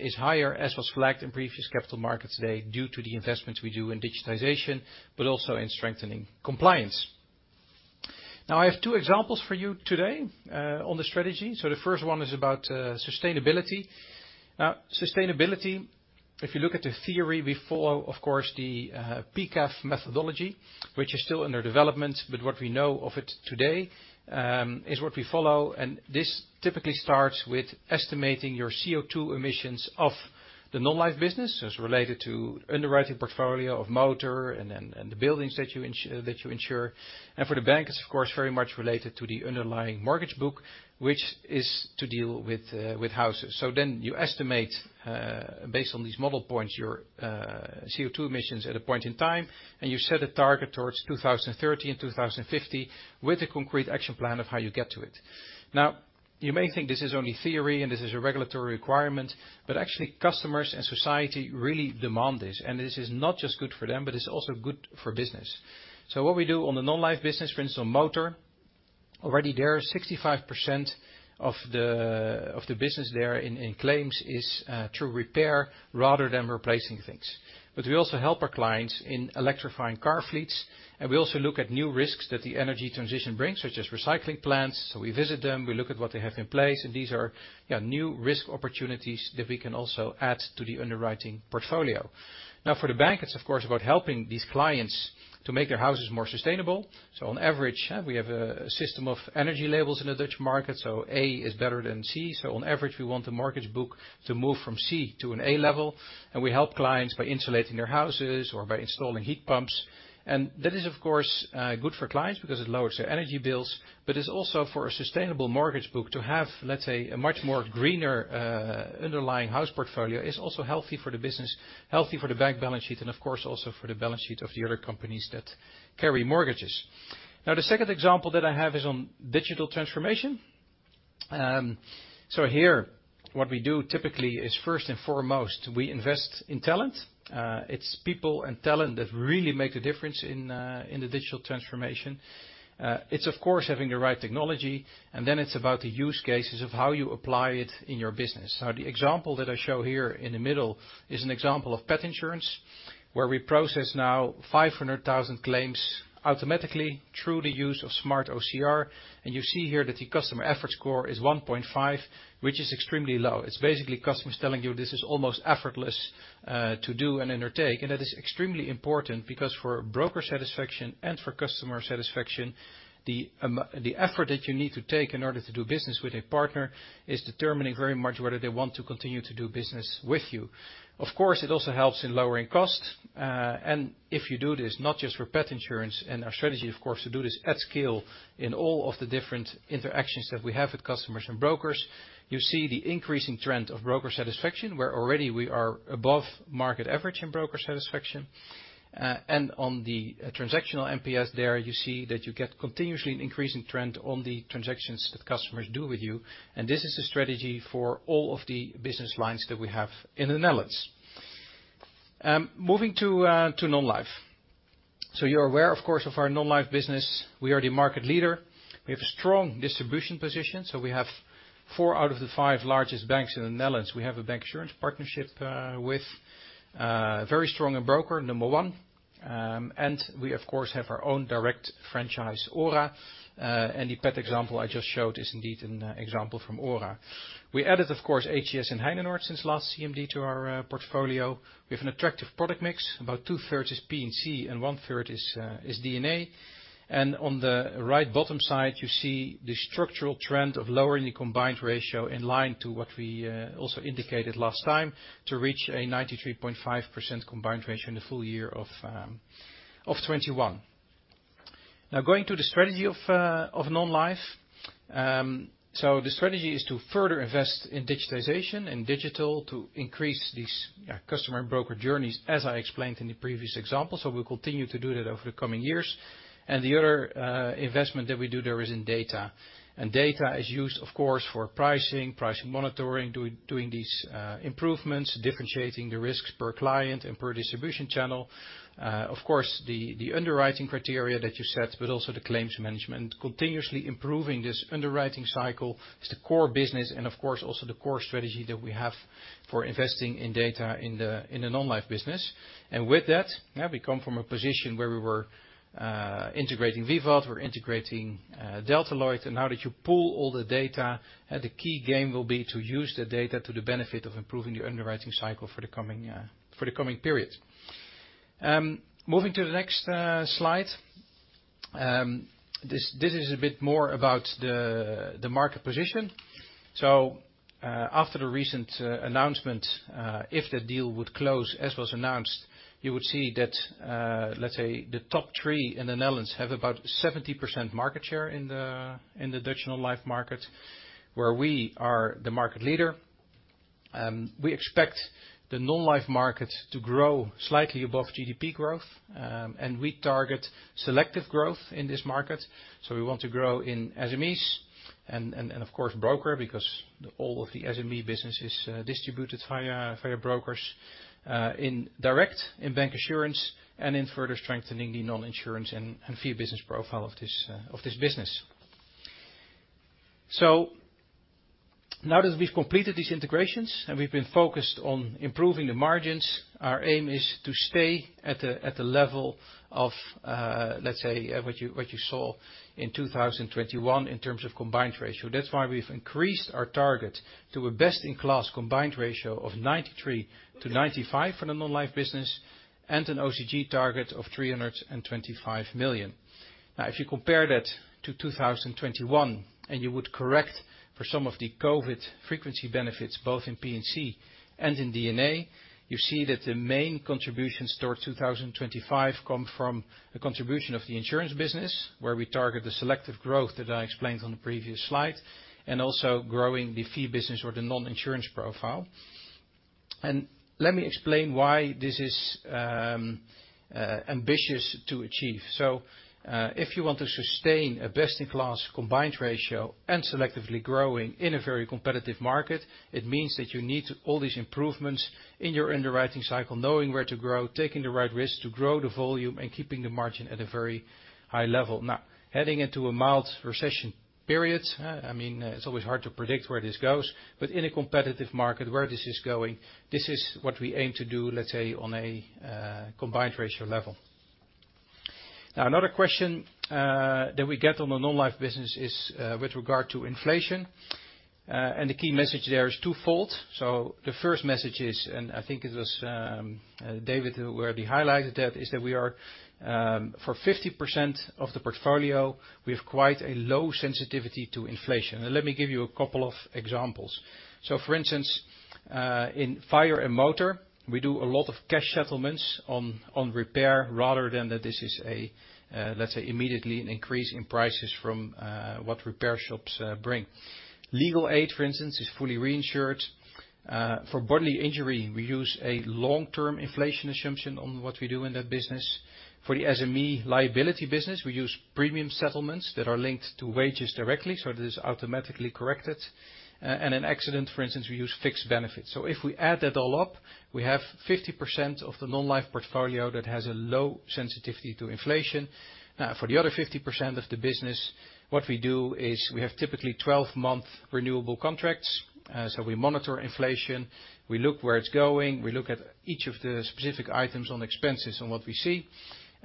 is higher as was flagged in previous Capital Markets Day due to the investments we do in digitization but also in strengthening compliance. Now, I have two examples for you today on the strategy. The first one is about sustainability. Now, sustainability, if you look at the theory, we follow, of course, the PCAF methodology, which is still under development. What we know of it today is what we follow. This typically starts with estimating your CO2 emissions of the Netherlands Life as related to underwriting portfolio of motor and the buildings that you insure. For the bank, it's, of course, very much related to the underlying mortgage book which is to deal with houses. You estimate, based on these model points, your CO2 emissions at a point in time. You set a target towards 2030 and 2050 with a concrete action plan of how you get to it. Now, you may think this is only theory, and this is a regulatory requirement. Actually, customers and society really demand this. This is not just good for them, but it's also good for business. What we do on the Non-life business, for instance, on motor, already there, 65% of the business there in claims is through repair rather than replacing things. We also help our clients in electrifying car fleets. We also look at new risks that the energy transition brings such as recycling plants. We visit them. We look at what they have in place. These are, yeah, new risk opportunities that we can also add to the underwriting portfolio. Now, for the bank, it's, of course, about helping these clients to make their houses more sustainable. On average, we have a system of energy labels in the Dutch market. A is better than C. So on average, we want the mortgage book to move from C to an A level. And we help clients by insulating their houses or by installing heat pumps. And that is, of course, good for clients because it lowers their energy bills. But it's also for a sustainable mortgage book to have, let's say, a much more greener, underlying house portfolio is also healthy for the business, healthy for the bank balance sheet, and, of course, also for the balance sheet of the other companies that carry mortgages. Now, the second example that I have is on digital transformation. so here, what we do typically is first and foremost, we invest in talent. it's people and talent that really make the difference in the digital transformation. it's, of course, having the right technology. And then it's about the use cases of how you apply it in your business. Now, the example that I show here in the middle is an example of pet insurance where we process now 500,000 claims automatically through the use of smart OCR. You see here that the customer effort score is 1.5, which is extremely low. It's basically customers telling you this is almost effortless to do and undertake. That is extremely important because for broker satisfaction and for customer satisfaction, the effort that you need to take in order to do business with a partner is determining very much whether they want to continue to do business with you. Of course, it also helps in lowering cost. If you do this, not just for pet insurance and our strategy, of course, to do this at scale in all of the different interactions that we have with customers and brokers, you see the increasing trend of broker satisfaction where already we are above market average in broker satisfaction. On the transactional NPS there, you see that you get continuously an increasing trend on the transactions that customers do with you. This is a strategy for all of the business lines that we have in the Netherlands. Moving to Non-life. You're aware, of course, of our Non-life business. We are the market leader. We have a strong distribution position. We have four out of the five largest banks in the Netherlands. We have a bank insurance partnership with very strong and broker number one. We, of course, have our own direct franchise, OHRA. The pet example I just showed is indeed an example from OHRA. We added, of course, HCS and Heinenoord since last CMD to our portfolio. We have an attractive product mix. About 2/3 is P&C and 1/3 is D&A. On the right bottom side, you see the structural trend of lowering the combined ratio in line to what we also indicated last time to reach a 93.5% combined ratio in the full year of 2021. Now, going to the strategy of Non-life, so the strategy is to further invest in digitization, in digital to increase these, yeah, customer and broker journeys as I explained in the previous example. We'll continue to do that over the coming years. The other investment that we do there is in data. Data is used, of course, for pricing monitoring, doing these improvements, differentiating the risks per client and per distribution channel. Of course, the underwriting criteria that you set but also the claims management. Continuously improving this underwriting cycle is the core business and, of course, also the core strategy that we have for investing in data in the Non-life business. With that, yeah, we come from a position where we were integrating Vivat. We're integrating Delta Lloyd. Now that you pull all the data, the key game will be to use the data to the benefit of improving the underwriting cycle for the coming period. Moving to the next slide, this is a bit more about the market position. After the recent announcement, if the deal would close as was announced, you would see that, let's say the top three in the Netherlands have about 70% market share in the Dutch Non-life market where we are the market leader. We expect the Non-life market to grow slightly above GDP growth. We target selective growth in this market. We want to grow in SMEs and, of course, broker because all of the SME business is distributed via brokers, in direct, in bank insurance, and in further strengthening the non-insurance and fee business profile of this business. Now that we've completed these integrations and we've been focused on improving the margins, our aim is to stay at the level of, let's say, what you saw in 2021 in terms of combined ratio. That's why we've increased our target to a best-in-class combined ratio of 93%-95% for the Non-life business and an OCG target of 325 million. Now, if you compare that to 2021 and you would correct for some of the COVID-19 frequency benefits both in P&C and in D&A, you see that the main contributions toward 2025 come from a contribution of the insurance business where we target the selective growth that I explained on the previous slide and also growing the fee business or the non-insurance profile. Let me explain why this is ambitious to achieve. If you want to sustain a best-in-class combined ratio and selectively growing in a very competitive market, it means that you need all these improvements in your underwriting cycle, knowing where to grow, taking the right risks to grow the volume, and keeping the margin at a very high level. Now, heading into a mild recession period, I mean, it's always hard to predict where this goes. In a competitive market, where this is going, this is what we aim to do, let's say, on a combined ratio level. Now, another question that we get on the Non-life business is with regard to inflation. The key message there is twofold. The first message is, and I think it was David where he highlighted that, is that we are, for 50% of the portfolio, we have quite a low sensitivity to inflation. Let me give you a couple of examples. For instance, in fire and motor, we do a lot of cash settlements on repair rather than that this is a, let's say, immediately an increase in prices from what repair shops bring. Legal aid, for instance, is fully reinsured. For bodily injury, we use a long-term inflation assumption on what we do in that business. For the SME liability business, we use premium settlements that are linked to wages directly so that it is automatically corrected. In accident, for instance, we use fixed benefits. If we add that all up, we have 50% of the Non-life portfolio that has a low sensitivity to inflation. Now, for the other 50% of the business, what we do is we have typically 12-month renewable contracts. We monitor inflation. We look where it's going. We look at each of the specific items on expenses on what we see.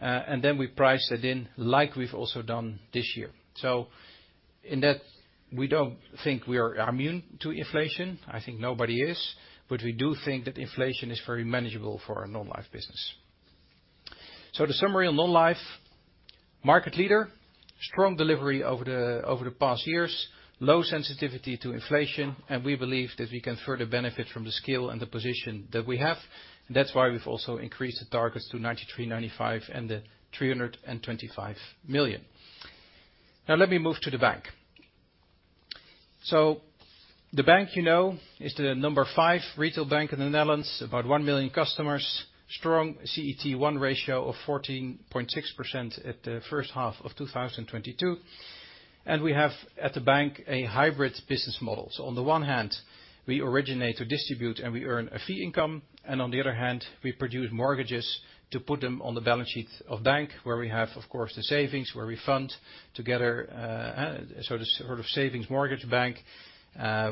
We price that in like we've also done this year. In that, we don't think we are immune to inflation. I think nobody is. We do think that inflation is very manageable for our Non-life business. The summary on Non-life, market leader, strong delivery over the past years, low sensitivity to inflation, and we believe that we can further benefit from the scale and the position that we have. That's why we've also increased the targets to 93%-95% and the 325 million. Now, let me move to the bank. The bank, you know, is the number five retail bank in the Netherlands, about 1 million customers, strong CET1 ratio of 14.6% at the first half of 2022. We have at the bank a hybrid business model. On the one hand, we originate or distribute, and we earn a fee income. On the other hand, we produce mortgages to put them on the balance sheet of bank where we have, of course, the savings where we fund together, the sort of savings mortgage bank,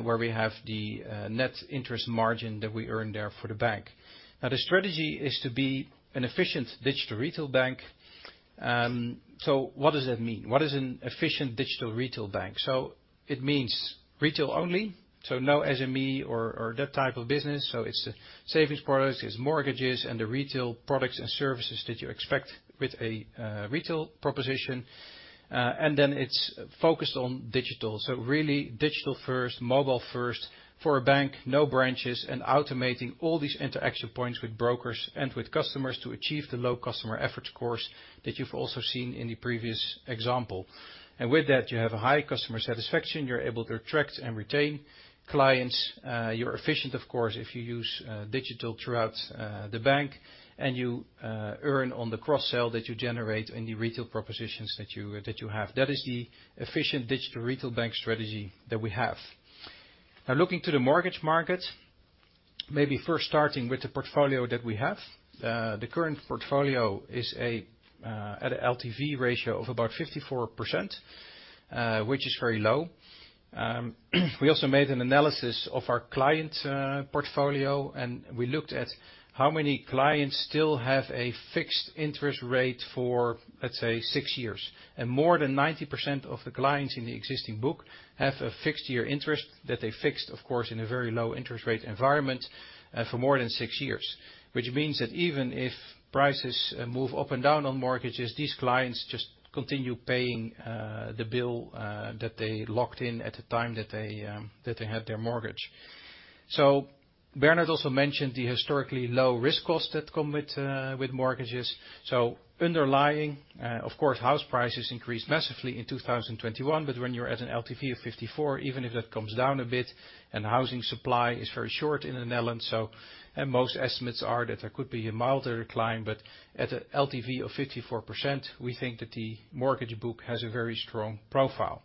where we have the net interest margin that we earn there for the bank. Now, the strategy is to be an efficient digital retail bank. What does that mean? What is an efficient digital retail bank? It means retail only, so no SME or that type of business. It's the savings products, it's mortgages, and the retail products and services that you expect with a retail proposition. It's focused on digital. Really digital first, mobile first for a bank, no branches, and automating all these interaction points with brokers and with customers to achieve the low customer effort scores that you've also seen in the previous example. And with that, you have a high customer satisfaction. You're able to attract and retain clients. you're efficient, of course, if you use, digital throughout, the bank. And you, earn on the cross-sell that you generate in the retail propositions that you that you have. That is the efficient digital retail bank strategy that we have. Now, looking to the mortgage market, maybe first starting with the portfolio that we have. the current portfolio is a, at an LTV ratio of about 54%, which is very low. we also made an analysis of our client, portfolio, and we looked at how many clients still have a fixed interest rate for, let's say, six years. More than 90% of the clients in the existing book have a fixed-year interest that they fixed, of course, in a very low interest rate environment, for more than six years, which means that even if prices move up and down on mortgages, these clients just continue paying the bill that they locked in at the time that they had their mortgage. Bernhard Kaufmann also mentioned the historically low risk costs that come with mortgages. Underlying, of course, house prices increased massively in 2021. When you're at an LTV of 54%, even if that comes down a bit and housing supply is very short in the Netherlands, most estimates are that there could be a milder decline. At an LTV of 54%, we think that the mortgage book has a very strong profile.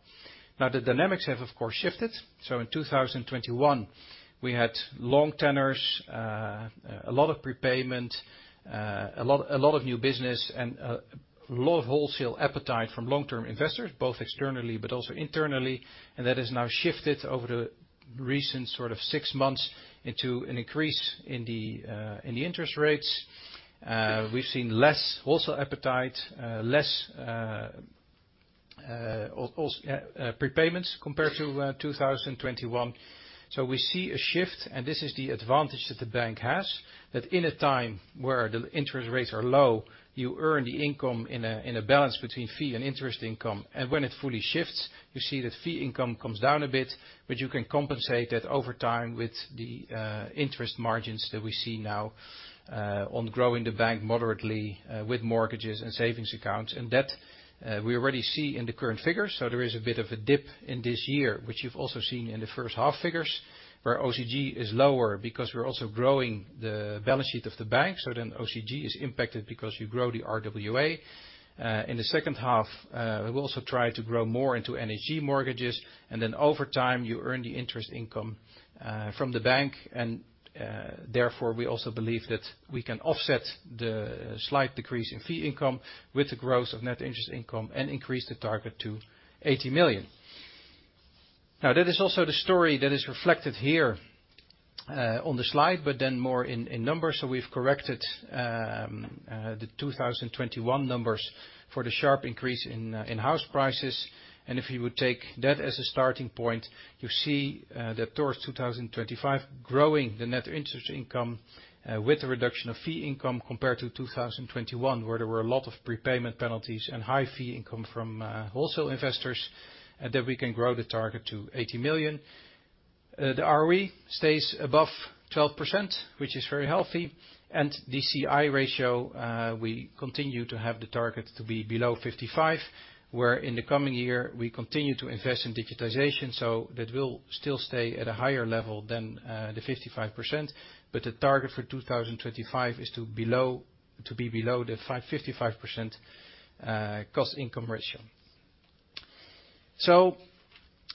Now, the dynamics have, of course, shifted. In 2021, we had long tenors, a lot of prepayment, a lot of new business, and a lot of wholesale appetite from long-term investors, both externally but also internally. That has now shifted over the recent sort of six months into an increase in the interest rates. We've seen less wholesale appetite, less, also, prepayments compared to 2021. We see a shift. This is the advantage that the bank has that in a time where the interest rates are low, you earn the income in a balance between fee and interest income. When it fully shifts, you see that fee income comes down a bit, but you can compensate that over time with the interest margins that we see now, on growing the bank moderately, with mortgages and savings accounts. That, we already see in the current figures. There is a bit of a dip in this year, which you've also seen in the first half figures where OCG is lower because we're also growing the balance sheet of the bank. OCG is impacted because you grow the RWA. In the second half, we'll also try to grow more into NHG mortgages. Over time, you earn the interest income from the bank. Therefore, we also believe that we can offset the slight decrease in fee income with the growth of net interest income and increase the target to 80 million. Now, that is also the story that is reflected here on the slide but then more in numbers. We've corrected the 2021 numbers for the sharp increase in house prices. If you would take that as a starting point, you see, that towards 2025, growing the net interest income, with the reduction of fee income compared to 2021 where there were a lot of prepayment penalties and high fee income from wholesale investors, that we can grow the target to 80 million. The ROE stays above 12%, which is very healthy. The C/I ratio, we continue to have the target to be below 55% where in the coming year, we continue to invest in digitization. That will still stay at a higher level than the 55%. The target for 2025 is to be below the 55% cost-income ratio.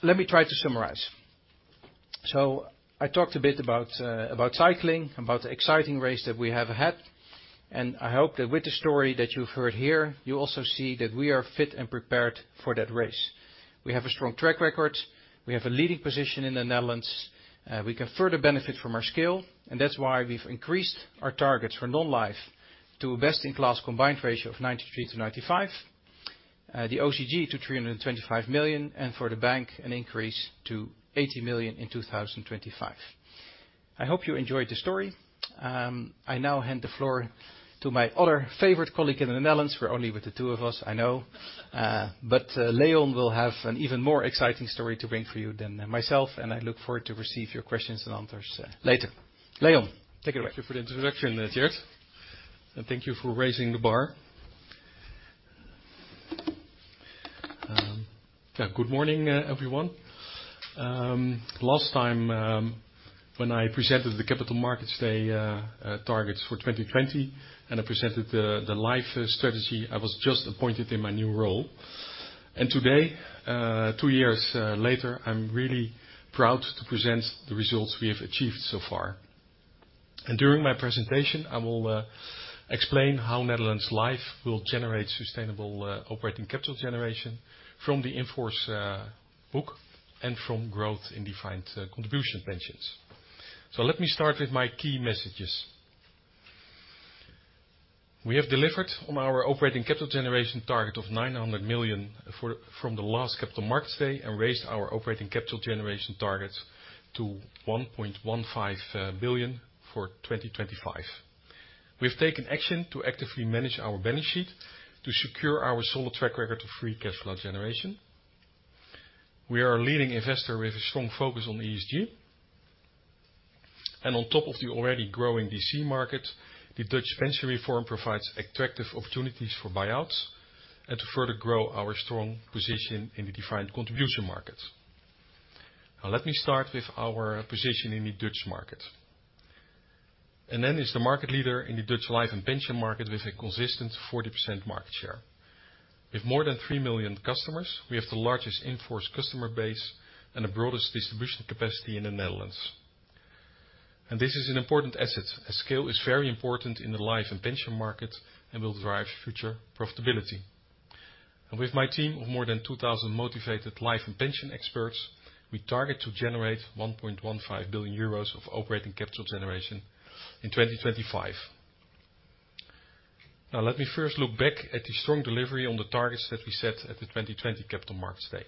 Let me try to summarize. I talked a bit about cycling, about the exciting race that we have had. I hope that with the story that you've heard here, you also see that we are fit and prepared for that race. We have a strong track record. We have a leading position in the Netherlands. We can further benefit from our scale. That's why we've increased our targets for Non-life to a best-in-class combined ratio of 93%-95%, the OCG to 325 million, and for the bank, an increase to 80 million in 2025. I hope you enjoyed the story. I now hand the floor to my other favorite colleague in the Netherlands. We're only with the two of us, I know. Leon will have an even more exciting story to bring for you than myself. I look forward to receive your questions and answers later. Leon, take it away. Thank you for the introduction, Tjeerd. Thank you for raising the bar. Yeah, good morning, everyone. Last time, when I presented the Capital Markets Day targets for 2020 and I presented the life strategy, I was just appointed in my new role. Today, two years later, I'm really proud to present the results we have achieved so far. During my presentation, I will explain how Netherlands Life will generate sustainable operating capital generation from the in-force book and from growth in defined contribution pensions. Let me start with my key messages. We have delivered on our operating capital generation target of 900 million from the last Capital Markets Day and raised our operating capital generation targets to 1.15 billion for 2025. We have taken action to actively manage our balance sheet to secure our solid track record of free cash flow generation. We are a leading investor with a strong focus on ESG. On top of the already growing DC market, the Dutch pension reform provides attractive opportunities for buyouts and to further grow our strong position in the defined contribution market. Now, let me start with our position in the Dutch market. NN Group is the market leader in the Dutch life and pension market with a consistent 40% market share. With more than 3 million customers, we have the largest in-force customer base and the broadest distribution capacity in the Netherlands. This is an important asset as scale is very important in the life and pension market and will drive future profitability. With my team of more than 2,000 motivated life and pension experts, we target to generate 1.15 billion euros of operating capital generation in 2025. Now, let me first look back at the strong delivery on the targets that we set at the 2020 Capital Markets Day.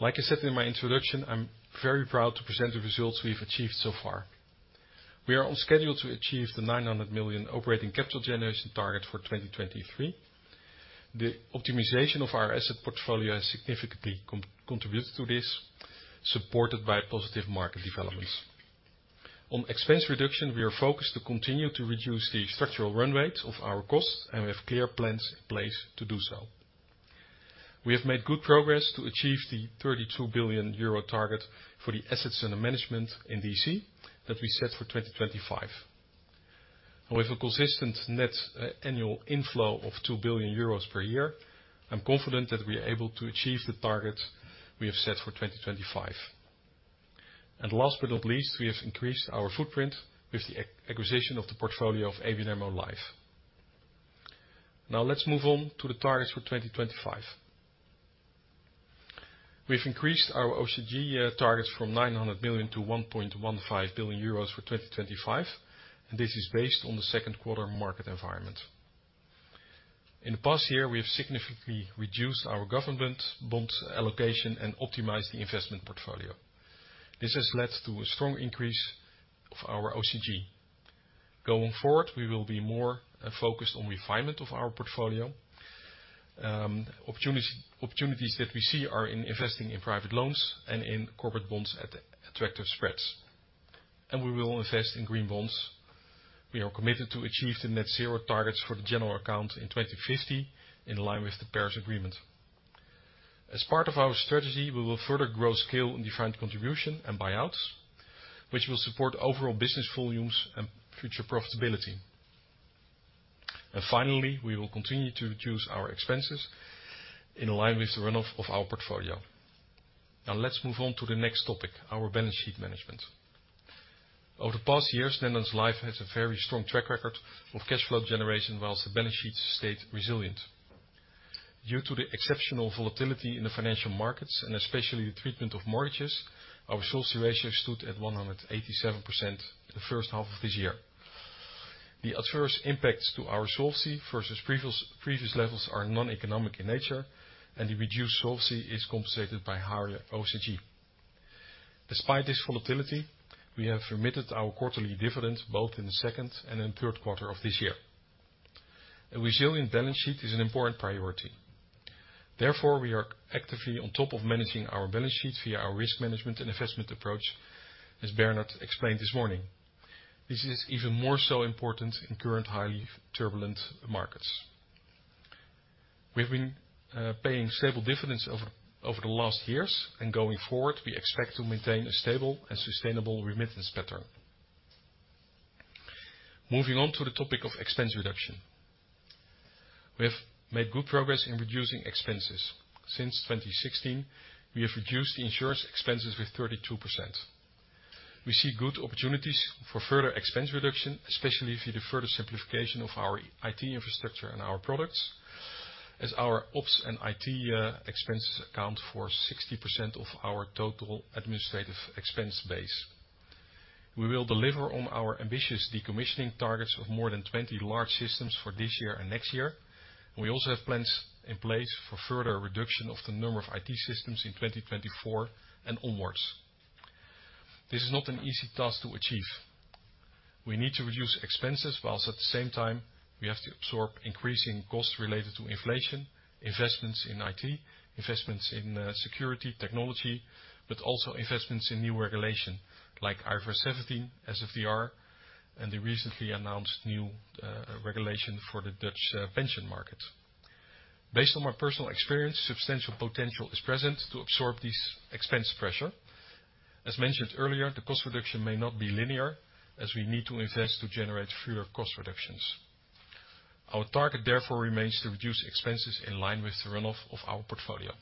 Like I said in my introduction, I'm very proud to present the results we have achieved so far. We are on schedule to achieve the 900 million operating capital generation target for 2023. The optimization of our asset portfolio has significantly contributed to this, supported by positive market developments. On expense reduction, we are focused to continue to reduce the structural run rates of our costs, and we have clear plans in place to do so. We have made good progress to achieve the 32 billion euro target for the assets under management in DC that we set for 2025. With a consistent net, annual inflow of 2 billion euros per year, I'm confident that we are able to achieve the targets we have set for 2025. Last but not least, we have increased our footprint with the acquisition of the portfolio of ABN AMRO Life. Now, let's move on to the targets for 2025. We have increased our OCG targets from 900 million-1.15 billion euros for 2025. This is based on the second quarter market environment. In the past year, we have significantly reduced our government bonds allocation and optimized the investment portfolio. This has led to a strong increase of our OCG. Going forward, we will be more focused on refinement of our portfolio. Opportunities that we see are in investing in private loans and in corporate bonds at attractive spreads. We will invest in green bonds. We are committed to achieve the net-zero targets for the general account in 2050 in line with the Paris Agreement. As part of our strategy, we will further grow scale in defined contribution and buyouts, which will support overall business volumes and future profitability. Finally, we will continue to reduce our expenses in line with the runoff of our portfolio. Now, let's move on to the next topic, our balance sheet management. Over the past years, Netherlands Life has a very strong track record of cash flow generation whilst the balance sheet stayed resilient. Due to the exceptional volatility in the financial markets and especially the treatment of mortgages, our solvency ratio stood at 187% in the first half of this year. The adverse impacts to our solvency versus previous levels are non-economic in nature, and the reduced solvency is compensated by higher OCG. Despite this volatility, we have remitted our quarterly dividend both in the second and in the third quarter of this year. A resilient balance sheet is an important priority. Therefore, we are actively on top of managing our balance sheet via our risk management and investment approach, as Bernhard explained this morning. This is even more so important in current highly turbulent markets. We have been paying stable dividends over the last years. Going forward, we expect to maintain a stable and sustainable remittance pattern. Moving on to the topic of expense reduction. We have made good progress in reducing expenses. Since 2016, we have reduced the insurance expenses with 32%. We see good opportunities for further expense reduction, especially via the further simplification of our IT infrastructure and our products, as our Ops and IT expenses account for 60% of our total administrative expense base. We will deliver on our ambitious decommissioning targets of more than 20 large systems for this year and next year. We also have plans in place for further reduction of the number of IT systems in 2024 and onwards. This is not an easy task to achieve. We need to reduce expenses whilst, at the same time, we have to absorb increasing costs related to inflation, investments in IT, investments in security, technology, but also investments in new regulation like IFRS 17, SFDR, and the recently announced new regulation for the Dutch pension market. Based on my personal experience, substantial potential is present to absorb this expense pressure. As mentioned earlier, the cost reduction may not be linear, as we need to invest to generate further cost reductions. Our target, therefore, remains to reduce expenses in line with the runoff of our portfolio.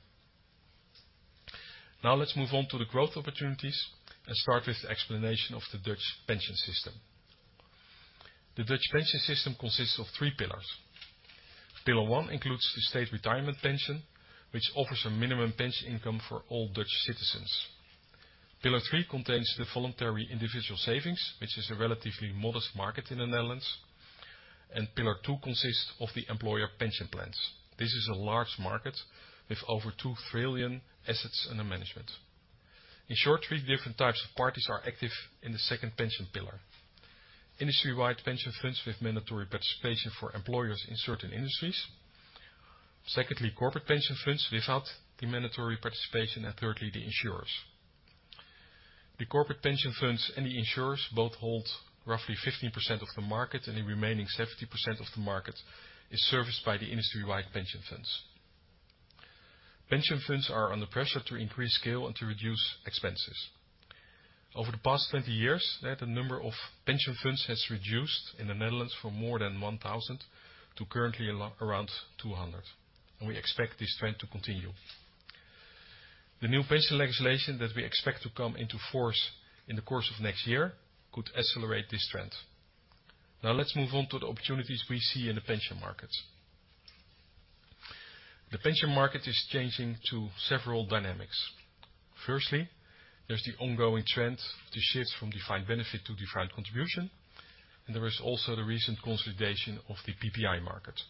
Now, let's move on to the growth opportunities and start with the explanation of the Dutch pension system. The Dutch pension system consists of three pillars. Pillar 1 includes the state retirement pension, which offers a minimum pension income for all Dutch citizens. Pillar 3 contains the voluntary individual savings, which is a relatively modest market in the Netherlands. Pillar 2 consists of the employer pension plans. This is a large market with over 2 trillion assets under management. In short, three different types of parties are active in the second pension pillar, industry-wide pension funds with mandatory participation for employers in certain industries, secondly, corporate pension funds without the mandatory participation, and thirdly, the insurers. The corporate pension funds and the insurers both hold roughly 15% of the market, and the remaining 70% of the market is serviced by the industry-wide pension funds. Pension funds are under pressure to increase scale and to reduce expenses. Over the past 20 years, the number of pension funds has reduced in the Netherlands from more than 1,000 to currently around 200. We expect this trend to continue. The new pension legislation that we expect to come into force in the course of next year could accelerate this trend. Now, let's move on to the opportunities we see in the pension markets. The pension market is changing due to several dynamics. Firstly, there's the ongoing trend of the shift from defined benefit to defined contribution. There is also the recent consolidation of the PPI market.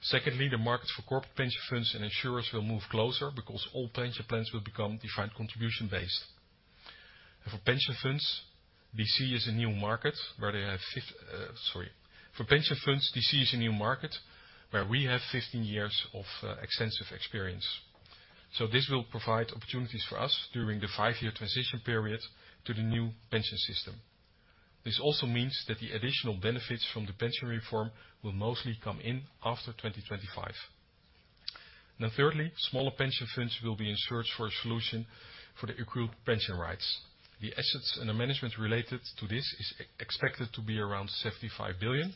Secondly, the market for corporate pension funds and insurers will move closer because all pension plans will become defined contribution-based. For pension funds, DC is a new market where we have 15 years of extensive experience. This will provide opportunities for us during the five-year transition period to the new pension system. This also means that the additional benefits from the pension reform will mostly come in after 2025. Thirdly, smaller pension funds will be in search for a solution for the accrued pension rights. The assets under management related to this are expected to be around 75 billion.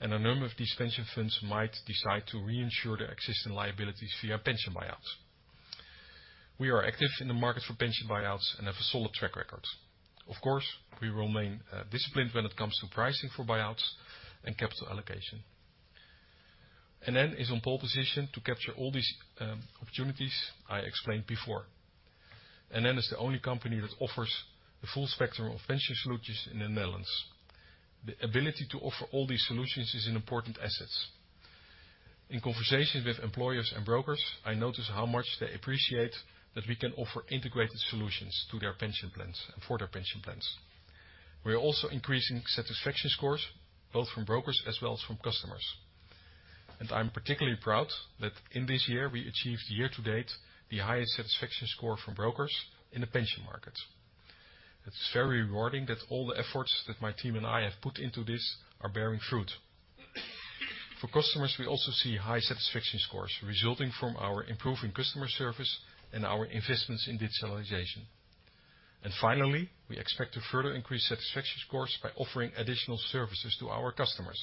A number of these pension funds might decide to reinsure their existing liabilities via pension buyouts. We are active in the market for pension buyouts and have a solid track record. Of course, we remain disciplined when it comes to pricing for buyouts and capital allocation. NN Group is on pole position to capture all these opportunities I explained before. NN Group is the only company that offers the full spectrum of pension solutions in the Netherlands. The ability to offer all these solutions is an important asset. In conversations with employers and brokers, I notice how much they appreciate that we can offer integrated solutions to their pension plans and for their pension plans. We are also increasing satisfaction scores both from brokers as well as from customers. I'm particularly proud that in this year we achieved, year to date, the highest satisfaction score from brokers in the pension market. It's very rewarding that all the efforts that my team and I have put into this are bearing fruit. For customers, we also see high satisfaction scores resulting from our improving customer service and our investments in digitalization. Finally, we expect to further increase satisfaction scores by offering additional services to our customers.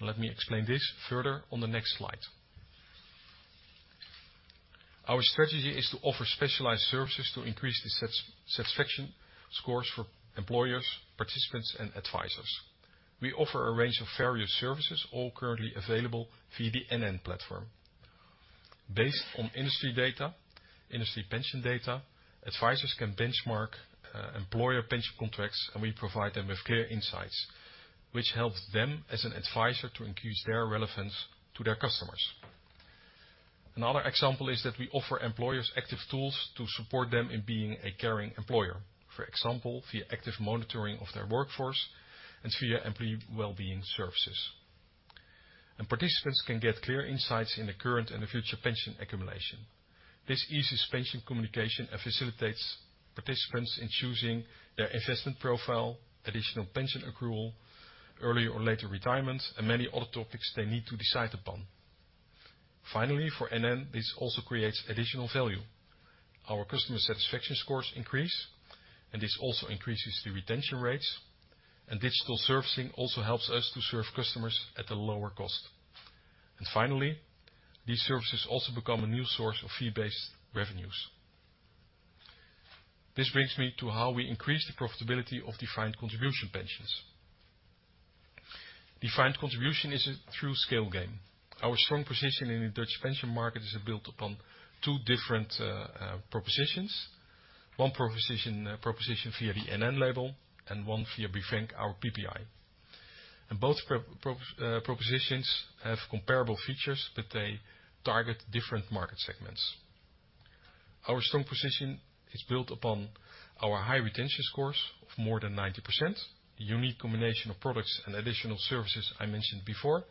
Let me explain this further on the next slide. Our strategy is to offer specialized services to increase the satisfaction scores for employers, participants, and advisors. We offer a range of various services, all currently available via the NN Group platform. Based on industry pension data, advisors can benchmark employer pension contracts, and we provide them with clear insights, which helps them as an advisor to increase their relevance to their customers. Another example is that we offer employers active tools to support them in being a caring employer, for example, via active monitoring of their workforce and via employee well-being services. Participants can get clear insights in the current and the future pension accumulation. This eases pension communication and facilitates participants in choosing their investment profile, additional pension accrual, earlier or later retirement, and many other topics they need to decide upon. Finally, for NN Group, this also creates additional value. Our customer satisfaction scores increase, and this also increases the retention rates. Digital servicing also helps us to serve customers at a lower cost. Finally, these services also become a new source of fee-based revenues. This brings me to how we increase the profitability of defined contribution pensions. Defined contribution is a true scale game. Our strong position in the Dutch pension market is built upon two different propositions. One proposition via the NN label and one via BeFrank, our PPI. Both propositions have comparable features, but they target different market segments. Our strong position is built upon our high retention scores of more than 90%, a unique combination of products and additional services I mentioned before,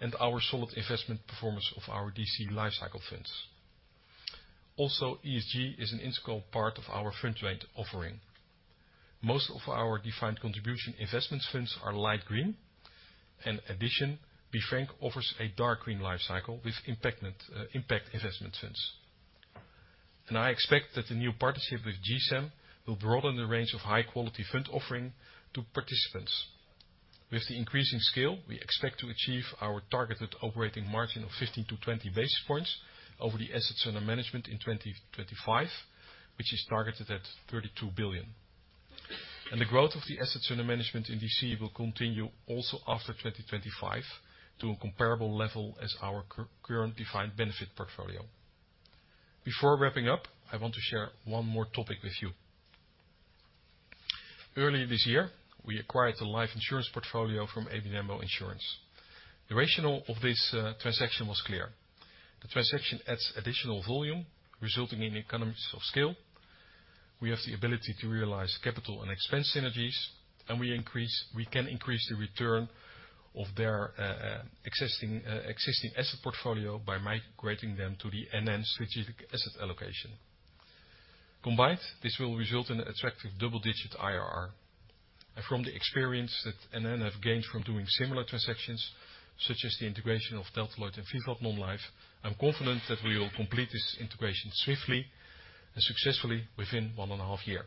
and our solid investment performance of our DC lifecycle funds. Also, ESG is an integral part of our pension offering. Most of our defined contribution investment funds are light green. In addition, BeFrank offers a dark green lifecycle with impact investment funds. I expect that the new partnership with GSAM will broaden the range of high-quality fund offering to participants. With the increasing scale, we expect to achieve our targeted operating margin of 15 basis points-20 basis points over the assets under management in 2025, which is targeted at 32 billion. The growth of the assets under management in DC will continue also after 2025 to a comparable level as our current defined benefit portfolio. Before wrapping up, I want to share one more topic with you. Earlier this year, we acquired the life insurance portfolio from ABN AMRO Verzekeringen. The rationale of this transaction was clear. The transaction adds additional volume, resulting in economies of scale. We have the ability to realize capital and expense synergies. We can increase the return of their existing asset portfolio by migrating them to the NN Strategic Asset Allocation. Combined, this will result in an attractive double-digit IRR. From the experience that NN Group have gained from doing similar transactions, such as the integration of Delta Lloyd and VIVAT Non-life, I'm confident that we will complete this integration swiftly and successfully within one and a half years.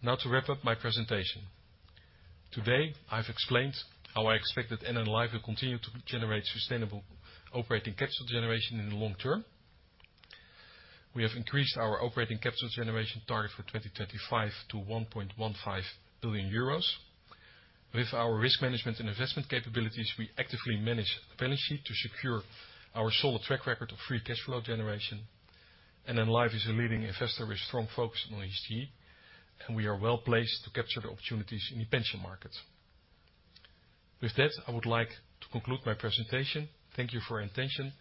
Now, to wrap up my presentation. Today, I've explained how I expect that NN Life will continue to generate sustainable operating capital generation in the long term. We have increased our operating capital generation target for 2025 to 1.15 billion euros. With our risk management and investment capabilities, we actively manage the balance sheet to secure our solid track record of free cash flow generation. NN Life is a leading investor with a strong focus on ESG, and we are well placed to capture the opportunities in the pension market. With that, I would like to conclude my presentation. Thank you for your attention.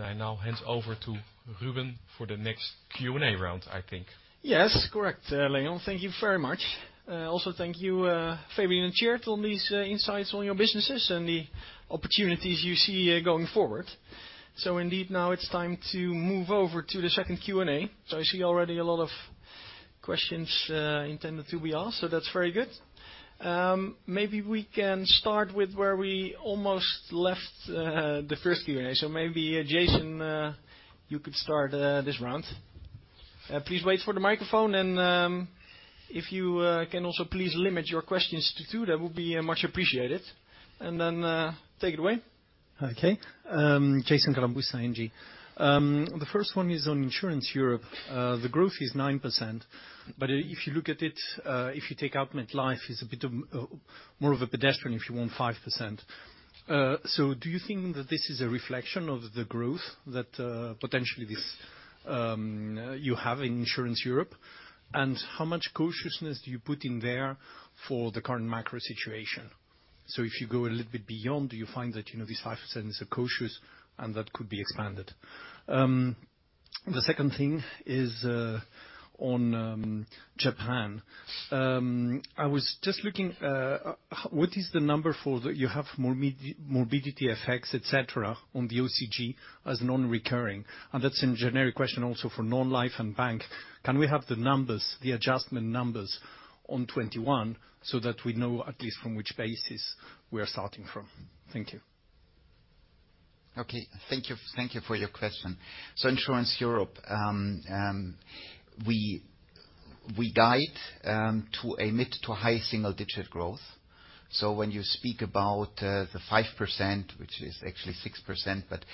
I now hand over to Ruben for the next Q&A round, I think. Yes, correct, Leon. Thank you very much. Also, thank you, Fabian and Tjeerd, on these insights on your businesses and the opportunities you see going forward. Indeed, now it's time to move over to the second Q&A. I see already a lot of questions intended to be asked, so that's very good. Maybe we can start with where we almost left the first Q&A. Maybe, Jason, you could start this round. Please wait for the microphone and, if you can also please limit your questions to two, that would be much appreciated. Take it away. Okay. Jason Kalamboussis, ING. The first one is on Insurance Europe. The growth is 9%. If you look at it, if you take out MetLife, it's a bit of a more of a pedestrian, if you want, 5%. Do you think that this is a reflection of the growth that, potentially, you have in Insurance Europe? How much cautiousness do you put in there for the current macro situation? If you go a little bit beyond, do you find that, you know, this 5% is cautious and that could be expanded? The second thing is on Japan. I was just looking, what is the number for the morbidity effects, etc., on the OCG as non-recurring? That's a generic question also for Non-life and Bank. Can we have the numbers, the adjustment numbers on 2021 so that we know at least from which basis we are starting from? Thank you. Okay. Thank you for your question. Insurance Europe, we guide to a mid to high single-digit growth. When you speak about the 5%, which is actually 6%, but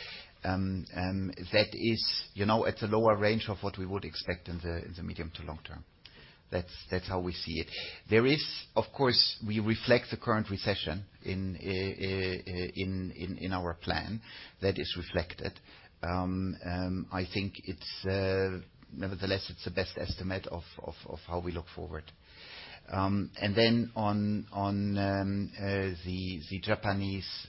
that is, you know, at the lower range of what we would expect in the medium to long term. That's how we see it. Of course, we reflect the current recession in our plan. That is reflected. I think it's, nevertheless, the best estimate of how we look forward. On the Japanese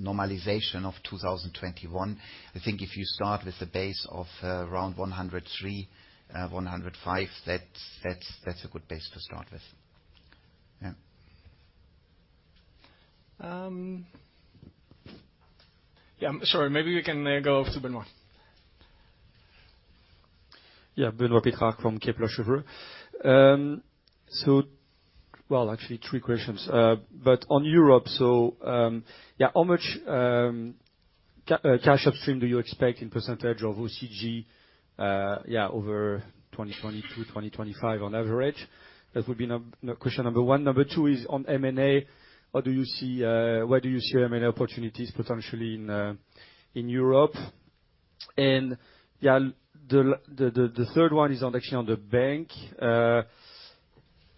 normalization of 2021, I think if you start with a base of around 103 million, 105 million, that's a good base to start with. Yeah, I'm sorry. Maybe we can go off to Benoît Pétrarque. Yeah, Benoît Pétrarque from Kepler Cheuvreux. Well, actually, three questions. On Europe, how much cash upstream do you expect in percentage of OCG, yeah, over 2022-2025 on average? That would be question number one. Number two is on M&A. Where do you see M&A opportunities potentially in Europe? The third one is actually on the bank.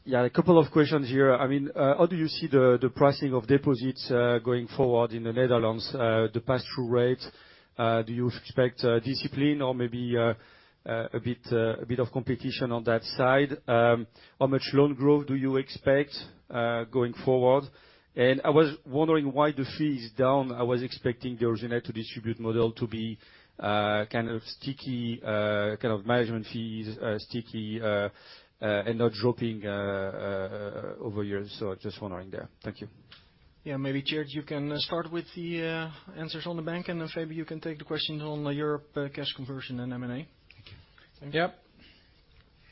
Yeah, a couple of questions here. I mean, how do you see the pricing of deposits going forward in the Netherlands? The pass-through rate, do you expect discipline or maybe a bit of competition on that side? How much loan growth do you expect going forward? I was wondering why the fee is down. I was expecting the originate-to-distribute model to be kind of sticky, kind of management fees sticky, and not dropping over years. I'm just wondering there. Thank you. Yeah, maybe Tjeerd, you can start with the answers on the bank, and then Fabian, you can take the questions on Europe cash conversion and M&A. Thank you. Yep.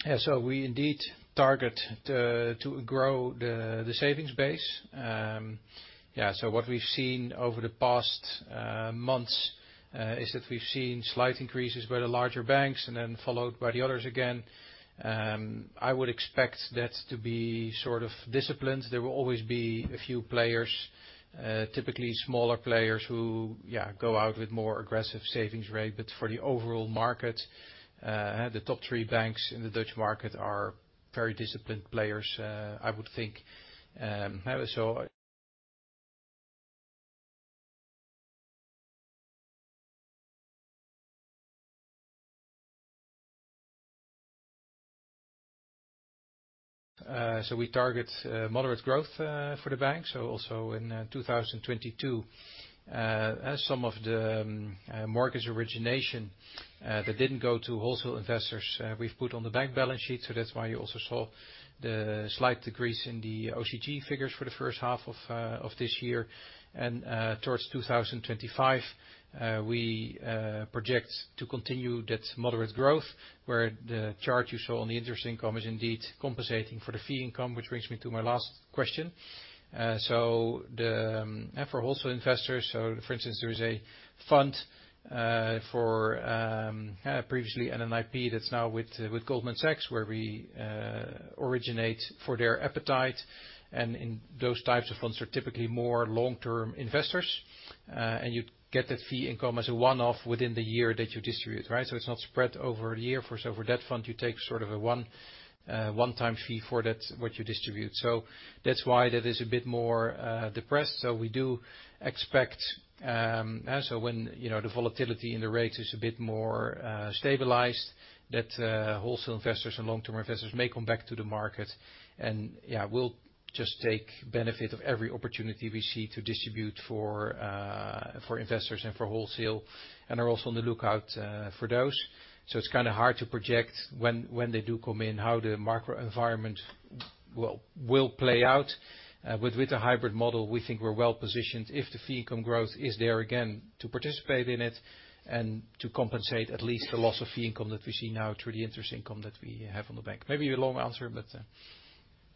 Yeah, we indeed target to grow the savings base. Yeah, what we've seen over the past months is that we've seen slight increases by the larger banks and then followed by the others again. I would expect that to be sort of disciplined. There will always be a few players, typically smaller players who, yeah, go out with more aggressive savings rate. For the overall market, the top three banks in the Dutch market are very disciplined players, I would think so. We target moderate growth for the bank. Also in 2022, some of the mortgage origination that didn't go to wholesale investors, we've put on the bank balance sheet. That's why you also saw the slight decrease in the OCG figures for the first half of this year. Towards 2025, we project to continue that moderate growth where the chart you saw on the interest income is indeed compensating for the fee income, which brings me to my last question. Yeah, for wholesale investors, for instance, there is a fund, previously NNIP, that's now with Goldman Sachs where we originate for their appetite. In those types of funds are typically more long-term investors. You get that fee income as a one-off within the year that you distribute, right? It's not spread over a year. For that fund, you take sort of a one-time fee for that what you distribute. That's why that is a bit more depressed. We do expect, yeah, when, you know, the volatility in the rates is a bit more stabilized, that wholesale investors and long-term investors may come back to the market. Yeah, we'll just take benefit of every opportunity we see to distribute for investors and for wholesale and are also on the lookout for those. It's kind of hard to project when they do come in, how the macro environment will play out. With a hybrid model, we think we're well positioned if the fee income growth is there again to participate in it and to compensate at least the loss of fee income that we see now through the interest income that we have on the bank. Maybe a long answer, but,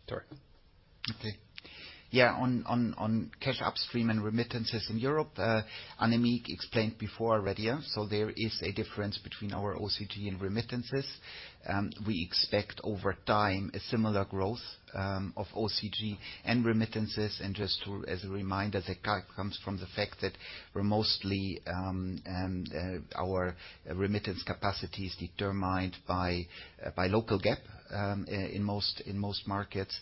sorry. Okay. Yeah, on cash upstream and remittances in Europe, Annemiek explained before already. Yeah, there is a difference between our OCG and remittances. We expect over time a similar growth of OCG and remittances. Just as a reminder, that comes from the fact that our remittance capacity is determined by local GAAP in most markets.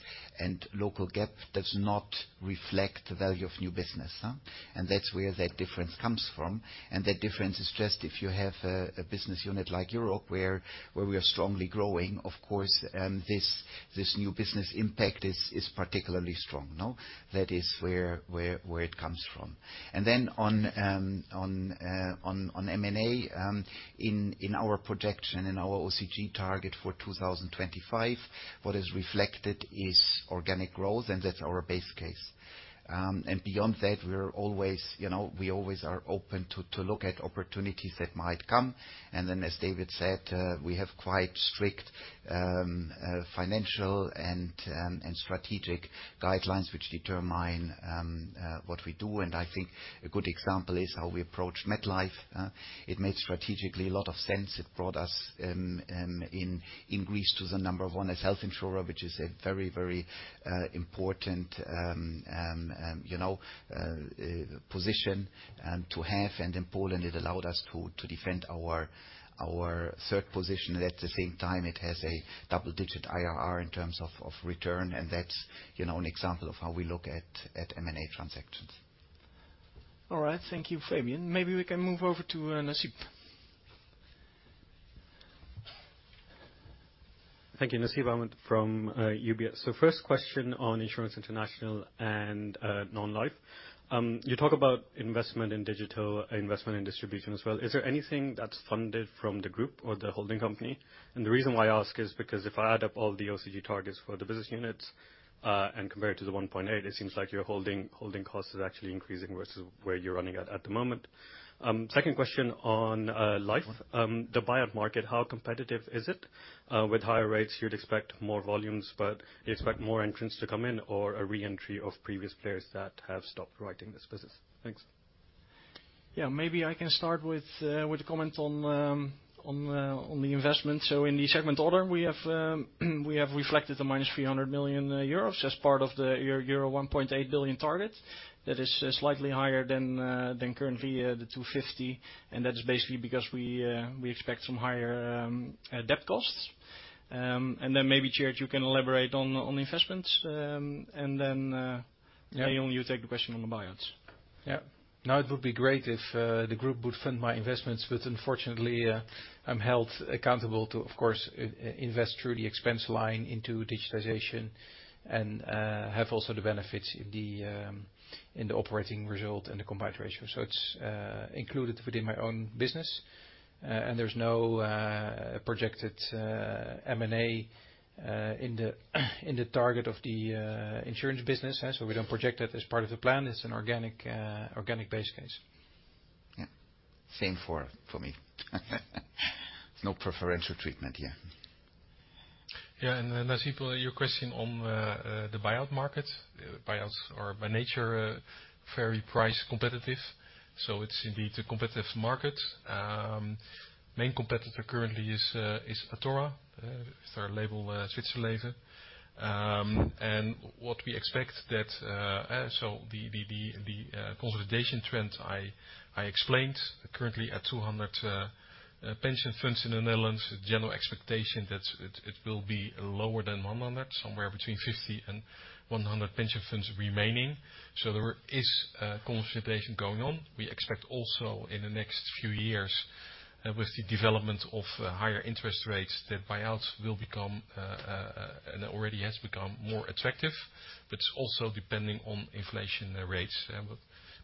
Local GAAP does not reflect the value of new business, huh? That's where that difference comes from. That difference is just if you have a business unit like Europe where we are strongly growing, of course, this new business impact is particularly strong, no? That is where it comes from. On M&A, in our projection, in our OCG target for 2025, what is reflected is organic growth, and that's our base case. Beyond that, you know, we always are open to look at opportunities that might come. As David said, we have quite strict financial and strategic guidelines which determine what we do. I think a good example is how we approach MetLife, huh? It made strategically a lot of sense. It brought us in Greece to the number one as health insurer, which is a very important, you know, position to have. In Poland, it allowed us to defend our third position. At the same time, it has a double-digit IRR in terms of return. That's, you know, an example of how we look at M&A transactions. All right. Thank you, Fabian. Maybe we can move over to Nasib. Thank you, Nasib. I'm from UBS. First question on Insurance International and Non-life. You talk about investment in digital, investment in distribution as well. Is there anything that's funded from the Group or the holding company? The reason why I ask is because if I add up all the OCG targets for the business units, and compare it to the 1.8 billion, it seems like your holding cost is actually increasing versus where you're running at the moment. Second question on Life. The buyout market, how competitive is it? With higher rates, you'd expect more volumes, but you expect more entrants to come in or a re-entry of previous players that have stopped writing this business? Thanks. Yeah, maybe I can start with a comment on the investment. In the segment order, we have reflected the -300 million euros as part of the euro 1.8 billion target. That is slightly higher than currently the 250 million. That is basically because we expect some higher debt costs. Maybe, Tjeerd, you can elaborate on investments. Leon, you take the question on the buyouts. Yeah. Now, it would be great if the group would fund my investments, but unfortunately, I'm held accountable to, of course, invest through the expense line into digitization and have also the benefits in the operating result and the combined ratio. It's included within my own business. There's no projected M&A in the target of the insurance business, huh? We don't project that as part of the plan. It's an organic base case. Yeah. Same for me. No preferential treatment, yeah. Yeah, Nasib, your question on the buyout market. Buyouts are by nature, very price competitive. It's indeed a competitive market. Main competitor currently is Athora, their label, Zwitserleven. The consolidation trend I explained currently at 200 pension funds in the Netherlands, general expectation that it will be lower than 100 pension funds, somewhere between 50 and 100 pension funds remaining. There is consolidation going on. We expect also in the next few years, with the development of higher interest rates, that buyouts will become, and already has become more attractive. It's also depending on inflation rates, huh?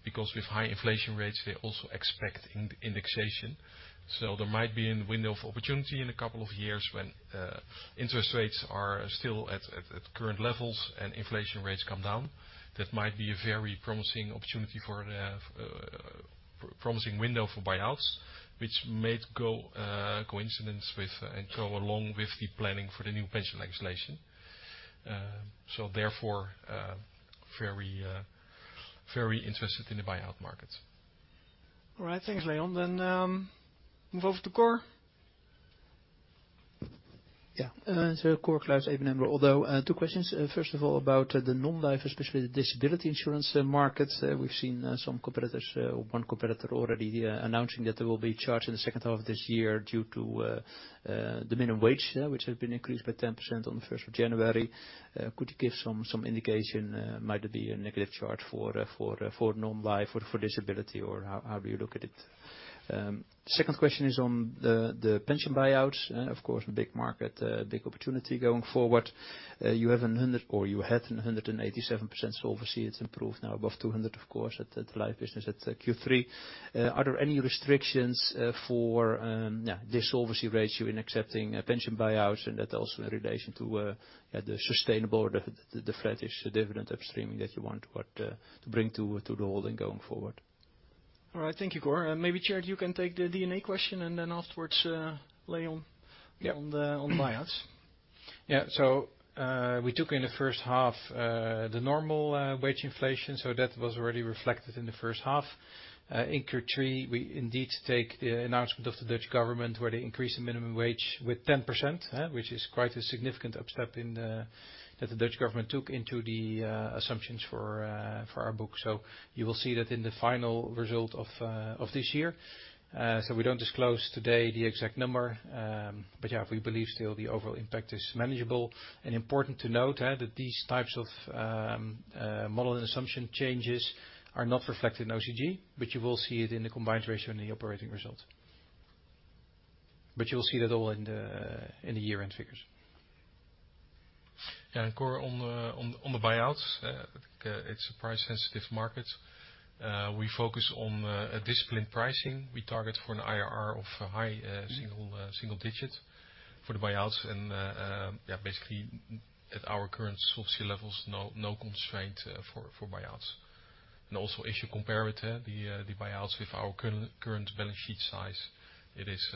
Because with high inflation rates, they also expect indexation. There might be a window of opportunity in a couple of years when interest rates are still at current levels and inflation rates come down. That might be a very promising window for buyouts, which may go coincidence with and go along with the planning for the new pension legislation. Therefore, very, very interested in the buyout market. All right. Thanks, Leon. Move over to Cor. Yeah, Cor Kluis, ABN AMRO ODDO BHF. Although, two questions. First of all, about the Non-life, especially the disability insurance market. We've seen some competitors, one competitor already, announcing that there will be a charge in the second half of this year due to the minimum wage, which has been increased by 10% on January 1st. Could you give some indication, might it be a negative charge for Non-life, for disability, or how do you look at it? Second question is on the pension buyouts. Of course, a big market, big opportunity going forward. You have 100% or you had 187% solvency. It's improved now above 200%, of course, at the Life business at Q3. are there any restrictions, for, yeah, this solvency ratio in accepting, pension buyouts and that also in relation to, yeah, the sustainable or the flat-ish dividend upstreaming that you want to bring to the holding going forward? All right. Thank you, Cor. maybe, Tjeerd, you can take the D&A question and then afterwards, Leon, on the buyouts. Yeah, so, we took in the first half, the normal, wage inflation. So that was already reflected in the first half. in Q3, we indeed take the announcement of the Dutch government where they increase the minimum wage with ten percent, huh, which is quite a significant upstep in the that the Dutch government took into the, assumptions for our book. So you will see that in the final result of this year. So we don't disclose today the exact number. Yeah, we believe still the overall impact is manageable. Important to note, huh, that these types of model and assumption changes are not reflected in OCG, but you will see it in the combined ratio and the operating result. You will see that all in the year-end figures. Cor, on the buyouts, huh, it is a price-sensitive market. We focus on disciplined pricing. We target for an IRR of high single digit for the buyouts. Basically at our current solvency levels, no constraint for buyouts. If you compare it, huh, the buyouts with our current balance sheet size, it is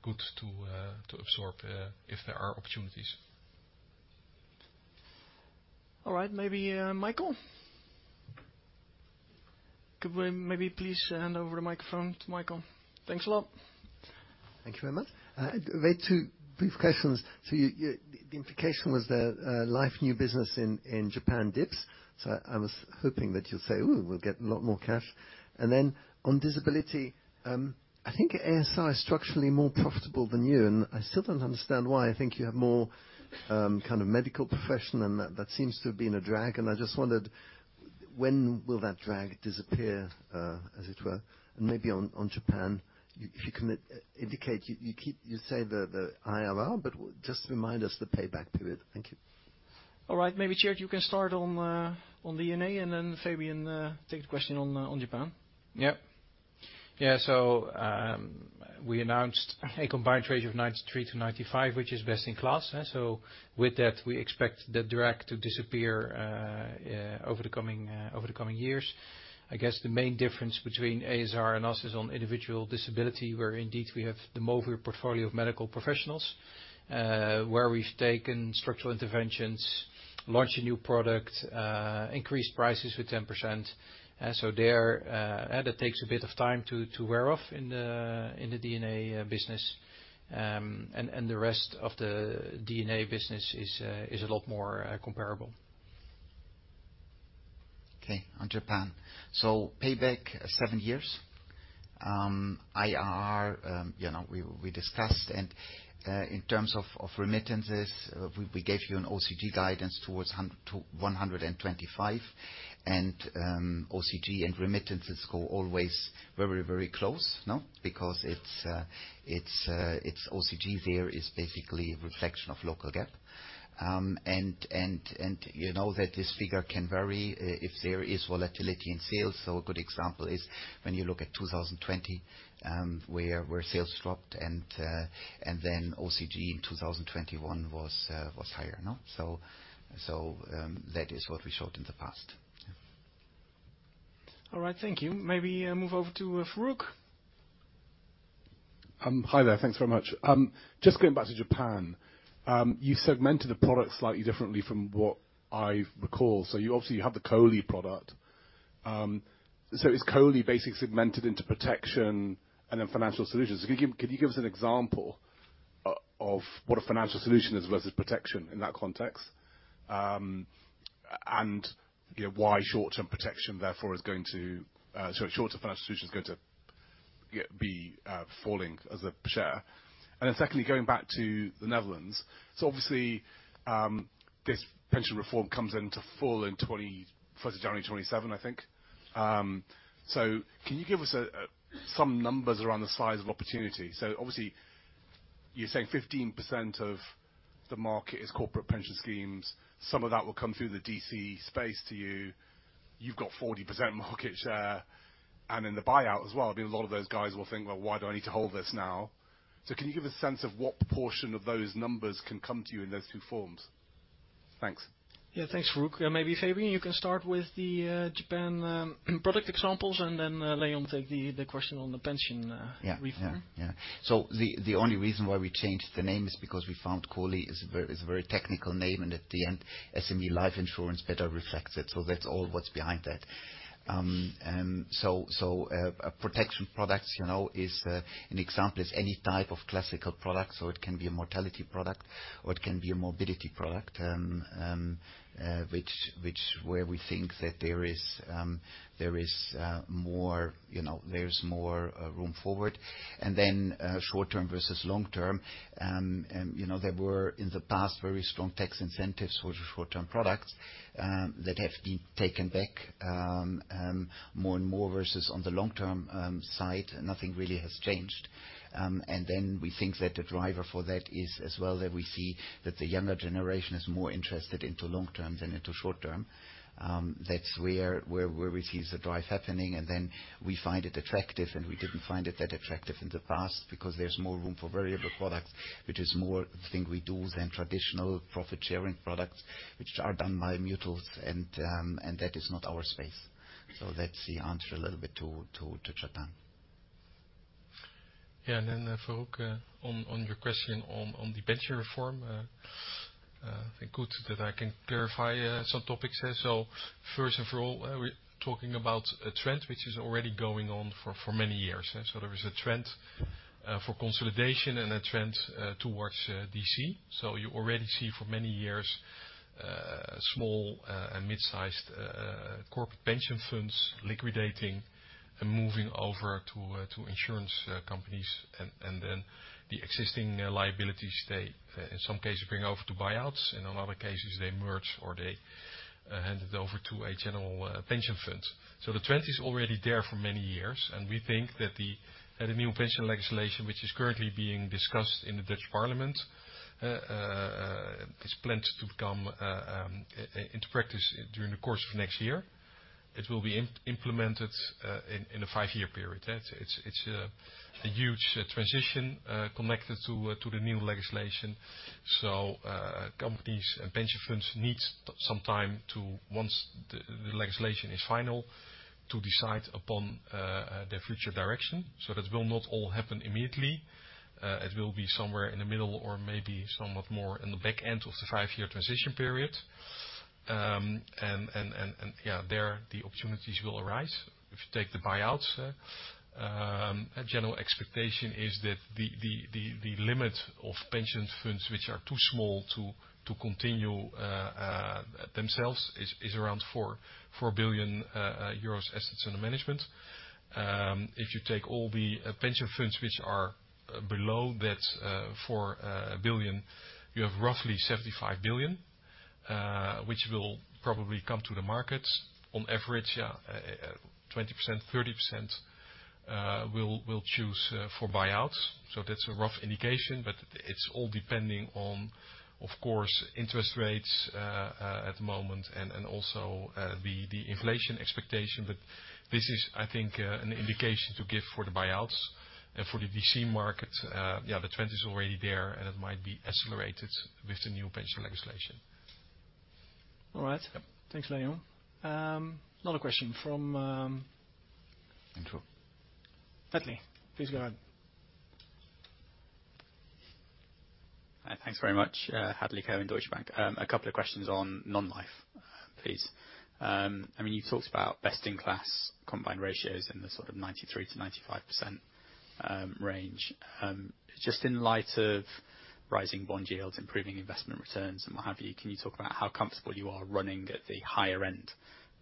good to absorb if there are opportunities. All right. Maybe, Michael? Could we maybe please hand over the microphone to Michael? Thanks a lot. Thank you very much. Only two brief questions. The implication was that life new business in Japan dips. I was hoping that you'll say, "We'll get a lot more cash." On disability, I think ASR is structurally more profitable than you. I still don't understand why. I think you have more kind of medical profession, and that seems to have been a drag. I just wondered when will that drag disappear, as it were? Maybe on Japan, if you can indicate, you say the IRR, but just remind us the payback period. Thank you. All right. Maybe, Tjeerd, you can start on D&A, and then Fabian, take the question on Japan. Yep. Yeah, we announced a combined ratio of 93%-95%, which is best in class, huh? With that, we expect the drag to disappear over the coming years. I guess the main difference between a.s.r. and us is on individual disability where indeed we have the Movir portfolio of medical professionals, where we've taken structural interventions, launched a new product, increased prices with 10%. The rest of the D&A business is a lot more comparable. Okay. On Japan. Payback seven years. IRR, you know, we discussed. In terms of remittances, we gave you an OCG guidance towards 100 million-125 million. OCG and remittances go always very, very close, no? Because OCG there is basically a reflection of local GAAP. You know that this figure can vary if there is volatility in sales. A good example is when you look at 2020, where sales dropped and then OCG in 2021 was higher, no? That is what we showed in the past. All right. Thank you. Maybe move over to Farooq. Hi there. Thanks very much. Just going back to Japan, you segmented the products slightly differently from what I recall. You obviously have the COLI product. Is COLI basically segmented into protection and then financial solutions? Can you give us an example of what a financial solution is versus protection in that context? You know, why short-term financial solution is going to, you know, be falling as a share. Secondly, going back to the Netherlands. Obviously, this pension reform comes into full on January 21st, 2027, I think. Can you give us some numbers around the size of opportunity? Obviously, you're saying 15% of the market is corporate pension schemes. Some of that will come through the DC space to you. You've got 40% market share. In the buyout as well, I mean, a lot of those guys will think, well, why do I need to hold this now? Can you give a sense of what proportion of those numbers can come to you in those two forms? Thanks. Yeah, thanks, Farooq. Maybe, Fabian, you can start with the Japan product examples, and then, Leon, take the question on the pension reform. Yeah, yeah. The only reason why we changed the name is because we found COLI is a very technical name, and at the end, SME life insurance better reflects it. That's all what's behind that. Protection products, you know, an example is any type of classical product. It can be a mortality product or it can be a morbidity product, where we think that there's more, you know, room forward. Short-term versus long-term, you know, there were in the past very strong tax incentives for short-term products that have been taken back more and more versus on the long-term side, nothing really has changed. We think that the driver for that is as well that we see that the younger generation is more interested into long-term than into short-term. That's where we see the drive happening. We find it attractive, and we didn't find it that attractive in the past because there's more room for variable products, which is more the thing we do than traditional profit-sharing products, which are done by mutuals. That is not our space. That's the answer a little bit to Japan. Yeah, Farooq, on your question on the pension reform, I think good that I can clarify some topics, huh? First and for all, we're talking about a trend which is already going on for many years, huh? There is a trend for consolidation and a trend towards DC. You already see for many years small and mid-sized corporate pension funds liquidating and moving over to insurance companies. The existing liabilities, they, in some cases, bring over to buyouts. In other cases, they merge or they hand it over to a general pension fund. The trend is already there for many years. We think that the new pension legislation, which is currently being discussed in the Dutch Parliament, it's planned to become into practice during the course of next year. It will be implemented in a five-year period. It's a huge transition connected to the new legislation. Companies and pension funds need some time to once the legislation is final to decide upon their future direction. That will not all happen immediately. It will be somewhere in the middle or maybe somewhat more in the back end of the five-year transition period. Yeah, there the opportunities will arise if you take the buyouts, huh? A general expectation is that the limit of pension funds which are too small to continue themselves is around 4 billion euros assets under management. If you take all the pension funds which are below that 4 billion, you have roughly 75 billion, which will probably come to the markets on average, yeah, 20%, 30% will choose for buyouts. That's a rough indication, but it's all depending on, of course, interest rates at the moment and also the inflation expectation. This is, I think, an indication to give for the buyouts and for the DC market. Yeah, the trend is already there, and it might be accelerated with the new pension legislation. All right. Thanks, Leon. Another question from Andrew? Hadley. Please go ahead. Hi, thanks very much. Hadley Cohen, Deutsche Bank. A couple of questions on Non-life, please. I mean, you've talked about best-in-class combined ratios in the sort of 93%-95% range. Just in light of rising bond yields, improving investment returns, and what have you, can you talk about how comfortable you are running at the higher end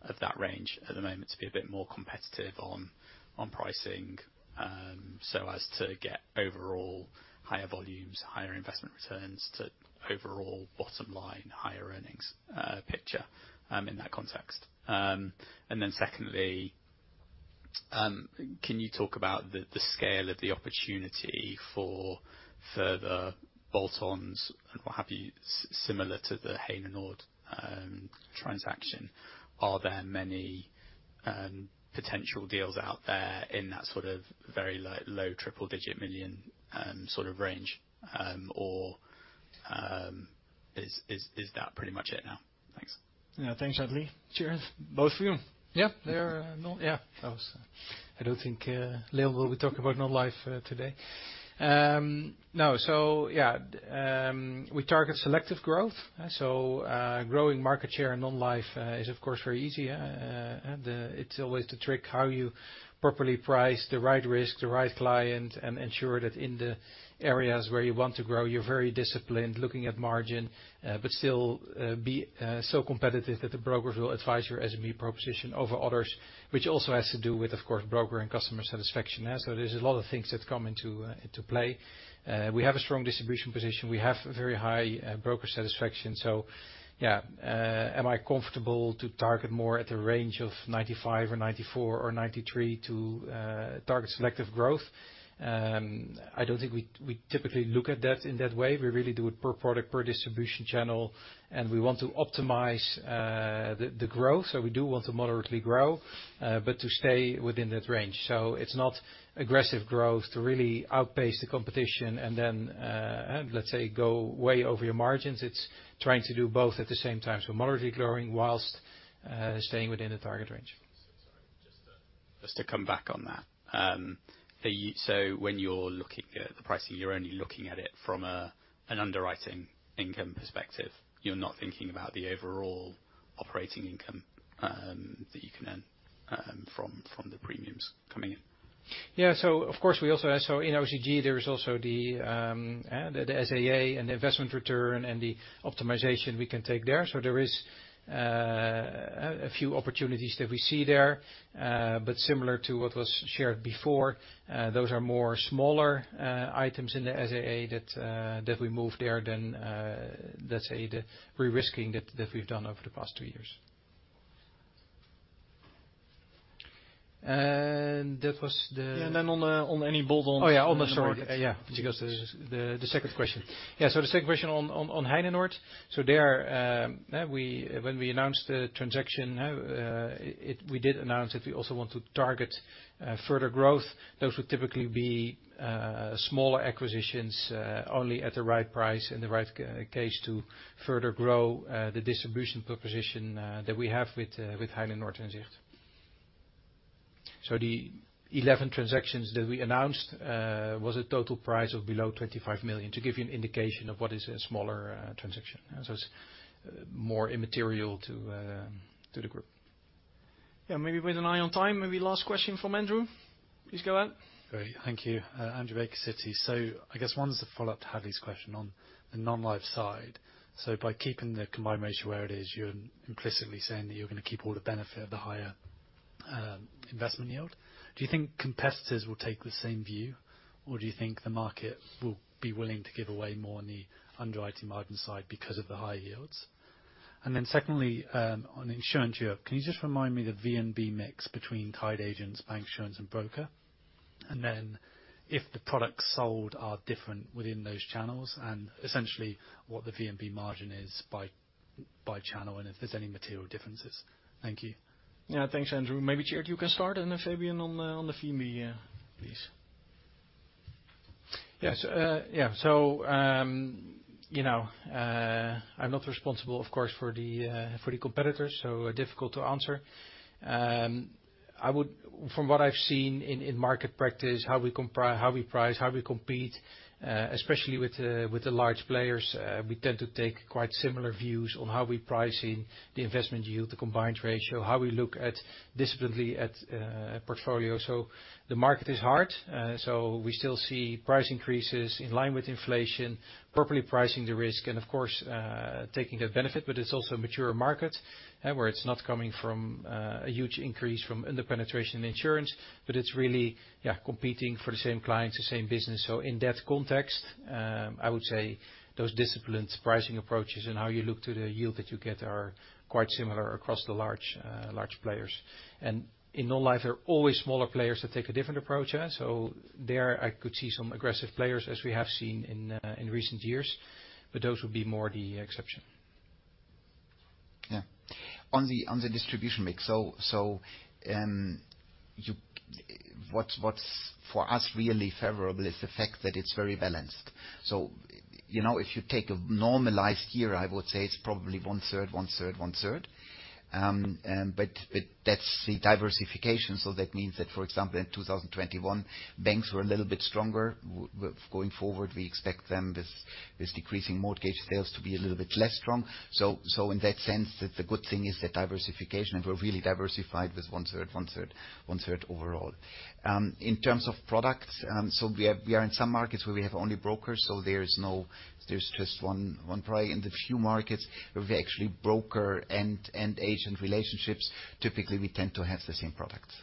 of that range at the moment to be a bit more competitive on pricing, so as to get overall higher volumes, higher investment returns to overall bottom line, higher earnings picture, in that context? Secondly, can you talk about the scale of the opportunity for further bolt-ons and what have you similar to the Heinenoord transaction? Are there many potential deals out there in that sort of very, like, low triple-digit million sort of range? Is that pretty much it now? Thanks. Yeah, thanks, Hadley. Tjeerd, both of you? Yep, no, yeah. I don't think Leon will be talking about Non-life today. Yeah, we target selective growth. Growing market share in Non-life is, of course, very easy. It's always the trick how you properly price the right risk, the right client, and ensure that in the areas where you want to grow, you're very disciplined, looking at margin, but still be so competitive that the brokers will advise your SME proposition over others, which also has to do with, of course, broker and customer satisfaction. There's a lot of things that come into play. We have a strong distribution position. We have very high broker satisfaction. Yeah, am I comfortable to target more at the range of 95% or 94% or 93% to target selective growth? I don't think we typically look at that in that way. We really do it per product, per distribution channel. We want to optimize the growth. We do want to moderately grow, but to stay within that range. It's not aggressive growth to really outpace the competition and then, let's say go way over your margins. It's trying to do both at the same time. Moderately growing whilst staying within the target range. Sorry, just to come back on that. Are you, when you're looking at the pricing, you're only looking at it from an underwriting income perspective? You're not thinking about the overall operating income that you can earn from the premiums coming in? Yeah, of course, in OCG, there is also the SAA and the investment return and the optimization we can take there. There is a few opportunities that we see there, but similar to what was shared before, those are more smaller items in the SAA that we move there than, let's say, the re-risking that we've done over the past two years. Yeah, on any bolt-ons? Oh, yeah, which goes to the second question. Yeah, the second question on Heinenoord. When we announced the transaction, we did announce that we also want to target further growth. Those would typically be smaller acquisitions, only at the right price in the right case to further grow the distribution proposition that we have with Heinenoord, Zicht. The 11 transactions that we announced was a total price of below 25 million to give you an indication of what is a smaller transaction, huh? It's more immaterial to the group. Yeah, maybe with an eye on time, maybe last question from Andrew. Please go ahead. Great. Thank you. Andrew Baker, Citi. I guess one's to follow up to Hadley's question on the Non-life side. By keeping the combined ratio where it is, you're implicitly saying that you're going to keep all the benefit of the higher investment yield. Do you think competitors will take the same view, or do you think the market will be willing to give away more on the underwriting margin side because of the high yields? Secondly, on Insurance Europe, can you just remind me the VNB mix between tied agents, bank insurance, and broker? If the products sold are different within those channels and essentially what the VNB margin is by channel and if there's any material differences. Thank you. Yeah, thanks, Andrew. Maybe, Tjeerd, you can start, and then Fabian on the VNB, please. Yeah, you know, I'm not responsible, of course, for the competitors, so difficult to answer. I would from what I've seen in market practice, how we price, how we compete, especially with the large players, we tend to take quite similar views on how we're pricing the investment yield, the combined ratio, how we look disciplinedly at portfolio. The market is hard, so we still see price increases in line with inflation, properly pricing the risk, and of course, taking that benefit. It's also a mature market, huh, where it's not coming from a huge increase from underpenetration in insurance, but it's really, yeah, competing for the same clients, the same business. In that context, I would say those disciplined pricing approaches and how you look to the yield that you get are quite similar across the large players. In Non-life, there are always smaller players that take a different approach, huh? There, I could see some aggressive players as we have seen in recent years, but those would be more the exception. Yeah. On the distribution mix, what's for us really favorable is the fact that it's very balanced. You know, if you take a normalized year, I would say it's probably 1/3, 1/3, 1/3. That's the diversification. That means that, for example, in 2021, banks were a little bit stronger. Going forward, we expect them with decreasing mortgage sales to be a little bit less strong. In that sense, the good thing is the diversification, and we're really diversified with 1/3, 1/3, 1/3 overall. In terms of products, we are in some markets where we have only brokers. There's just one probably in the few markets where we actually broker and agent relationships. Typically, we tend to have the same products.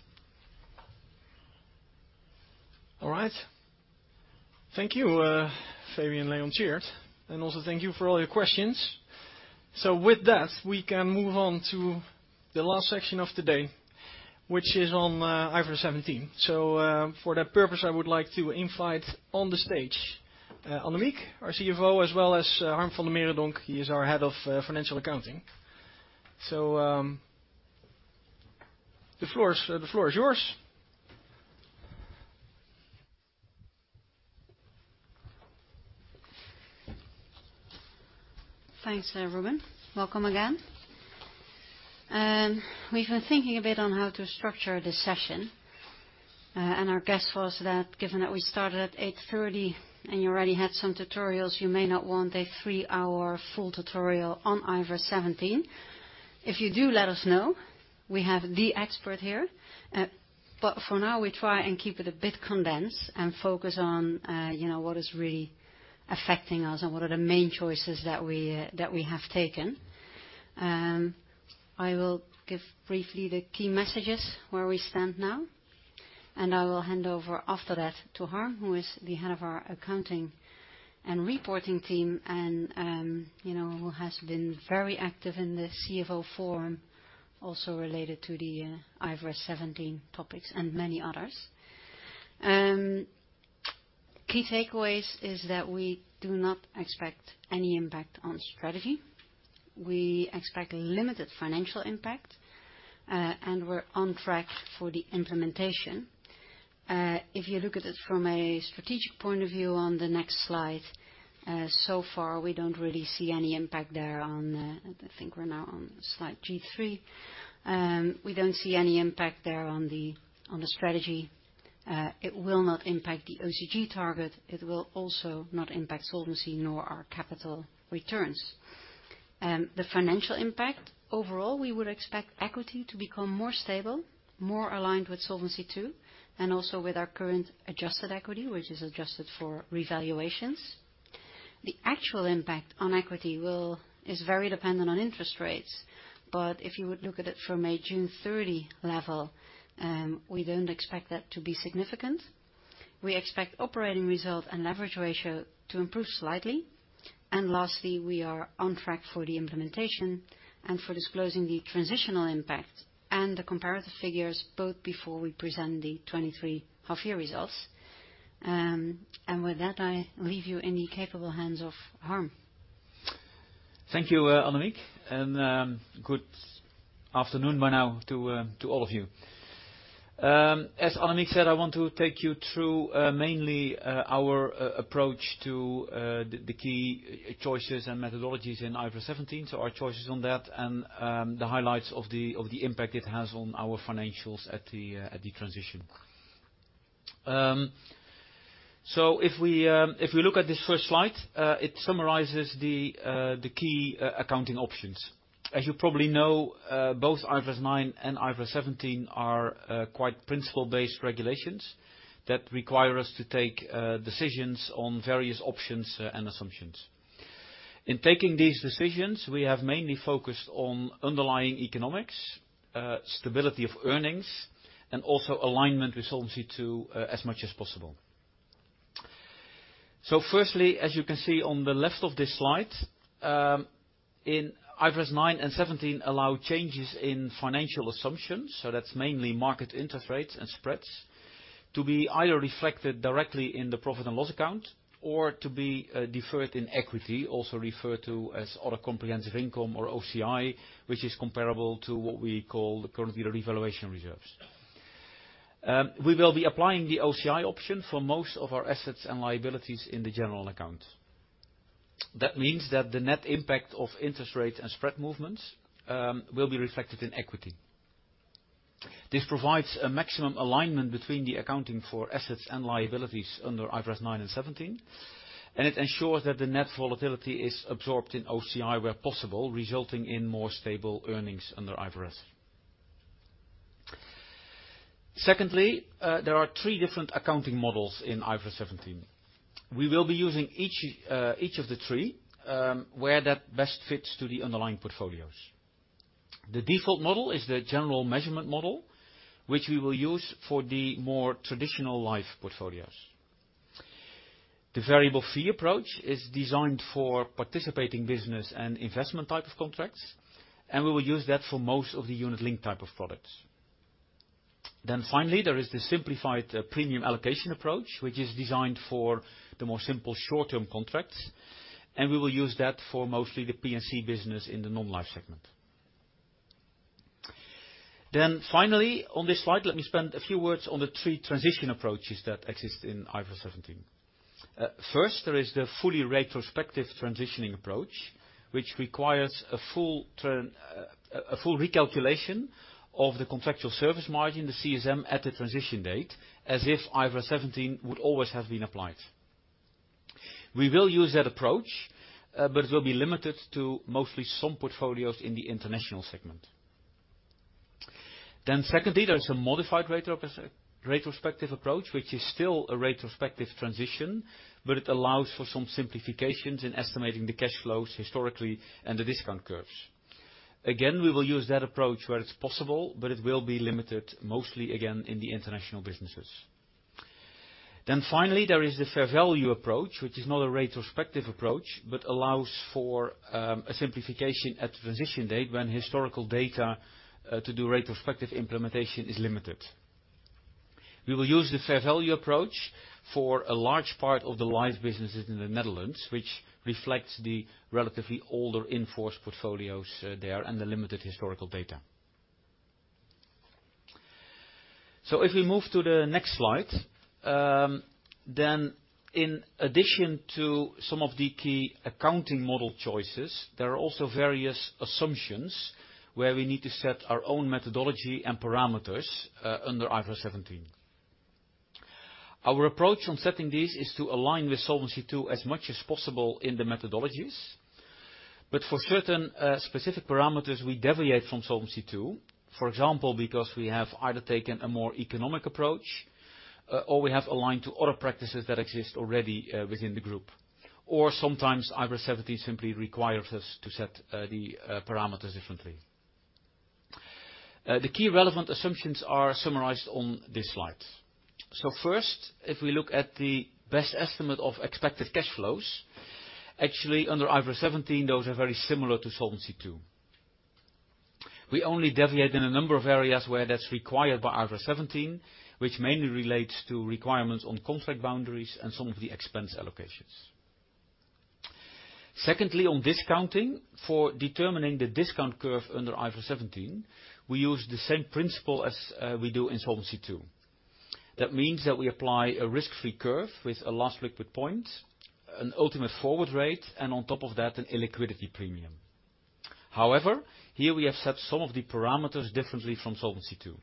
All right. Thank you, Fabian, Leon, Tjeerd. Also thank you for all your questions. With that, we can move on to the last section of today, which is on IFRS 17. For that purpose, I would like to invite on the stage Annemiek, our CFO, as well as Harm van de Meerendonk. He is our Head of Financial Accounting. The floor is yours. Thanks, everyone. Welcome again. We've been thinking a bit on how to structure this session, and our guess was that given that we started at 8:30 A.M. and you already had some tutorials, you may not want a three-hour full tutorial on IFRS 17. If you do, let us know. We have the expert here. For now, we try and keep it a bit condensed and focus on, you know, what is really affecting us and what are the main choices that we have taken. I will give briefly the key messages where we stand now, and I will hand over after that to Harm, who is the Head of our accounting and reporting team and, you know, who has been very active in the CFO Forum, also related to the IFRS 17 topics and many others. Key takeaways is that we do not expect any impact on strategy. We expect limited financial impact, and we're on track for the implementation. If you look at it from a strategic point of view on the next slide, so far, we don't really see any impact there. I think we're now on slide G3. We don't see any impact there on the strategy. It will not impact the OCG target. It will also not impact solvency nor our capital returns. The financial impact, overall, we would expect equity to become more stable, more aligned with Solvency II, and also with our current adjusted equity, which is adjusted for revaluations. The actual impact on equity is very dependent on interest rates, but if you would look at it from a June 30 level, we don't expect that to be significant. We expect operating result and leverage ratio to improve slightly. Lastly, we are on track for the implementation and for disclosing the transitional impact and the comparative figures both before we present the 2023 half-year results. With that, I leave you in the capable hands of Harm. Thank you, Annemiek. Good afternoon by now to all of you. As Annemiek said, I want to take you through, mainly, our approach to the key choices and methodologies in IFRS 17, so our choices on that and the highlights of the impact it has on our financials at the transition. If we look at this first slide, it summarizes the key accounting options. As you probably know, both IFRS 9 and IFRS 17 are quite principle-based regulations that require us to take decisions on various options and assumptions. In taking these decisions, we have mainly focused on underlying economics, stability of earnings, and also alignment with Solvency II, as much as possible. Firstly, as you can see on the left of this slide, IFRS 9 and IFRS 17 allow changes in financial assumptions, so that's mainly market interest rates and spreads, to be either reflected directly in the profit and loss account or to be deferred in equity, also referred to as other comprehensive income or OCI, which is comparable to what we call currently the revaluation reserves. We will be applying the OCI option for most of our assets and liabilities in the general account. That means that the net impact of interest rate and spread movements will be reflected in equity. This provides a maximum alignment between the accounting for assets and liabilities under IFRS 9 and IFRS 17, and it ensures that the net volatility is absorbed in OCI where possible, resulting in more stable earnings under IFRS. Secondly, there are three different accounting models in IFRS 17. We will be using each of the three where that best fits to the underlying portfolios. The default model is the General Measurement Model, which we will use for the more traditional life portfolios. The variable fee approach is designed for participating business and investment type of contracts, and we will use that for most of the unit-linked type of products. Finally, there is the simplified premium allocation approach, which is designed for the more simple short-term contracts, and we will use that for mostly the P&C business in the Non-life segment. Finally, on this slide, let me spend a few words on the three transition approaches that exist in IFRS 17. First, there is the fully retrospective transitioning approach, which requires a full recalculation of the contractual service margin, the CSM, at the transition date as if IFRS 17 would always have been applied. We will use that approach, but it will be limited to mostly some portfolios in the international segment. Secondly, there is a modified retrospective approach, which is still a retrospective transition, but it allows for some simplifications in estimating the cash flows historically and the discount curves. Again, we will use that approach where it's possible, but it will be limited mostly, again, in the international businesses. Finally, there is the fair value approach, which is not a retrospective approach but allows for a simplification at the transition date when historical data to do retrospective implementation is limited. We will use the fair value approach for a large part of the Life businesses in the Netherlands, which reflects the relatively older in-force portfolios there and the limited historical data. If we move to the next slide, then in addition to some of the key accounting model choices, there are also various assumptions where we need to set our own methodology and parameters under IFRS 17. Our approach on setting these is to align with Solvency II as much as possible in the methodologies, but for certain, specific parameters, we deviate from Solvency II, for example, because we have either taken a more economic approach, or we have aligned to other practices that exist already within the group, or sometimes IFRS 17 simply requires us to set the parameters differently. The key relevant assumptions are summarized on this slide. First, if we look at the best estimate of expected cash flows, actually, under IFRS 17, those are very similar to Solvency II. We only deviate in a number of areas where that's required by IFRS 17, which mainly relates to requirements on contract boundaries and some of the expense allocations. Secondly, on discounting, for determining the discount curve under IFRS 17, we use the same principle as we do in Solvency II. That means that we apply a risk-free curve with a last liquid point, an Ultimate Forward Rate, and on top of that, an illiquidity premium. However, here we have set some of the parameters differently from Solvency II.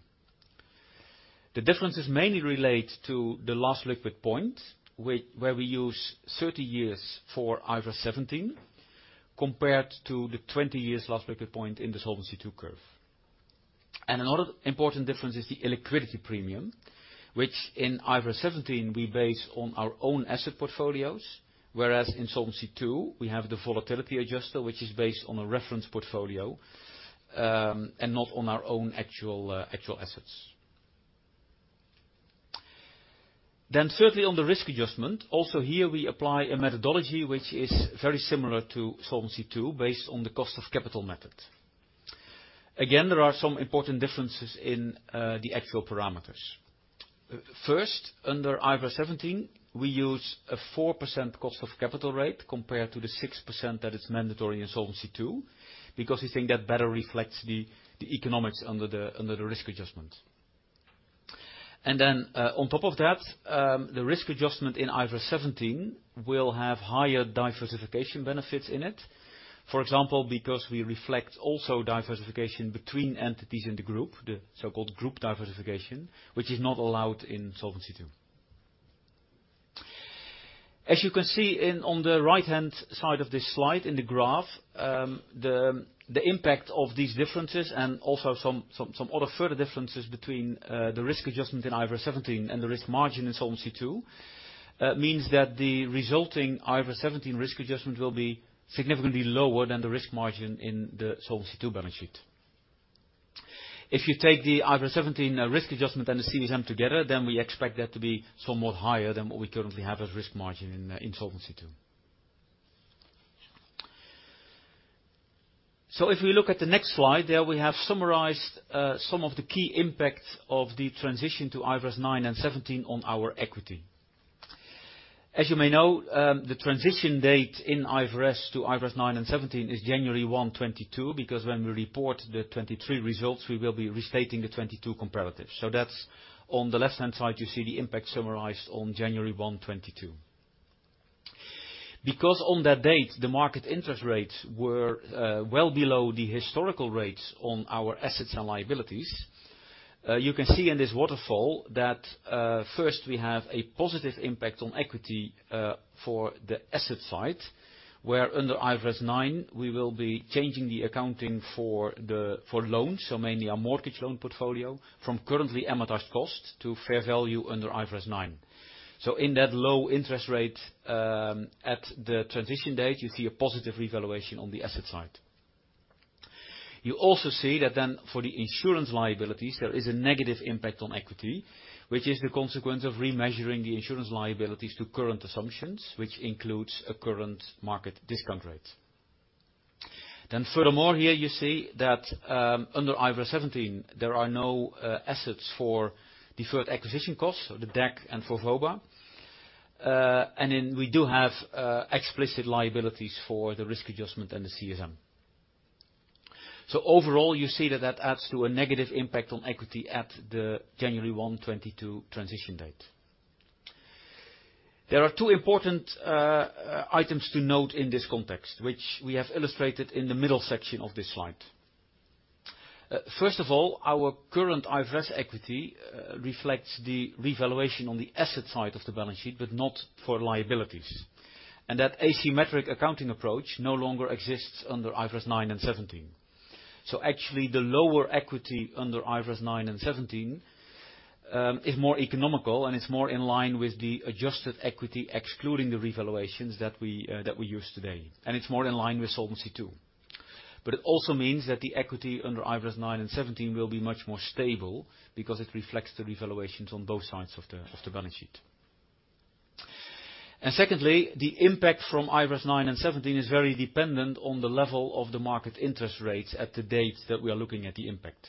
The differences mainly relate to the last liquid point, which where we use 30 years for IFRS 17 compared to the 20 years last liquid point in the Solvency II curve. Another important difference is the illiquidity premium, which in IFRS 17, we base on our own asset portfolios, whereas in Solvency II, we have the volatility adjustment, which is based on a reference portfolio, and not on our own actual assets. Thirdly, on the risk adjustment, also here we apply a methodology which is very similar to Solvency II based on the cost of capital method. Again, there are some important differences in the actual parameters. First, under IFRS 17, we use a 4% cost of capital rate compared to the 6% that is mandatory in Solvency II because we think that better reflects the economics under the risk adjustment. On top of that, the risk adjustment in IFRS 17 will have higher diversification benefits in it, for example, because we reflect also diversification between entities in the group, the so-called group diversification, which is not allowed in Solvency II. As you can see on the right-hand side of this slide in the graph, the impact of these differences and also some other further differences between the risk adjustment in IFRS 17 and the risk margin in Solvency II means that the resulting IFRS 17 risk adjustment will be significantly lower than the risk margin in the Solvency II balance sheet. If you take the IFRS 17 risk adjustment and the CSM together, then we expect that to be somewhat higher than what we currently have as risk margin in Solvency II. If we look at the next slide, there we have summarized some of the key impacts of the transition to IFRS 9 and IFRS 17 on our equity. As you may know, the transition date in IFRS to IFRS 9 and IFRS 17 is January 1, 2022 because when we report the 2023 results, we will be restating the 2022 comparative. That's on the left-hand side. You see the impact summarized on January 1, 2022. Because on that date, the market interest rates were well below the historical rates on our assets and liabilities, you can see in this waterfall that, first, we have a positive impact on equity for the asset side where under IFRS 9, we will be changing the accounting for the loans, so mainly our mortgage loan portfolio, from currently amortized cost to fair value under IFRS 9. In that low interest rate, at the transition date, you see a positive revaluation on the asset side. You also see that then for the insurance liabilities, there is a negative impact on equity, which is the consequence of remeasuring the insurance liabilities to current assumptions, which includes a current market discount rate. Furthermore, here you see that, under IFRS 17, there are no assets for deferred acquisition costs, so the DAC and for VOBA. In we do have explicit liabilities for the risk adjustment and the CSM. Overall, you see that that adds to a negative impact on equity at the January 1, 2022 transition date. There are two important items to note in this context, which we have illustrated in the middle section of this slide. First of all, our current IFRS equity reflects the revaluation on the asset side of the balance sheet but not for liabilities. That asymmetric accounting approach no longer exists under IFRS 9 and IFRS 17. Actually, the lower equity under IFRS 9 and IFRS 17 is more economical and it's more in line with the adjusted equity excluding the revaluations that we use today. It's more in line with Solvency II. It also means that the equity under IFRS 9 and IFRS 17 will be much more stable because it reflects the revaluations on both sides of the balance sheet. Secondly, the impact from IFRS 9 and IFRS 17 is very dependent on the level of the market interest rates at the date that we are looking at the impact.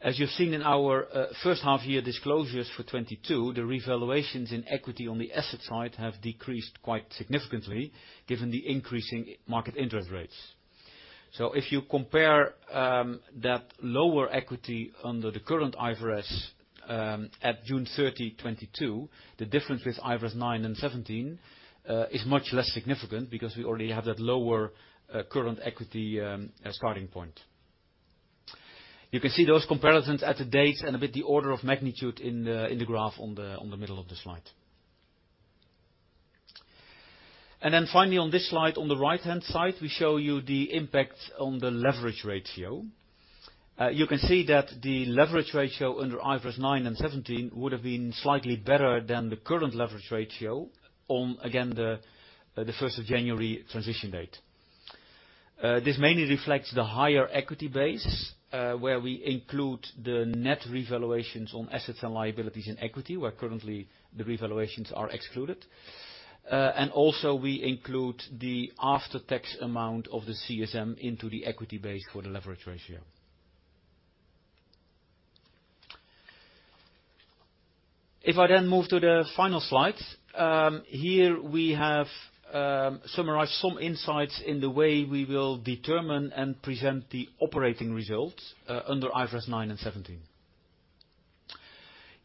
As you've seen in our first half-year disclosures for 2022, the revaluations in equity on the asset side have decreased quite significantly given the increasing market interest rates. If you compare that lower equity under the current IFRS at June 30, 2022, the difference with IFRS 9 and IFRS 17 is much less significant because we already have that lower current equity starting point. You can see those comparisons at the dates and a bit the order of magnitude in the graph on the middle of the slide. Finally, on this slide, on the right-hand side, we show you the impact on the leverage ratio. You can see that the leverage ratio under IFRS 9 and IFRS 17 would have been slightly better than the current leverage ratio on, again, the 1st of January transition date. This mainly reflects the higher equity base, where we include the net revaluations on assets and liabilities in equity where currently the revaluations are excluded. We include the after-tax amount of the CSM into the equity base for the leverage ratio. If I then move to the final slide, here we have summarized some insights in the way we will determine and present the operating results under IFRS 9 and IFRS 17.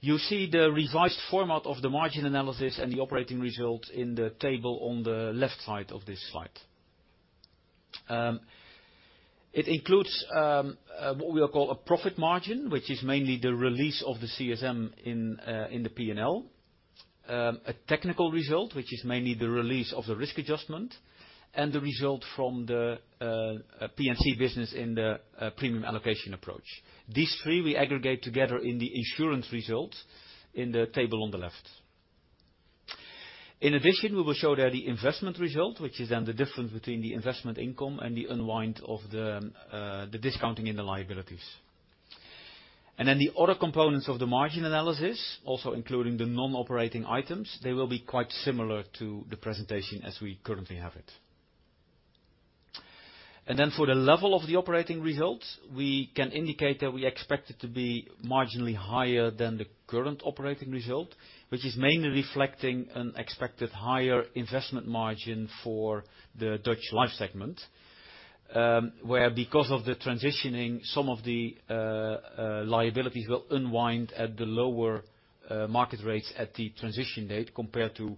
You see the revised format of the margin analysis and the operating results in the table on the left side of this slide. It includes what we'll call a profit margin, which is mainly the release of the CSM in the P&L, a technical result, which is mainly the release of the risk adjustment, and the result from the P&C business in the premium allocation approach. These three we aggregate together in the insurance result in the table on the left. In addition, we will show there the investment result, which is then the difference between the investment income and the unwind of the discounting in the liabilities. The other components of the margin analysis, also including the non-operating items, they will be quite similar to the presentation as we currently have it. For the level of the operating results, we can indicate that we expect it to be marginally higher than the current operating result, which is mainly reflecting an expected higher investment margin for the Dutch Life segment, where because of the transitioning, some of the liabilities will unwind at the lower market rates at the transition date compared to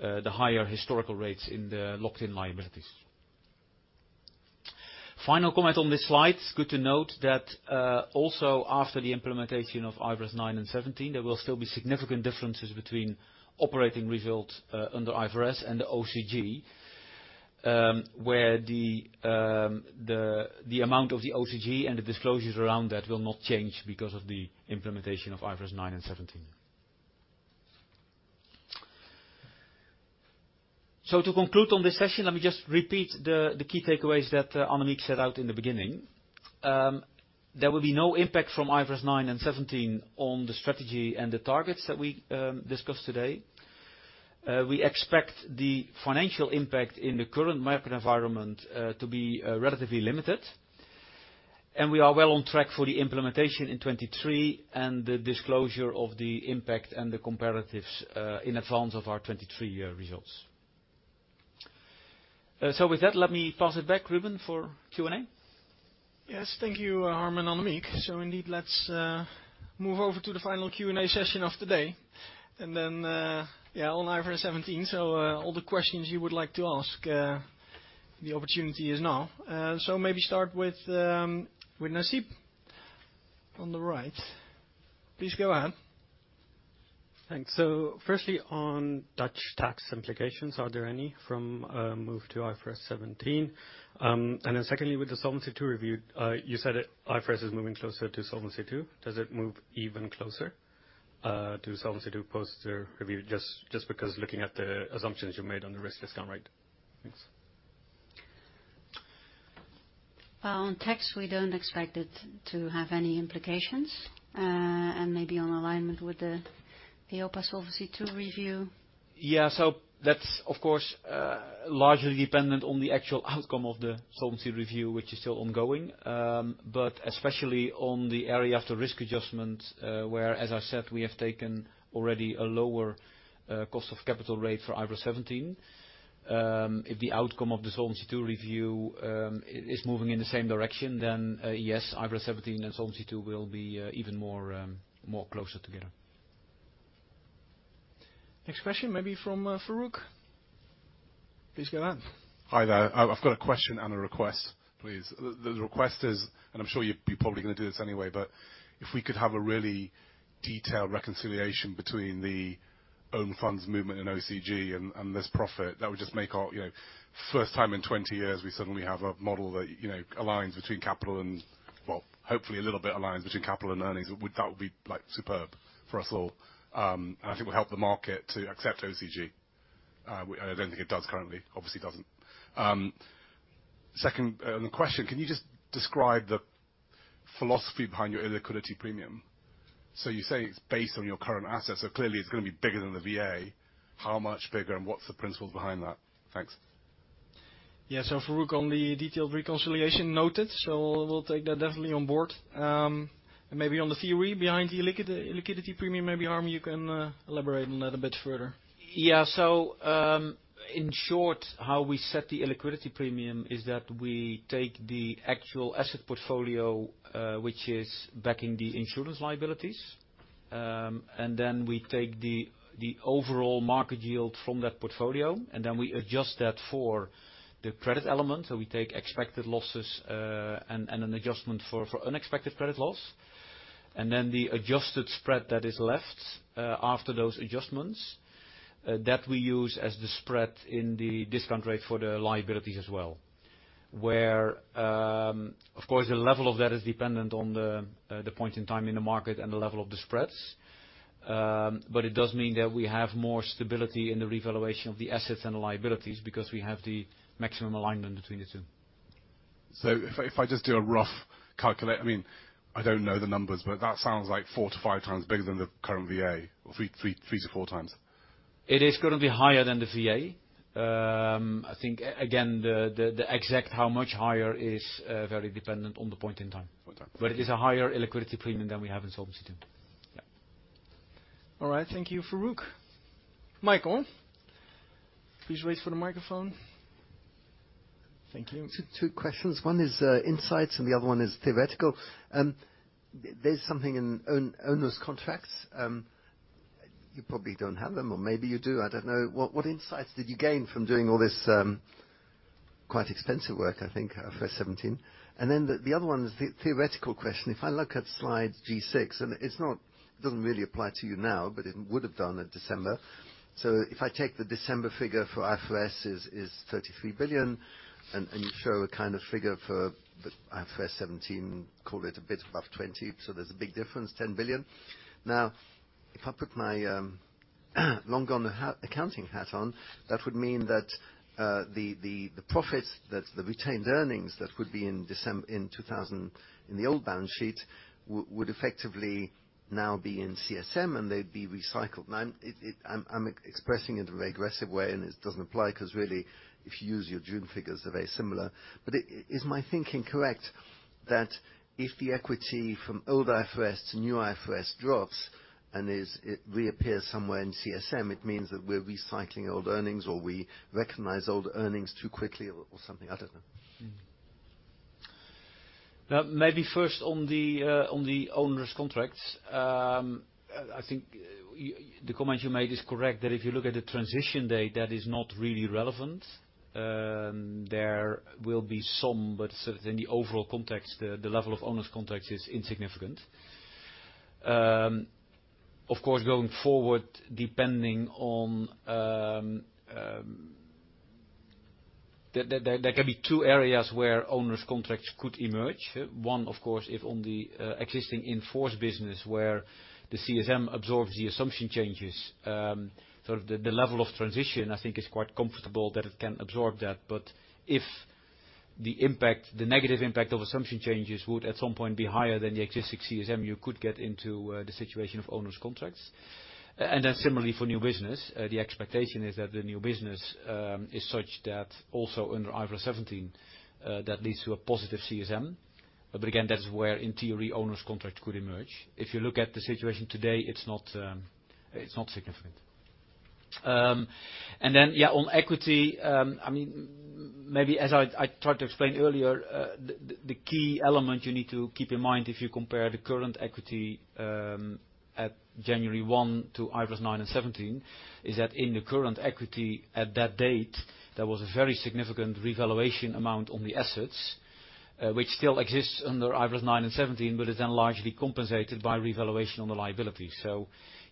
the higher historical rates in the locked-in liabilities. Final comment on this slide. It's good to note that, also after the implementation of IFRS 9 and IFRS 17, there will still be significant differences between operating results under IFRS and the OCG, where the amount of the OCG and the disclosures around that will not change because of the implementation of IFRS 9 and IFRS 17. To conclude on this session, let me just repeat the key takeaways that Annemiek set out in the beginning. There will be no impact from IFRS 9 and IFRS 17 on the strategy and the targets that we discussed today. We expect the financial impact in the current market environment to be relatively limited. We are well on track for the implementation in 2023 and the disclosure of the impact and the comparatives in advance of our 2023 results. With that, let me pass it back, Ruben, for Q&A. Yes. Thank you, Harm and Annemiek. Indeed, let's move over to the final Q&A session of today. Yeah, on IFRS 17, all the questions you would like to ask, the opportunity is now. Maybe start with Nasib on the right. Please go ahead. Thanks. Firstly, on Dutch tax implications, are there any from move to IFRS 17? Secondly, with the Solvency II review, you said that IFRS 17 is moving closer to Solvency II. Does it move even closer to Solvency II post the review just because looking at the assumptions you made on the risk discount rate? Thanks. Well, on tax, we don't expect it to have any implications, and maybe on alignment with the EIOPA Solvency II review. Yeah. That's, of course, largely dependent on the actual outcome of the solvency review, which is still ongoing, but especially on the area after risk adjustment, where, as I said, we have taken already a lower cost of capital rate for IFRS 17. If the outcome of the Solvency II review is moving in the same direction, then, yes, IFRS 17 and Solvency II will be even more closer together. Next question, maybe from Farooq. Please go ahead. Hi there. I've got a question and a request, please. The request is, and I'm sure you're probably gonna do this anyway, but if we could have a really detailed reconciliation between the own funds movement and OCG and this profit, that would just make our, you know, first time in 20 years we suddenly have a model that, you know, aligns between capital and, well, hopefully a little bit aligns between capital and earnings. That would be, like, superb for us all. I think it would help the market to accept OCG. I don't think it does currently. Obviously, it doesn't. Second, on the question, can you just describe the philosophy behind your illiquidity premium? You say it's based on your current assets. Clearly, it's gonna be bigger than the VA. How much bigger and what's the principles behind that? Thanks. Yeah. Farooq, on the detailed reconciliation, noted. We'll take that definitely on board. Maybe on the theory behind the illiquidity premium, maybe, Harm, you can elaborate on that a bit further. Yeah. In short, how we set the illiquidity premium is that we take the actual asset portfolio, which is backing the insurance liabilities, and then we take the overall market yield from that portfolio, and then we adjust that for the credit element. We take expected losses and an adjustment for unexpected credit loss. The adjusted spread that is left, after those adjustments, that we use as the spread in the discount rate for the liabilities as well, where, of course, the level of that is dependent on the point in time in the market and the level of the spreads. It does mean that we have more stability in the revaluation of the assets and the liabilities because we have the maximum alignment between the two. If I just do a rough calculate, I mean, I don't know the numbers, but that sounds like 4-5 times bigger than the current VA or 3-4 times. It is currently higher than the VA. I think, again, the exact how much higher is very dependent on the point in time. It is a higher illiquidity premium than we have in Solvency II. Yeah. All right. Thank you, Farooq. Michael, please wait for the microphone. Thank you. Two questions. One is insights, and the other one is theoretical. There's something in onerous contracts. You probably don't have them, or maybe you do. I don't know. What insights did you gain from doing all this quite expensive work, I think, IFRS 17? The other one is the theoretical question. If I look at slide G6, it doesn't really apply to you now, but it would have done in December. If I take the December figure for IFRS is 33 billion, and you show a kind of figure for the IFRS 17, call it a bit above 20 billion, there's a big difference, 10 billion. Now, if I put my long-gone accounting hat on, that would mean that the profits, that's the retained earnings that would be in December in 2000 in the old balance sheet, would effectively now be in CSM, and they'd be recycled. Now, I'm expressing it in an aggressive way, and it doesn't apply 'cause really, if you use your June figures, they're very similar. Is my thinking correct that if the equity from old IFRS to new IFRS drops and it reappears somewhere in CSM, it means that we're recycling old earnings or we recognize old earnings too quickly or something? I don't know. Now, maybe first on the onerous contracts. I think the comments you made is correct that if you look at the transition date, that is not really relevant. There will be some, but so in the overall context, the level of onerous contracts is insignificant. Of course, going forward, depending on, there can be two areas where onerous contracts could emerge. One, of course, is on the existing in-force business where the CSM absorbs the assumption changes, sort of the level of transition, I think, is quite comfortable that it can absorb that. If the impact, the negative impact of assumption changes would at some point be higher than the existing CSM, you could get into the situation of onerous contracts. Similarly for new business, the expectation is that the new business is such that also under IFRS 17, that leads to a positive CSM. Again, that's where, in theory, onerous contracts could emerge. If you look at the situation today, it's not significant. Yeah, on equity, I mean, maybe as I tried to explain earlier, the key element you need to keep in mind if you compare the current equity at January 1 to IFRS 9 and IFRS 17 is that in the current equity at that date, there was a very significant revaluation amount on the assets, which still exists under IFRS 9 and IFRS 17, but is then largely compensated by revaluation on the liabilities.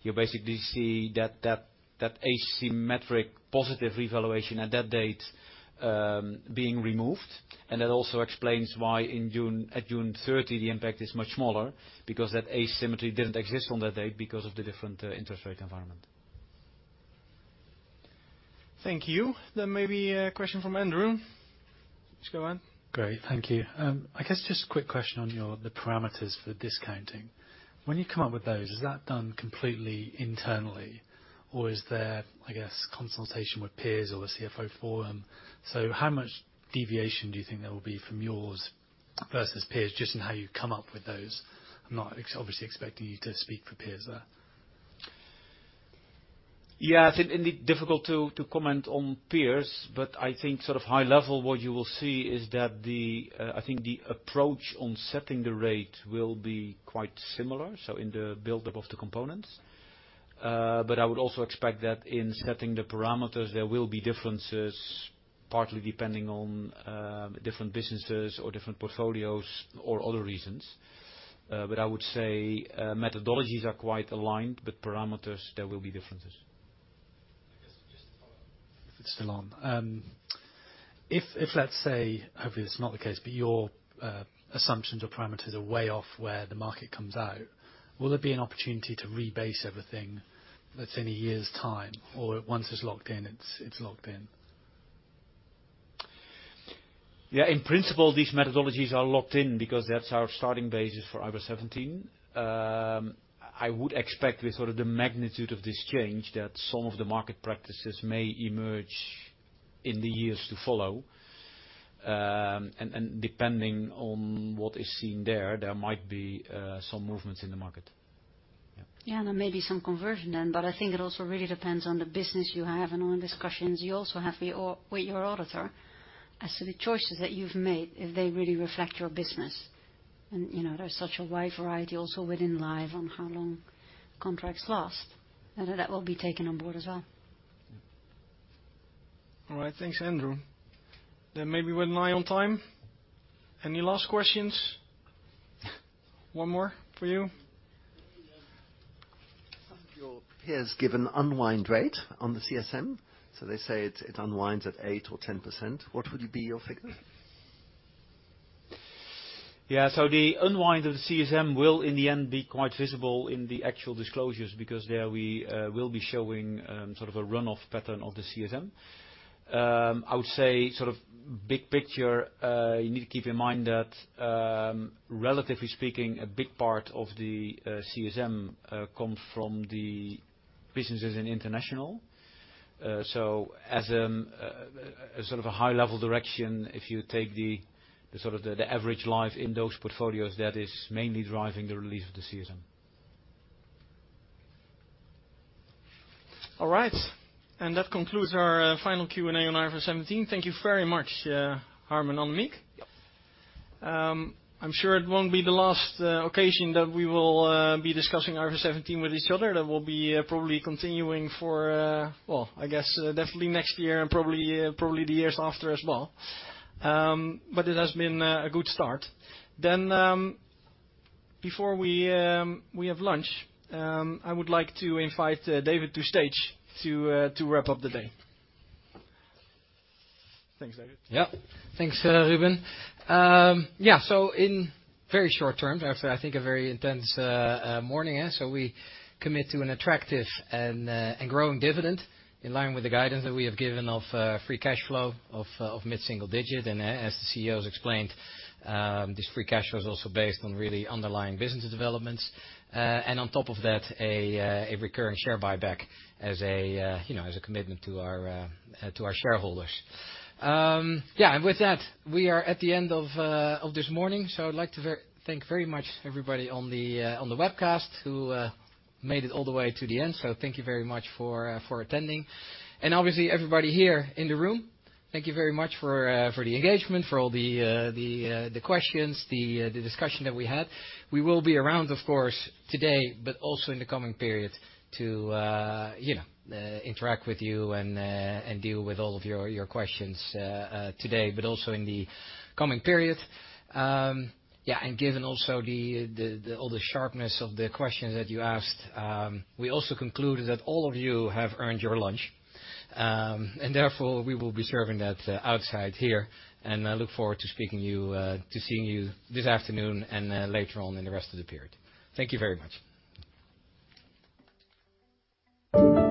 You basically see that asymmetric positive revaluation at that date being removed. That also explains why in June at June 30, the impact is much smaller because that asymmetry didn't exist on that date because of the different interest rate environment. Thank you. Maybe question from Andrew. Please go ahead. Great. Thank you. I guess just quick question on the parameters for discounting. When you come up with those, is that done completely internally, or is there, I guess, consultation with peers or a CFO Forum? How much deviation do you think there will be from yours versus peers just in how you come up with those? I'm not obviously expecting you to speak for peers there. Yeah. I think difficult to comment on peers, but I think sort of high level, what you will see is that the approach on setting the rate will be quite similar. In the buildup of the components. I would also expect that in setting the parameters, there will be differences partly depending on different businesses or different portfolios or other reasons. I would say, methodologies are quite aligned, but parameters, there will be differences. I guess just to follow up. If it's still on. If, let's say, hopefully, that's not the case, but your assumptions or parameters are way off where the market comes out, will there be an opportunity to rebase everything, let's say, in a year's time or once it's locked in, it's locked in? Yeah. In principle, these methodologies are locked in because that's our starting basis for IFRS 17. I would expect with sort of the magnitude of this change that some of the market practices may emerge in the years to follow. Depending on what is seen there might be some movements in the market. Yeah. Yeah. Maybe some conversion then. I think it also really depends on the business you have and on the discussions you also have with your auditor as to the choices that you've made if they really reflect your business. You know, there's such a wide variety also within Life on how long contracts last. That will be taken on board as well. Yeah. All right. Thanks, Andrew. Maybe we're light on time. Any last questions? One more for you. I think your peers give an unwind rate on the CSM. They say it unwinds at 8% or 10%. What would be your figure? Yeah. The unwind of the CSM will, in the end, be quite visible in the actual disclosures because there we will be showing, sort of a runoff pattern of the CSM. I would say sort of big picture, you need to keep in mind that, relatively speaking, a big part of the CSM comes from the businesses in International. As a sort of a high-level direction, if you take the sort of the average life, those portfolios, that is mainly driving the release of the CSM. All right. That concludes our final Q&A on IFRS 17. Thank you very much, Harm and Annemiek. I'm sure it won't be the last occasion that we will be discussing IFRS 17 with each other. That will be probably continuing for, well, I guess, definitely next year and probably the years after as well. It has been a good start. Before we have lunch, I would like to invite David to stage to wrap up the day. Thanks, David. Yep. Thanks, Ruben. In very short term, after, I think, a very intense morning, we commit to an attractive and growing dividend in line with the guidance that we have given of free cash flow of mid-single-digit. As the CEO's explained, this free cash flow is also based on really underlying business developments. On top of that, a recurring share buyback as a, you know, commitment to our shareholders. Yeah. With that, we are at the end of this morning. I'd like to thank very much everybody on the webcast who made it all the way to the end. Thank you very much for attending. Obviously, everybody here in the room, thank you very much for the engagement, for all the questions, the discussion that we had. We will be around, of course, today, but also in the coming period to, you know, interact with you and deal with all of your questions today, but also in the coming period. Yeah. Given also the all the sharpness of the questions that you asked, we also concluded that all of you have earned your lunch. Therefore, we will be serving that outside here and look forward to seeing you this afternoon and later on in the rest of the period. Thank you very much.